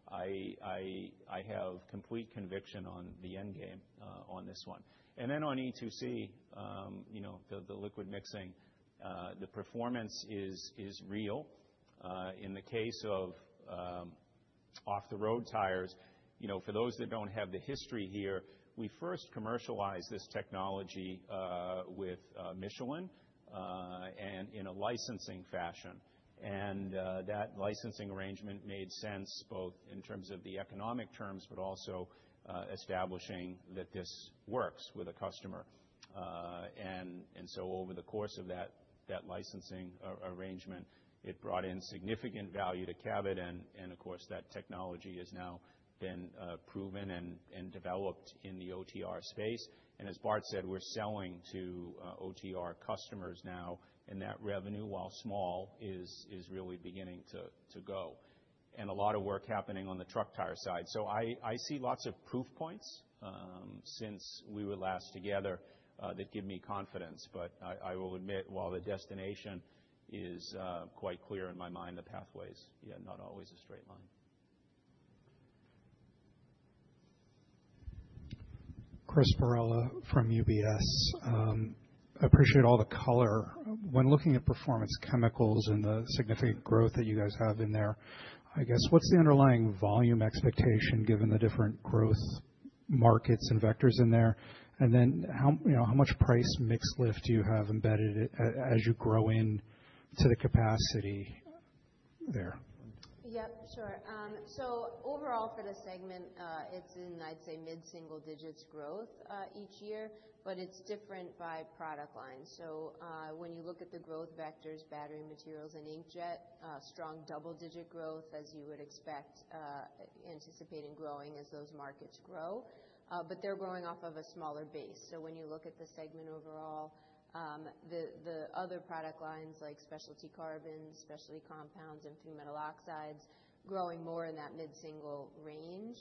But I have complete conviction on the end game on this one. And then on E2C, the liquid mixing, the performance is real. In the case of off-the-road tires, for those that don't have the history here, we first commercialized this technology with Michelin in a licensing fashion. And that licensing arrangement made sense both in terms of the economic terms, but also establishing that this works with a customer. And so over the course of that licensing arrangement, it brought in significant value to Cabot. And of course, that technology has now been proven and developed in the OTR space. And as Bart said, we're selling to OTR customers now, and that revenue, while small, is really beginning to go. And a lot of work happening on the truck tire side. So I see lots of proof points since we were last together that give me confidence. But I will admit, while the destination is quite clear in my mind, the pathway is not always a straight line. Chris Perrella from UBS. I appreciate all the color. When looking at performance chemicals and the significant growth that you guys have in there, I guess, what's the underlying volume expectation given the different growth markets and vectors in there? And then how much price mixed lift do you have embedded as you grow into the capacity there? Yep, sure. So overall for the segment, it's in, I'd say, mid-single digits growth each year, but it's different by product line. So when you look at the growth vectors, battery materials and inkjet, strong double-digit growth, as you would expect, anticipating growing as those markets grow. But they're growing off of a smaller base. So when you look at the segment overall, the other product lines like specialty carbons, specialty compounds, and fumed metal oxides are growing more in that mid-single range,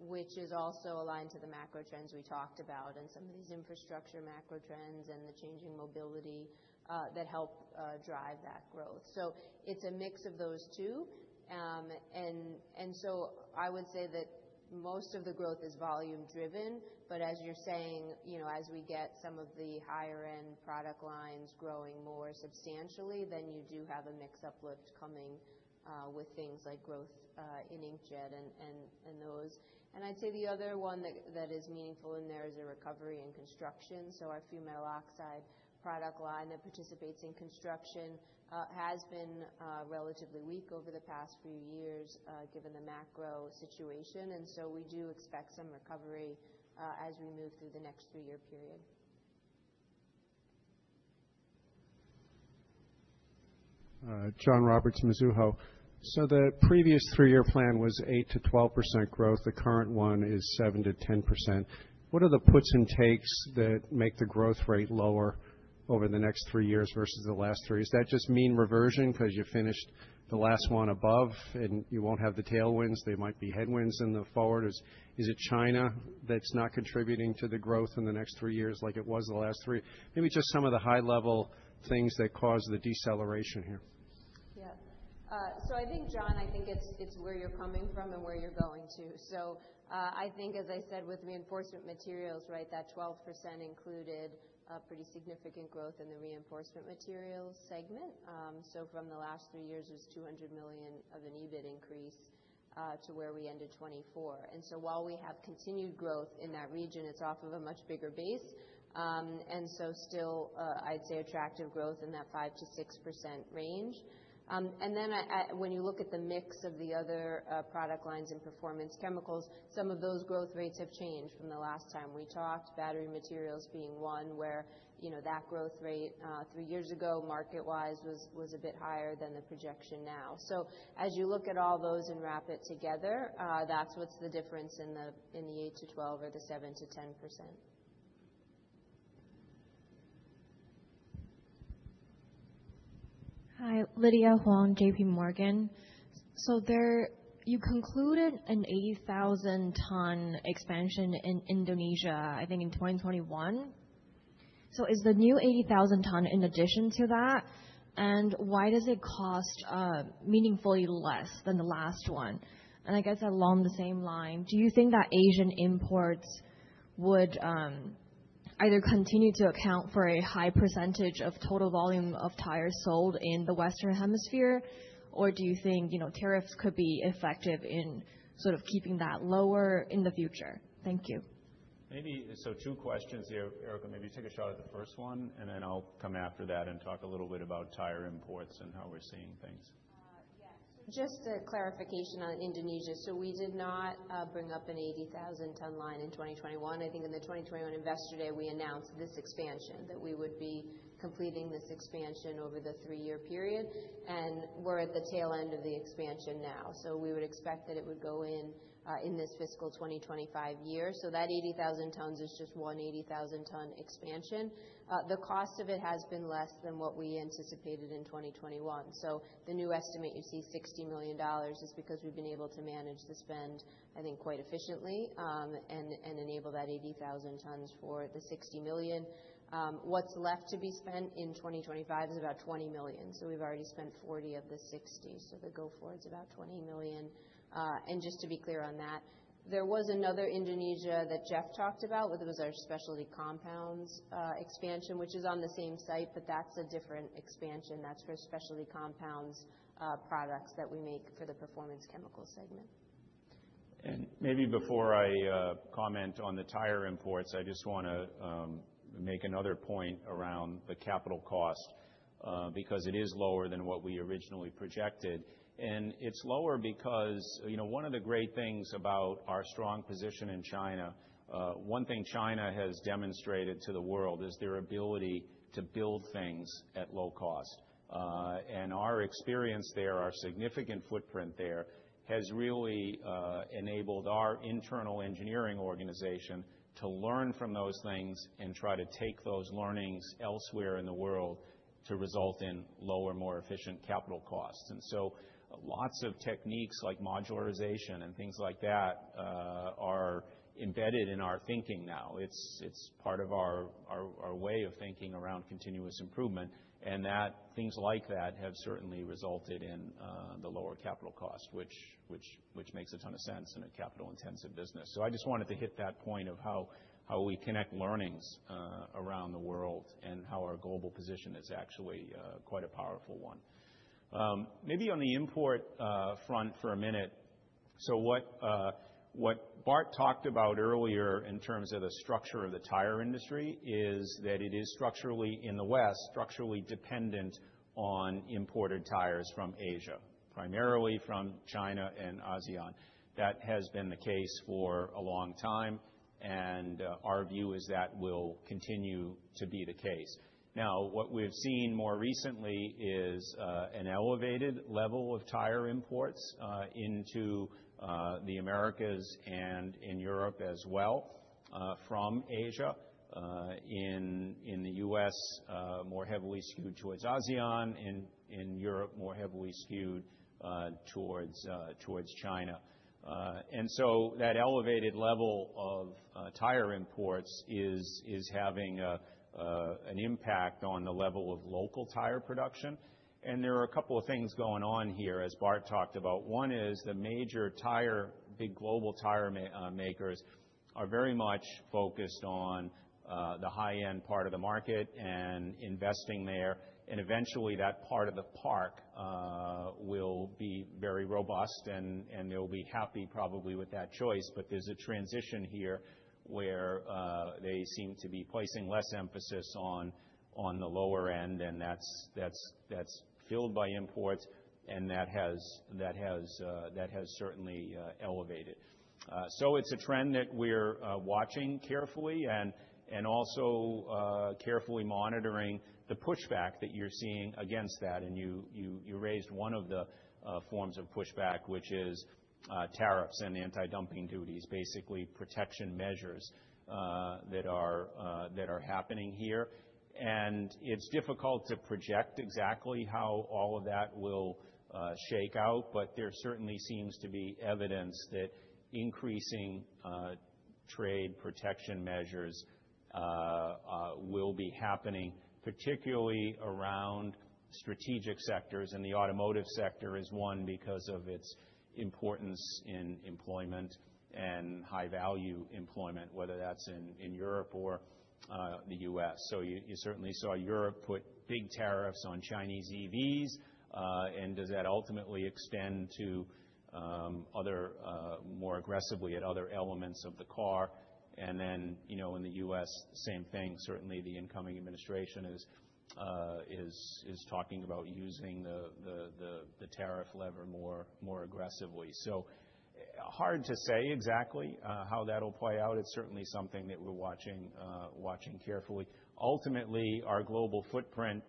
which is also aligned to the macro trends we talked about and some of these infrastructure macro trends and the changing mobility that help drive that growth. So it's a mix of those two. And so I would say that most of the growth is volume-driven. But as you're saying, as we get some of the higher-end product lines growing more substantially, then you do have a mixed uplift coming with things like growth in inkjet and those. And I'd say the other one that is meaningful in there is a recovery in construction. So our fumed metal oxide product line that participates in construction has been relatively weak over the past few years given the macro situation. And so we do expect some recovery as we move through the next three-year period. John Roberts from Mizuho. So the previous three-year plan was 8%-12% growth. The current one is 7%-10%. What are the puts and takes that make the growth rate lower over the next three years versus the last three? Is that just mean reversion because you finished the last one above and you won't have the tailwinds? There might be headwinds in the forward. Is it China that's not contributing to the growth in the next three years like it was the last three? Maybe just some of the high-level things that caused the deceleration here. Yeah. So I think, John, I think it's where you're coming from and where you're going to. So I think, as I said, with reinforcement materials, right, that 12% included a pretty significant growth in the reinforcement materials segment. So from the last three years, it was $200 million of an EBIT increase to where we ended 2024. And so while we have continued growth in that region, it's off of a much bigger base. And so still, I'd say attractive growth in that 5%-6% range. And then when you look at the mix of the other product lines and performance chemicals, some of those growth rates have changed from the last time we talked, battery materials being one where that growth rate three years ago market-wise was a bit higher than the projection now. So as you look at all those and wrap it together, that's what's the difference in the 8%-12% or the 7%-10%. Hi, Lydia Huang, JPMorgan. So you concluded an 80,000-ton expansion in Indonesia, I think in 2021. So is the new 80,000-ton in addition to that? And why does it cost meaningfully less than the last one? And I guess along the same line, do you think that Asian imports would either continue to account for a high percentage of total volume of tires sold in the Western Hemisphere, or do you think tariffs could be effective in sort of keeping that lower in the future? Thank you. Maybe so two questions here, Erica. Maybe you take a shot at the first one, and then I'll come after that and talk a little bit about tire imports and how we're seeing things. Yeah. So just a clarification on Indonesia. So we did not bring up an 80,000-ton line in 2021. I think in the 2021 Investor Day, we announced this expansion that we would be completing over the three-year period. And we're at the tail end of the expansion now. So we would expect that it would go in this fiscal 2025 year. So that 80,000 tons is just one 80,000-ton expansion. The cost of it has been less than what we anticipated in 2021. So the new estimate you see, $60 million, is because we've been able to manage the spend, I think, quite efficiently and enable that 80,000 tons for the 60 million. What's left to be spent in 2025 is about 20 million. So we've already spent 40 of the 60. So the go-forward's about 20 million. And just to be clear on that, there was another Indonesia that Jeff talked about, whether it was our Specialty Compounds expansion, which is on the same site, but that's a different expansion. That's for Specialty Compounds products that we make for the Performance Chemicals segment. Maybe before I comment on the tire imports, I just want to make another point around the capital cost because it is lower than what we originally projected. It's lower because one of the great things about our strong position in China, one thing China has demonstrated to the world is their ability to build things at low cost. Our experience there, our significant footprint there, has really enabled our internal engineering organization to learn from those things and try to take those learnings elsewhere in the world to result in lower, more efficient capital costs. Lots of techniques like modularization and things like that are embedded in our thinking now. It's part of our way of thinking around continuous improvement. Things like that have certainly resulted in the lower capital cost, which makes a ton of sense in a capital-intensive business. So I just wanted to hit that point of how we connect learnings around the world and how our global position is actually quite a powerful one. Maybe on the import front for a minute. So what Bart talked about earlier in terms of the structure of the tire industry is that it is structurally in the West, structurally dependent on imported tires from Asia, primarily from China and ASEAN. That has been the case for a long time, and our view is that will continue to be the case. Now, what we've seen more recently is an elevated level of tire imports into the Americas and in Europe as well from Asia. In the U.S., more heavily skewed towards ASEAN. In Europe, more heavily skewed towards China. And so that elevated level of tire imports is having an impact on the level of local tire production. There are a couple of things going on here, as Bart talked about. One is the major tire big global tire makers are very much focused on the high-end part of the market and investing there. Eventually, that part of the market will be very robust, and they'll be happy probably with that choice. There's a transition here where they seem to be placing less emphasis on the lower end, and that's filled by imports, and that has certainly escalated. It's a trend that we're watching carefully and also carefully monitoring the pushback that you're seeing against that. You raised one of the forms of pushback, which is tariffs and anti-dumping duties, basically protection measures that are happening here. It's difficult to project exactly how all of that will shake out, but there certainly seems to be evidence that increasing trade protection measures will be happening, particularly around strategic sectors. The automotive sector is one because of its importance in employment and high-value employment, whether that's in Europe or the U.S. You certainly saw Europe put big tariffs on Chinese EVs. Does that ultimately extend more aggressively to other elements of the car? In the U.S., same thing. Certainly, the incoming administration is talking about using the tariff lever more aggressively. Hard to say exactly how that'll play out. It's certainly something that we're watching carefully. Ultimately, our global footprint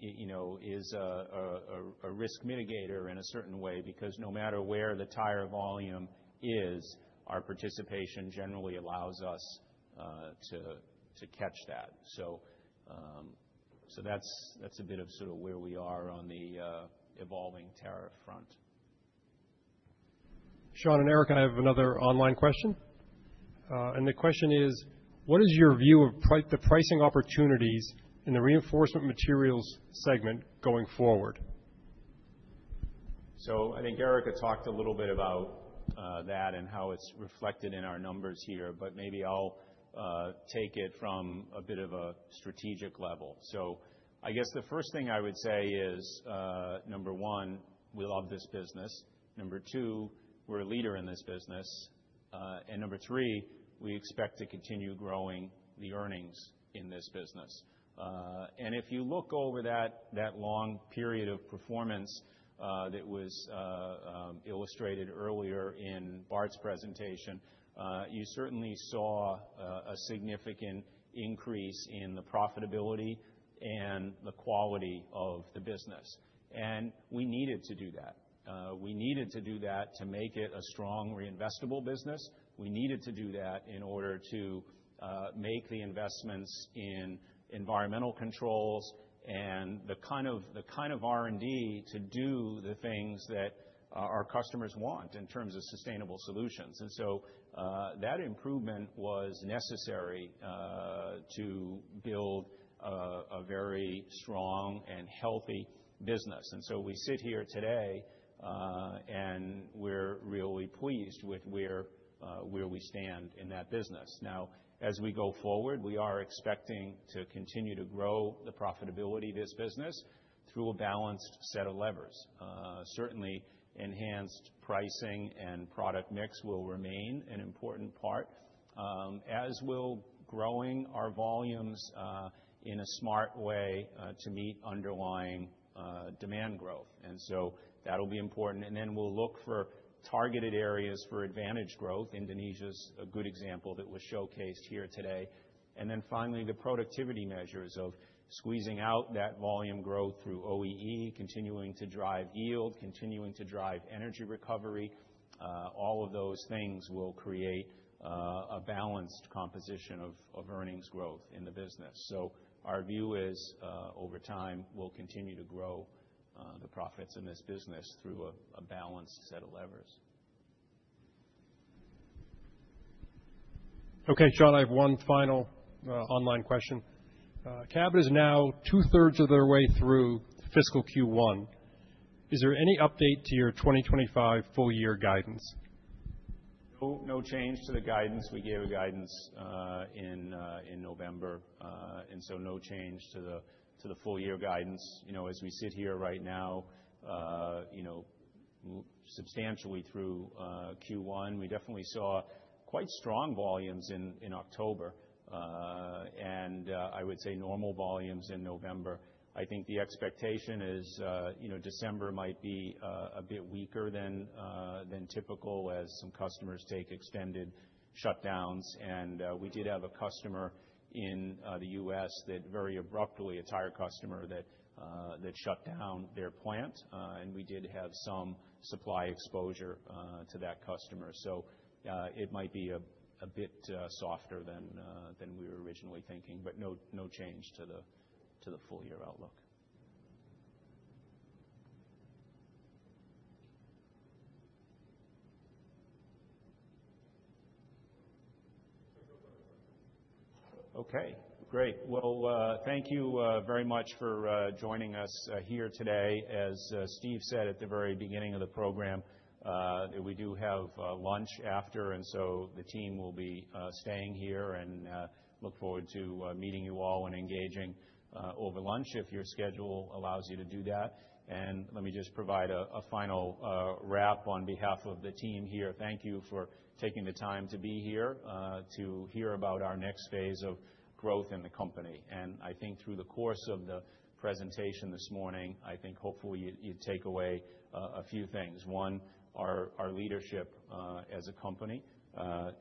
is a risk mitigator in a certain way because no matter where the tire volume is, our participation generally allows us to catch that. So that's a bit of sort of where we are on the evolving tariff front. Sean and Erica, I have another online question. And the question is, what is your view of the pricing opportunities in the reinforcement materials segment going forward? So I think Erica talked a little bit about that and how it's reflected in our numbers here, but maybe I'll take it from a bit of a strategic level. So I guess the first thing I would say is, number one, we love this business. Number two, we're a leader in this business. And number three, we expect to continue growing the earnings in this business. And if you look over that long period of performance that was illustrated earlier in Bart's presentation, you certainly saw a significant increase in the profitability and the quality of the business. And we needed to do that. We needed to do that to make it a strong reinvestable business. We needed to do that in order to make the investments in environmental controls and the kind of R&D to do the things that our customers want in terms of sustainable solutions. And so that improvement was necessary to build a very strong and healthy business. And so we sit here today, and we're really pleased with where we stand in that business. Now, as we go forward, we are expecting to continue to grow the profitability of this business through a balanced set of levers. Certainly, enhanced pricing and product mix will remain an important part, as will growing our volumes in a smart way to meet underlying demand growth. And so that'll be important. And then we'll look for targeted areas for advantage growth. Indonesia's a good example that was showcased here today. And then finally, the productivity measures of squeezing out that volume growth through OEE, continuing to drive yield, continuing to drive energy recovery. All of those things will create a balanced composition of earnings growth in the business. So, our view is over time, we'll continue to grow the profits in this business through a balanced set of levers. Okay, John, I have one final online question. Cabot is now two-thirds of their way through fiscal Q1. Is there any update to your 2025 full-year guidance? No change to the guidance. We gave a guidance in November. And so no change to the full-year guidance. As we sit here right now, substantially through Q1, we definitely saw quite strong volumes in October, and I would say normal volumes in November. I think the expectation is December might be a bit weaker than typical as some customers take extended shutdowns. And we did have a customer in the U.S. that very abruptly, a tire customer that shut down their plant. And we did have some supply exposure to that customer. So it might be a bit softer than we were originally thinking, but no change to the full-year outlook. Okay, great. Well, thank you very much for joining us here today. As Steve said at the very beginning of the program, we do have lunch after, and so the team will be staying here and look forward to meeting you all and engaging over lunch if your schedule allows you to do that and let me just provide a final wrap on behalf of the team here. Thank you for taking the time to be here to hear about our next phase of growth in the company and I think through the course of the presentation this morning, I think hopefully you'd take away a few things. One, our leadership as a company.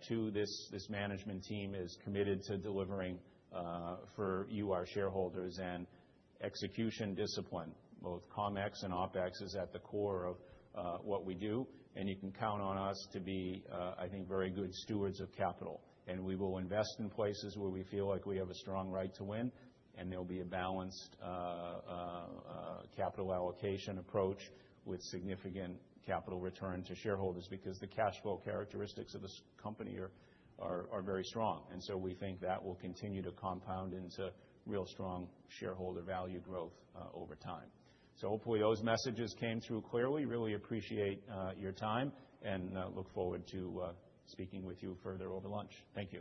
Two, this management team is committed to delivering for you, our shareholders, and execution discipline. Both Comex and Opex is at the core of what we do and you can count on us to be, I think, very good stewards of capital. And we will invest in places where we feel like we have a strong right to win, and there'll be a balanced capital allocation approach with significant capital return to shareholders because the cash flow characteristics of this company are very strong. And so we think that will continue to compound into real strong shareholder value growth over time. So hopefully those messages came through clearly. Really appreciate your time and look forward to speaking with you further over lunch. Thank you.